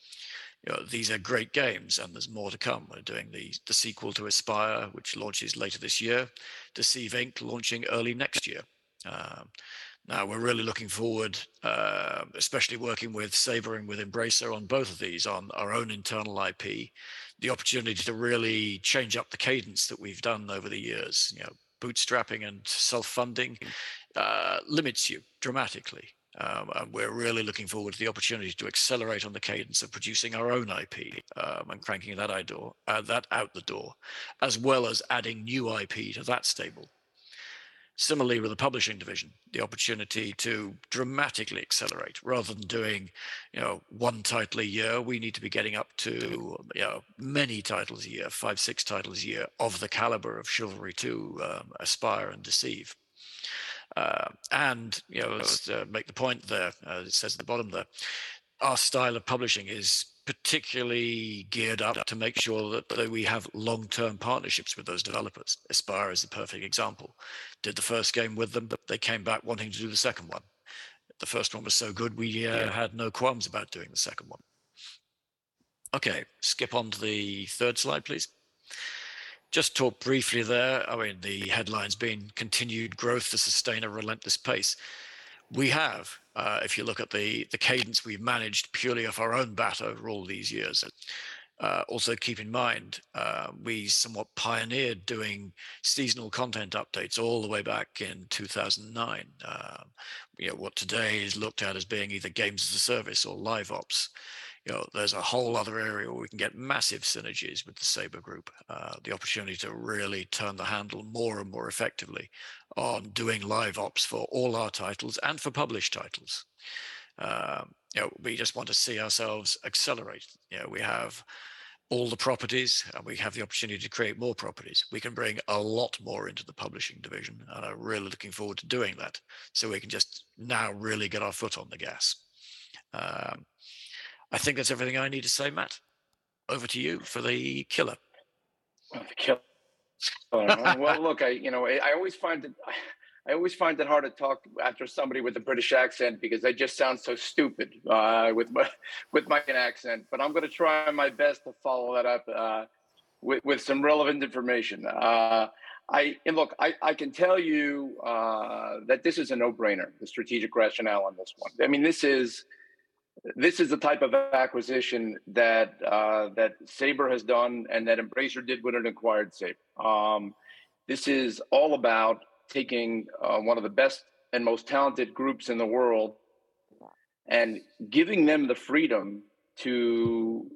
You know, these are great games, and there's more to come. We're doing the sequel to Espire, which launches later this year. Deceive Inc. launching early next year. Now we're really looking forward, especially working with Saber and with Embracer on both of these on our own internal IP, the opportunity to really change up the cadence that we've done over the years. You know, bootstrapping and self-funding limits you dramatically. We're really looking forward to the opportunity to accelerate on the cadence of producing our own IP, and cranking that out the door, as well as adding new IP to that stable. Similarly, with the publishing division, the opportunity to dramatically accelerate. Rather than doing, you know, 1 title a year, we need to be getting up to, you know, many titles a year, 5, 6 titles a year of the caliber of Chivalry 2, Espire, and Deceive. You know, let's make the point there, it says at the bottom there, our style of publishing is particularly geared up to make sure that we have long-term partnerships with those developers. Espire is the perfect example. Did the first game with them, but they came back wanting to do the second one. The first one was so good we had no qualms about doing the second one. Okay, skip onto the third slide, please. Just talk briefly there. I mean, the headline's been continued growth to sustain a relentless pace. We have, if you look at the cadence we've managed purely off our own bat over all these years. Also keep in mind, we somewhat pioneered doing seasonal content updates all the way back in 2009. You know, what today is looked at as being either games as a service or live ops. You know, there's a whole other area where we can get massive synergies with the Saber group. The opportunity to really turn the handle more and more effectively on doing live ops for all our titles and for published titles. You know, we just want to see ourselves accelerate. You know, we have all the properties, and we have the opportunity to create more properties. We can bring a lot more into the publishing division, and are really looking forward to doing that, so we can just now really get our foot on the gas. I think that's everything I need to say, Matt. Over to you for the killer. The killer. Well, look, you know, I always find it hard to talk after somebody with a British accent because they just sound so stupid with my American accent. But I'm gonna try my best to follow that up with some relevant information. Look, I can tell you that this is a no-brainer, the strategic rationale on this one. I mean, this is the type of acquisition that Saber has done and that Embracer did when it acquired Saber. This is all about taking one of the best and most talented groups in the world and giving them the freedom to.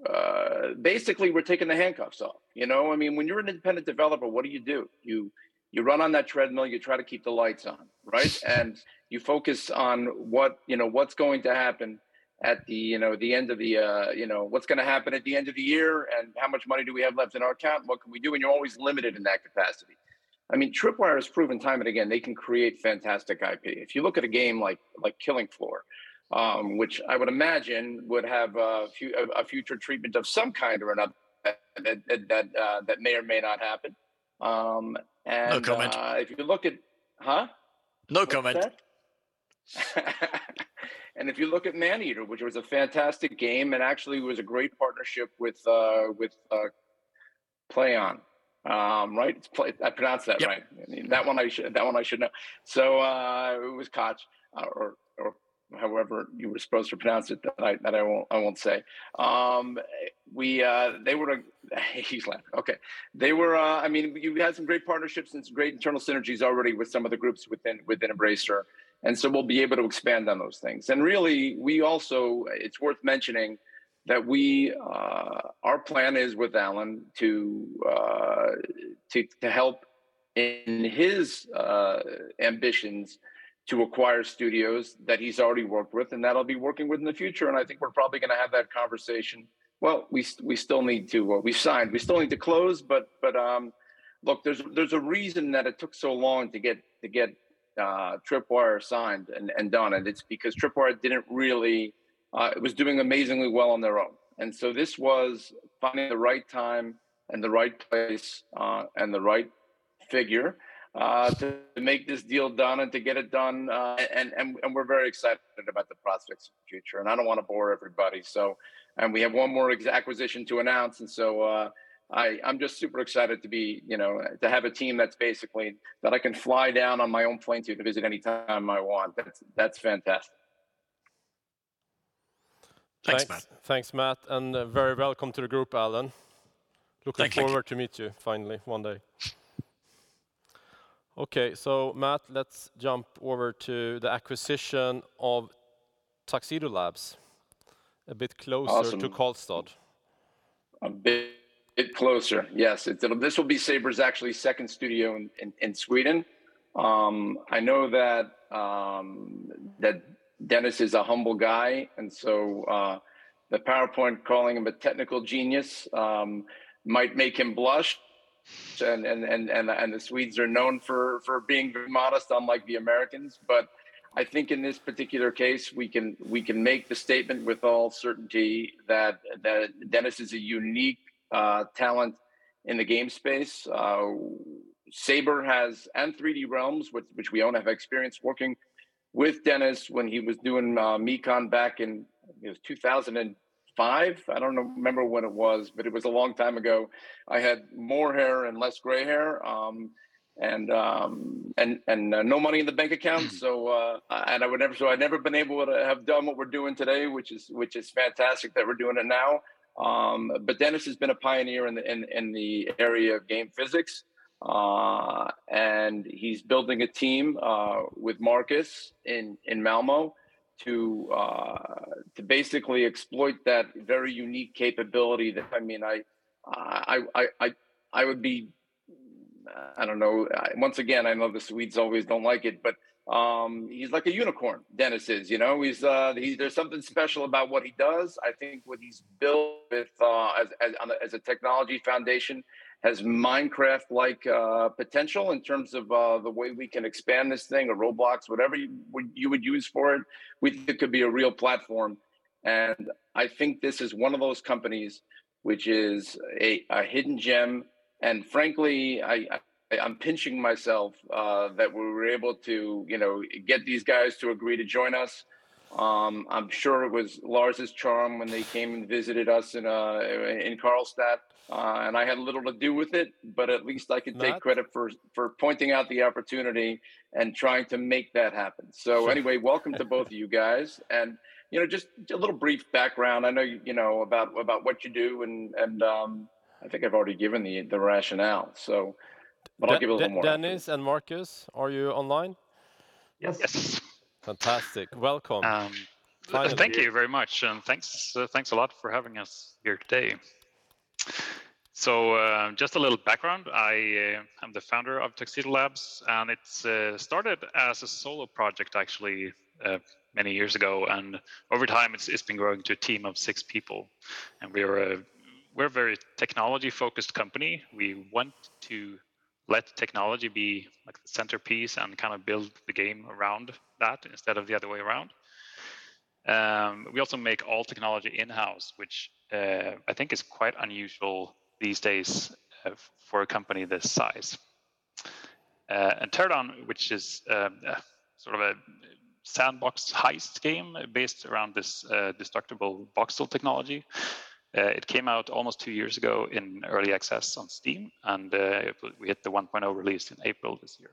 Basically we're taking the handcuffs off, you know? I mean, when you're an independent developer, what do you do? You run on that treadmill, you try to keep the lights on, right? You focus on what's going to happen at the end of the year, and how much money do we have left in our account? What can we do? You're always limited in that capacity. I mean, Tripwire has proven time and again they can create fantastic IP. If you look at a game like Killing Floor, which I would imagine would have a future treatment of some kind or another that may or may not happen. No comment.... if you look at... Huh? No comment. What's that? If you look at Maneater, which was a fantastic game, and actually was a great partnership with Plaion. Right? It's Plaion. I pronounced that right. Yep. That one I should know. It was Koch, or however you were supposed to pronounce it that I won't say. They were, I mean, we had some great partnerships and some great internal synergies already with some of the groups within Embracer, and so we'll be able to expand on those things. Really we also, it's worth mentioning that our plan is with Alan to help in his ambitions to acquire studios that he's already worked with and that he'll be working with in the future, and I think we're probably gonna have that conversation. Well, we still need to. Well, we've signed. We still need to close, but look, there's a reason that it took so long to get Tripwire signed and done, and it's because Tripwire was doing amazingly well on their own. This was finding the right time and the right place, and the right figure to make this deal done and to get it done. We're very excited about the prospects for the future. I don't wanna bore everybody, so we have one more acquisition to announce and so, I'm just super excited to be, you know, to have a team that's basically that I can fly down on my own plane to visit any time I want. That's fantastic. Thanks, Matt. Thanks, Matt, and very welcome to the group, Alan. Thank you. Looking forward to meet you finally one day. Okay. Matt, let's jump over to the acquisition of Tuxedo Labs. A bit closer- Awesome to Karlstad. A bit closer, yes. This will be Saber's actually second studio in Sweden. I know that Dennis is a humble guy, and so the PowerPoint calling him a technical genius might make him blush. The Swedes are known for being very modest unlike the Americans. I think in this particular case, we can make the statement with all certainty that Dennis is a unique talent in the game space. Saber has, and 3D Realms, which we own, have experience working with Dennis when he was doing Meqon back in, I think it was 2005. I don't know, remember when it was, but it was a long time ago. I had more hair and less gray hair and no money in the bank account. I'd never been able to have done what we're doing today, which is fantastic that we're doing it now. Dennis has been a pioneer in the area of game physics. He's building a team with Marcus in Malmö to basically exploit that very unique capability that I mean I would be. I don't know. Once again, I know the Swedes always don't like it, but he's like a unicorn, Dennis is. You know? He's something special about what he does. I think what he's built with as on a as a technology foundation has Minecraft-like potential in terms of the way we can expand this thing, or Roblox, whatever you would use for it. We think it could be a real platform. I think this is one of those companies which is a hidden gem, and frankly, I'm pinching myself that we were able to, you know, get these guys to agree to join us. I'm sure it was Lars' charm when they came and visited us in Karlstad, and I had little to do with it. Matt? at least I can take credit for pointing out the opportunity and trying to make that happen. Sure. Welcome to both of you guys. You know, just a little brief background. I know you know about what you do and I think I've already given the rationale. I'll give a little more. Dennis and Marcus, are you online? Yes. Yes. Fantastic. Welcome. Thank you very much, and thanks a lot for having us here today. Just a little background. I am the founder of Tuxedo Labs, and it started as a solo project actually, many years ago. Over time it's been growing to a team of six people. We are a very technology-focused company. We want to let technology be, like, the centerpiece and kind of build the game around that instead of the other way around. We also make all technology in-house, which I think is quite unusual these days for a company this size. Teardown, which is a sort of a sandbox heist game based around this destructible voxel technology, came out almost two years ago in early access on Steam, and we hit the 1.0 release in April this year.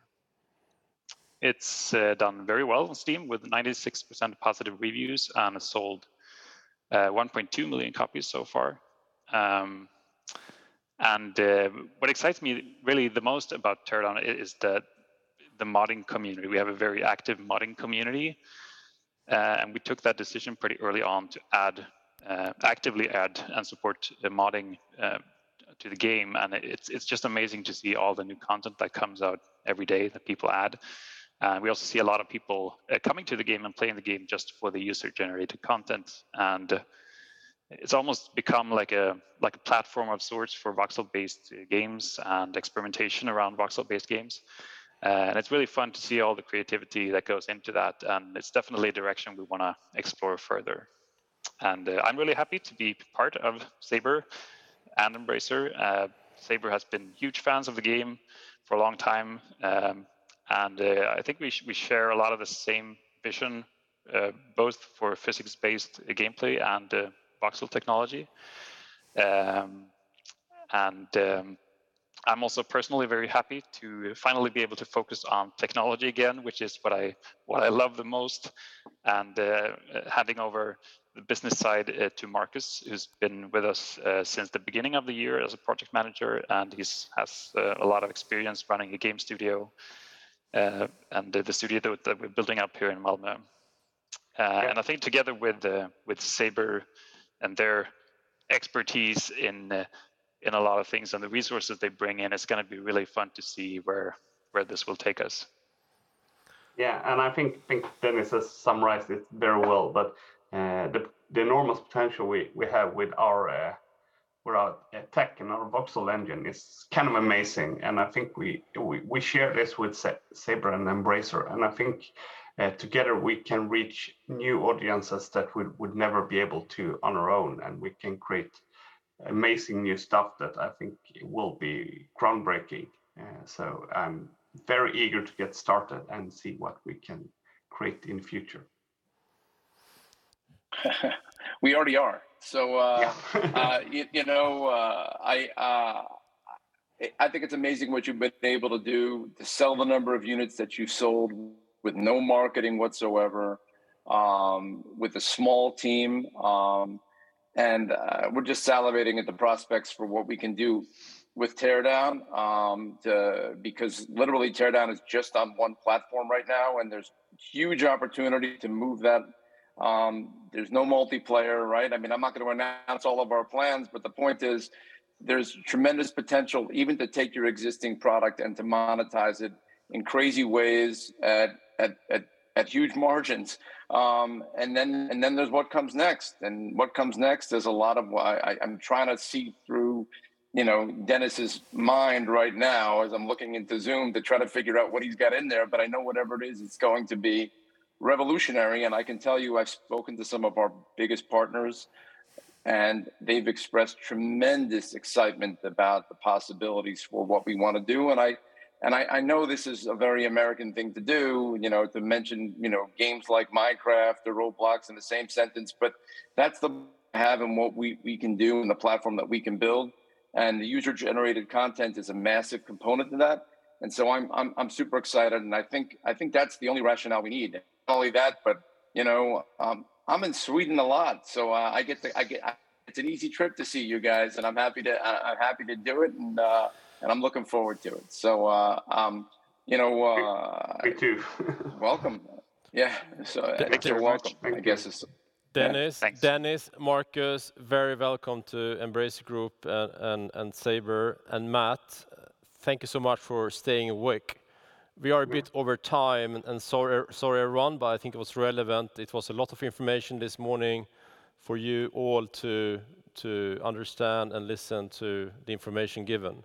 It's done very well on Steam with 96% positive reviews, and has sold 1.2 million copies so far. What excites me really the most about Teardown is the modding community. We have a very active modding community, and we took that decision pretty early on to actively add and support the modding to the game. It's just amazing to see all the new content that comes out every day that people add. We also see a lot of people coming to the game and playing the game just for the user-generated content. It's almost become like a platform of sorts for voxel-based games and experimentation around voxel-based games. It's really fun to see all the creativity that goes into that, and it's definitely a direction we wanna explore further. I'm really happy to be part of Saber and Embracer. Saber has been huge fans of the game for a long time, and I think we share a lot of the same vision both for physics-based gameplay and voxel technology. I'm also personally very happy to finally be able to focus on technology again, which is what I love the most, and handing over the business side to Marcus, who's been with us since the beginning of the year as a project manager, and he has a lot of experience running a game studio, and the studio that we're building up here in Malmö. I think together with Saber and their expertise in a lot of things and the resources they bring in, it's gonna be really fun to see where this will take us. Yeah. I think Dennis has summarized it very well. The enormous potential we have with our tech and our voxel engine is kind of amazing, and I think we share this with Saber and Embracer. I think together we can reach new audiences that we would never be able to on our own, and we can create amazing new stuff that I think will be groundbreaking. I'm very eager to get started and see what we can create in the future. We already are. Yeah. You know, I think it's amazing what you've been able to do. To sell the number of units that you've sold with no marketing whatsoever, with a small team. We're just salivating at the prospects for what we can do with Teardown, because literally Teardown is just on one platform right now, and there's huge opportunity to move that. There's no multiplayer, right? I mean, I'm not gonna announce all of our plans, but the point is there's tremendous potential even to take your existing product and to monetize it in crazy ways at huge margins. Then there's what comes next. What comes next, there's a lot of what I'm trying to see through, you know, Dennis's mind right now as I'm looking into Zoom to try to figure out what he's got in there. I know whatever it is, it's going to be revolutionary. I can tell you, I've spoken to some of our biggest partners, and they've expressed tremendous excitement about the possibilities for what we wanna do. I know this is a very American thing to do, you know, to mention, you know, games like Minecraft or Roblox in the same sentence, but that's the half of what we can do and the platform that we can build. The user-generated content is a massive component to that. I'm super excited, and I think that's the only rationale we need. Not only that, but you know, I'm in Sweden a lot, so it's an easy trip to see you guys, and I'm happy to do it, and I'm looking forward to it. You know, Me too. Welcome. Yeah. You're welcome. Thank you. I guess it's- Dennis. Thanks. Dennis, Marcus, very welcome to Embracer Group, and Saber. Matt, thank you so much for staying awake. We are a bit over time, and sorry, everyone, but I think it was relevant. It was a lot of information this morning for you all to understand and listen to the information given.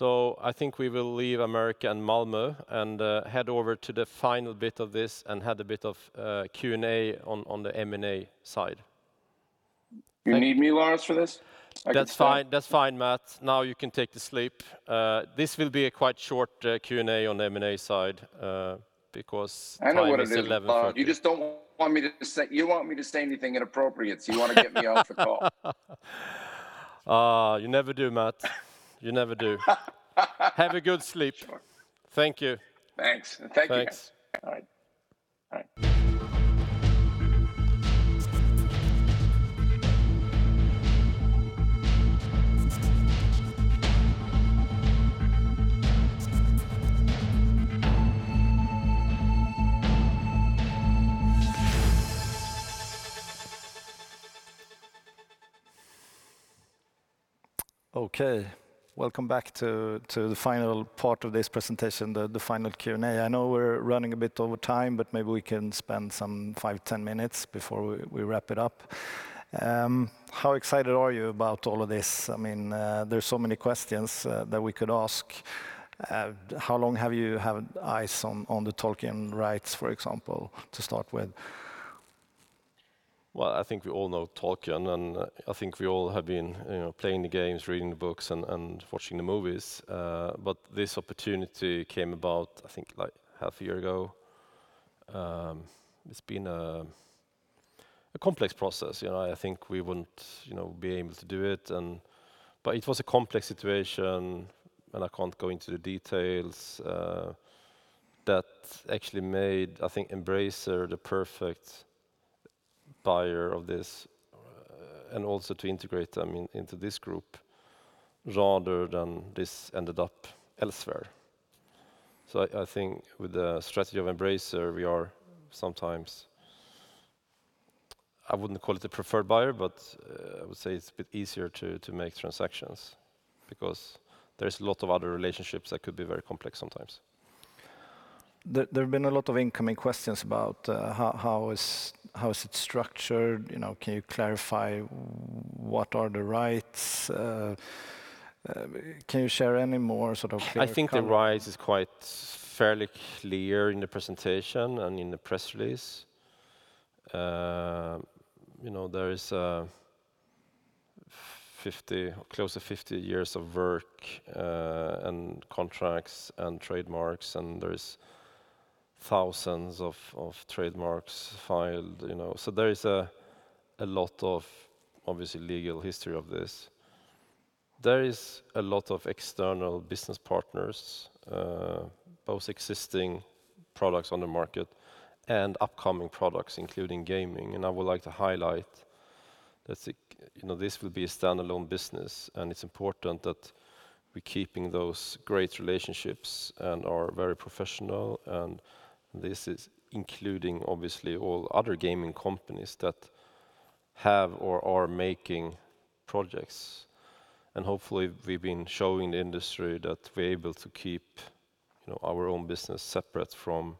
I think we will leave America and Malmö and head over to the final bit of this and have a bit of Q&A on the M&A side. You need me, Lars, for this? I can stop. That's fine, Matt. Now you can take a seat. This will be quite a short Q&A on the M&A side, because time is 11:40 A.M. I know what it is, Lars. You just don't want me to say anything inappropriate, so you wanna get me off the call. You never do, Matt. You never do. Have a good sleep. Sure. Thank you. Thanks. Thank you, guys. Thanks. All right. Okay. Welcome back to the final part of this presentation, the final Q&A. I know we're running a bit over time, but maybe we can spend some 5-10 minutes before we wrap it up. How excited are you about all of this? I mean, there's so many questions that we could ask. How long have you had eyes on the Tolkien rights, for example, to start with? Well, I think we all know Tolkien, and I think we all have been, you know, playing the games, reading the books, and watching the movies. This opportunity came about, I think, like half a year ago. It's been a complex process. You know, I think we wouldn't, you know, be able to do it. It was a complex situation, and I can't go into the details that actually made, I think, Embracer the perfect buyer of this, and also to integrate them into this group rather than this ended up elsewhere. I think with the strategy of Embracer, we are sometimes. I wouldn't call it the preferred buyer, but I would say it's a bit easier to make transactions because there's a lot of other relationships that could be very complex sometimes. There have been a lot of incoming questions about how it is structured, you know. Can you clarify what are the rights? Can you share any more sort of I think the rights is quite fairly clear in the presentation and in the press release. You know, there is 50, close to 50 years of work, and contracts and trademarks, and there is thousands of trademarks filed, you know. There is a lot of, obviously, legal history of this. There is a lot of external business partners, both existing products on the market and upcoming products, including gaming. I would like to highlight that you know, this will be a standalone business, and it's important that we're keeping those great relationships and are very professional, and this is including, obviously, all other gaming companies that have or are making projects. Hopefully, we've been showing the industry that we're able to keep, you know, our own business separate from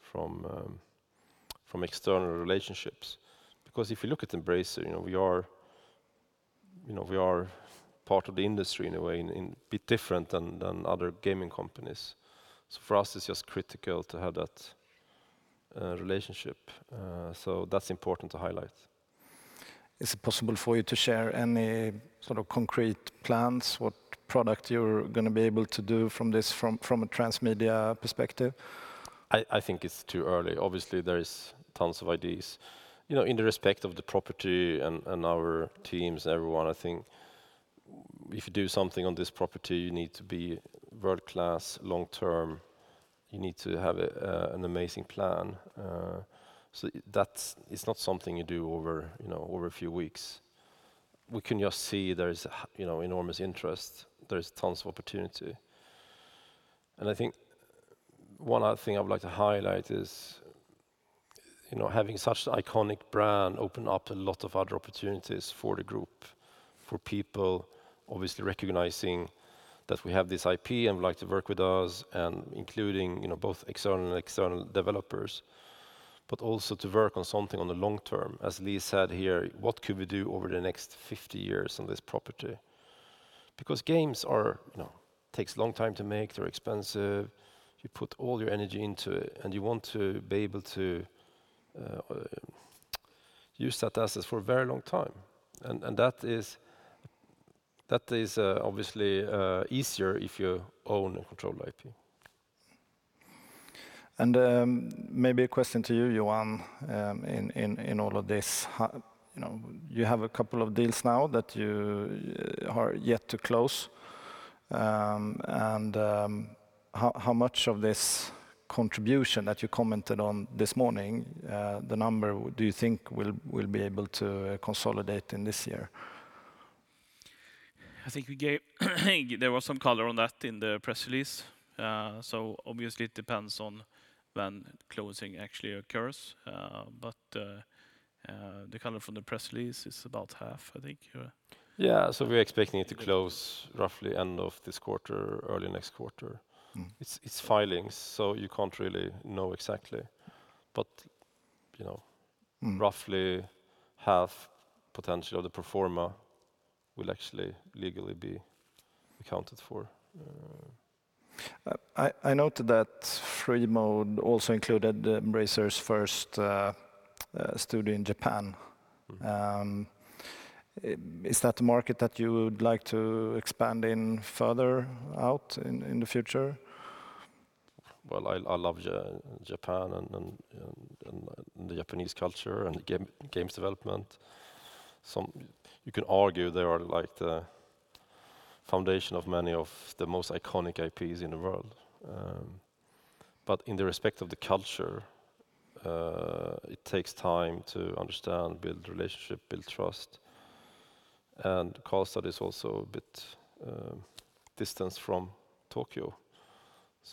from external relationships. Because if you look at Embracer, you know, we are part of the industry in a way, a bit different than other gaming companies. For us, it's just critical to have that relationship. That's important to highlight. Is it possible for you to share any sort of concrete plans, what product you're gonna be able to do from this, from a transmedia perspective? I think it's too early. Obviously, there is tons of ideas. You know, in the respect of the property and our teams, everyone, I think if you do something on this property, you need to be world-class long term. You need to have an amazing plan. So that's—it's not something you do over, you know, over a few weeks. We can just see there's, you know, enormous interest, there's tons of opportunity. I think one other thing I would like to highlight is, you know, having such iconic brand open up a lot of other opportunities for the group, for people obviously recognizing that we have this IP and would like to work with us and including, you know, both external developers, but also to work on something on the long term. As Lee said here, what could we do over the next 50 years on this property? Because games are you know, takes a long time to make, they're expensive, you put all your energy into it, and you want to be able to use that assets for a very long time. That is obviously easier if you own and control the IP. Maybe a question to you, Johan, in all of this. You know, you have a couple of deals now that you are yet to close. How much of this contribution that you commented on this morning, the number do you think we'll be able to consolidate in this year? I think there was some color on that in the press release. Obviously, it depends on when closing actually occurs. The color from the press release is about half, I think. Yeah. Yeah. We're expecting it to close roughly end of this quarter, early next quarter. Mm-hmm. It's filings, so you can't really know exactly. You know. Mm-hmm Roughly half potential of the pro forma will actually legally be accounted for. I noted that Freemode also included Embracer's first studio in Japan. Is that the market that you would like to expand in further out in the future? Well, I love Japan and the Japanese culture and games development. You can argue they are like the foundation of many of the most iconic IPs in the world. But in respect of the culture, it takes time to understand, build relationship, build trust. Karlstad is also a bit distant from Tokyo.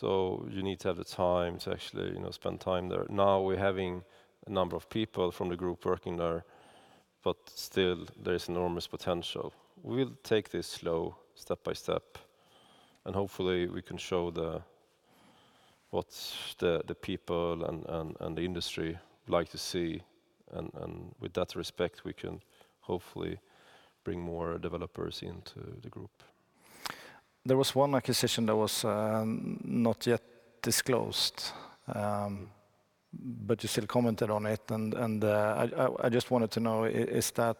You need to have the time to actually, you know, spend time there. Now we're having a number of people from the group working there, but still there is enormous potential. We'll take this slow, step by step, and hopefully we can show what the people and the industry like to see. With that respect, we can hopefully bring more developers into the group. There was one acquisition that was not yet disclosed, but you still commented on it. I just wanted to know, is that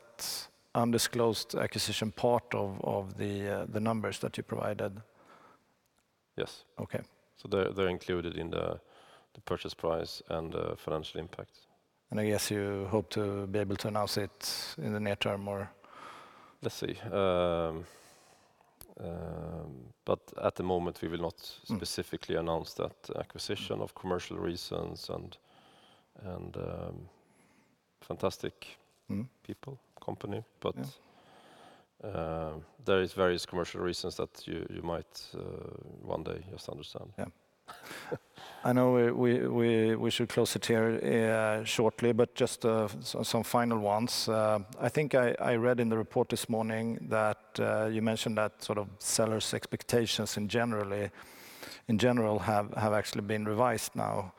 undisclosed acquisition part of the numbers that you provided? Yes. Okay. They're included in the purchase price and the financial impact. I guess you hope to be able to announce it in the near term or? Let's see. At the moment we will not specifically announce that acquisition for commercial reasons and fantastic. Mm-hmm People, company. Yeah. There is various commercial reasons that you might one day just understand. Yeah. I know we should close it here shortly, but just some final ones. I think I read in the report this morning that you mentioned that sort of sellers' expectations in general have actually been revised now.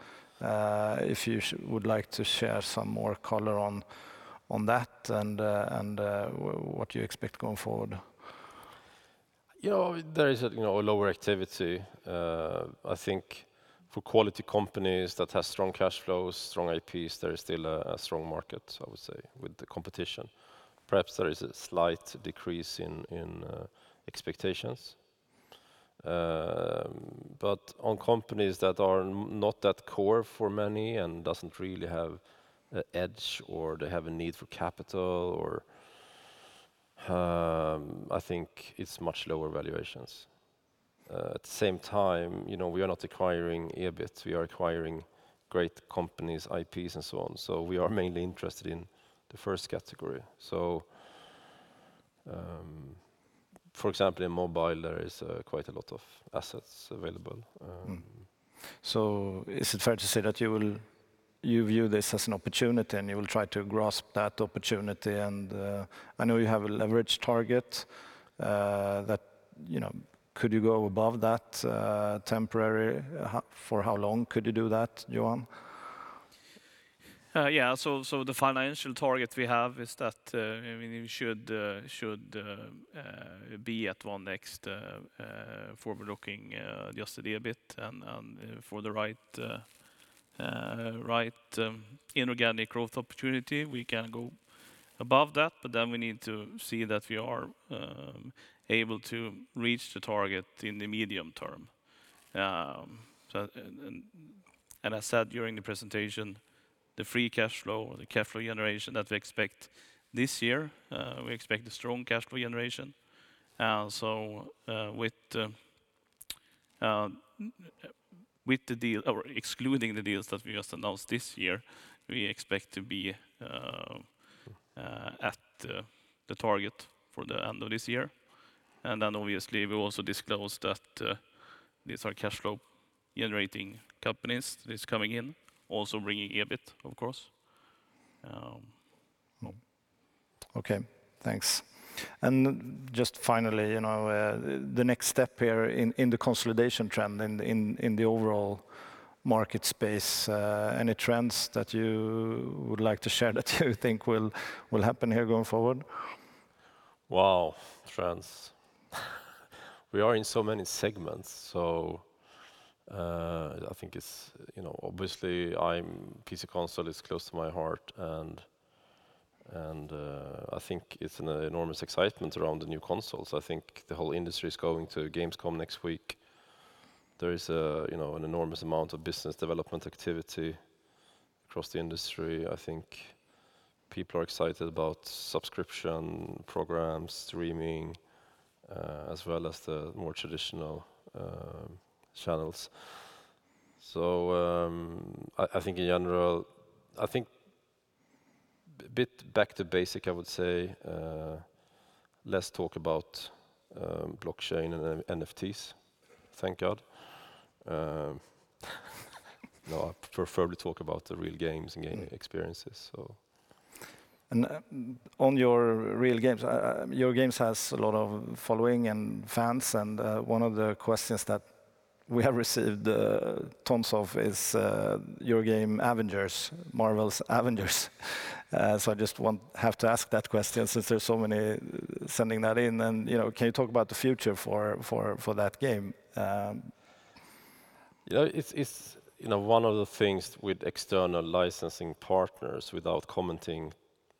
If you would like to share some more color on that and what you expect going forward. You know, there is a lower activity. I think for quality companies that have strong cash flows, strong IPs, there is still a strong market, I would say, with the competition. Perhaps there is a slight decrease in expectations. On companies that are not that core for many and doesn't really have an edge, or they have a need for capital, I think it's much lower valuations. At the same time, you know, we are not acquiring EBIT. We are acquiring great companies, IPs, and so on. For example, in mobile, there is quite a lot of assets available. Mm-hmm. Is it fair to say that you view this as an opportunity, and you will try to grasp that opportunity? I know you have a leverage target, that, you know, could you go above that, temporarily? For how long could you do that, Johan? Yeah. The financial target we have is that, I mean, we should be at 15% forward-looking Adjusted EBIT. For the right inorganic growth opportunity, we can go above that, but then we need to see that we are able to reach the target in the medium term. As said during the presentation, the free cash flow or the cash flow generation that we expect this year, we expect a strong cash flow generation. With the deal or excluding the deals that we just announced this year, we expect to be at the target for the end of this year. Obviously we also disclosed that these are cash flow generating companies that is coming in, also bringing EBIT, of course. Okay. Thanks. Just finally, you know, the next step here in the consolidation trend in the overall market space, any trends that you would like to share that you think will happen here going forward? Wow. Trends. We are in so many segments. I think it's, you know, obviously PC console is close to my heart and I think it's an enormous excitement around the new consoles. I think the whole industry is going to Gamescom next week. There is, you know, an enormous amount of business development activity across the industry. I think people are excited about subscription programs, streaming, as well as the more traditional channels. I think in general, I think back to basics, I would say. Less talk about blockchain and then NFTs, thank God. No, I prefer to talk about the real games and gaming experiences. On your real games, your games has a lot of following and fans, and one of the questions that we have received tons of is your game "Marvel's Avengers." So I just have to ask that question since there's so many sending that in. You know, can you talk about the future for that game? You know, it's you know, one of the things with external licensing partners, without commenting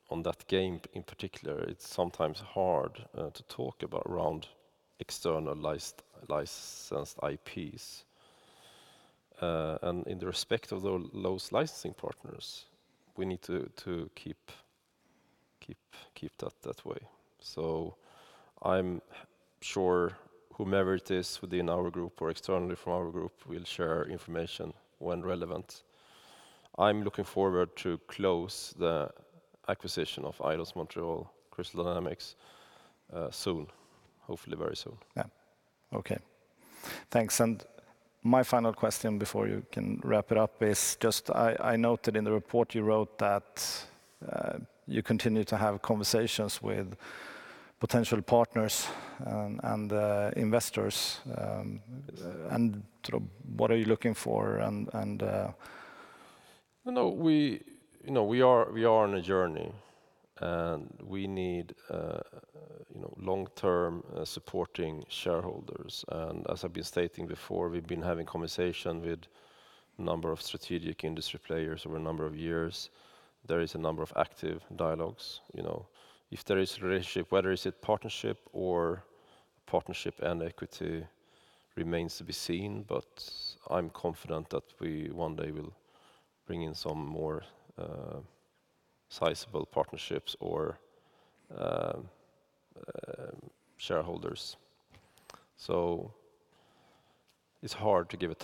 on that game in particular, it's sometimes hard to talk about around external licensed IPs. In respect of those licensing partners, we need to keep that way. I'm sure whomever it is within our group or externally from our group will share information when relevant. I'm looking forward to closing the acquisition of Eidos-Montréal, Crystal Dynamics soon, hopefully very soon. Yeah. Okay. Thanks. My final question before you can wrap it up is just I noted in the report you wrote that you continue to have conversations with potential partners and investors, and sort of what are you looking for and. You know, we are on a journey, and we need long-term supporting shareholders. As I've been stating before, we've been having conversation with a number of strategic industry players over a number of years. There is a number of active dialogues, you know. If there is a relationship, whether is it partnership or partnership and equity remains to be seen, but I'm confident that we one day will bring in some more sizable partnerships or shareholders. It's hard to give a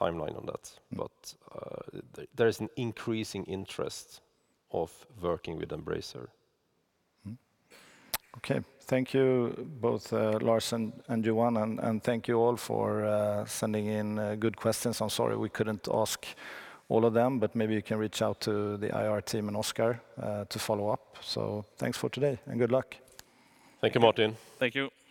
timeline on that. Mm-hmm. There is an increasing interest of working with Embracer. Okay. Thank you both, Lars and Johan, and thank you all for sending in good questions. I'm sorry we couldn't ask all of them, but maybe you can reach out to the IR team and Oskar to follow up. Thanks for today, and good luck. Thank you, Martin. Thank you.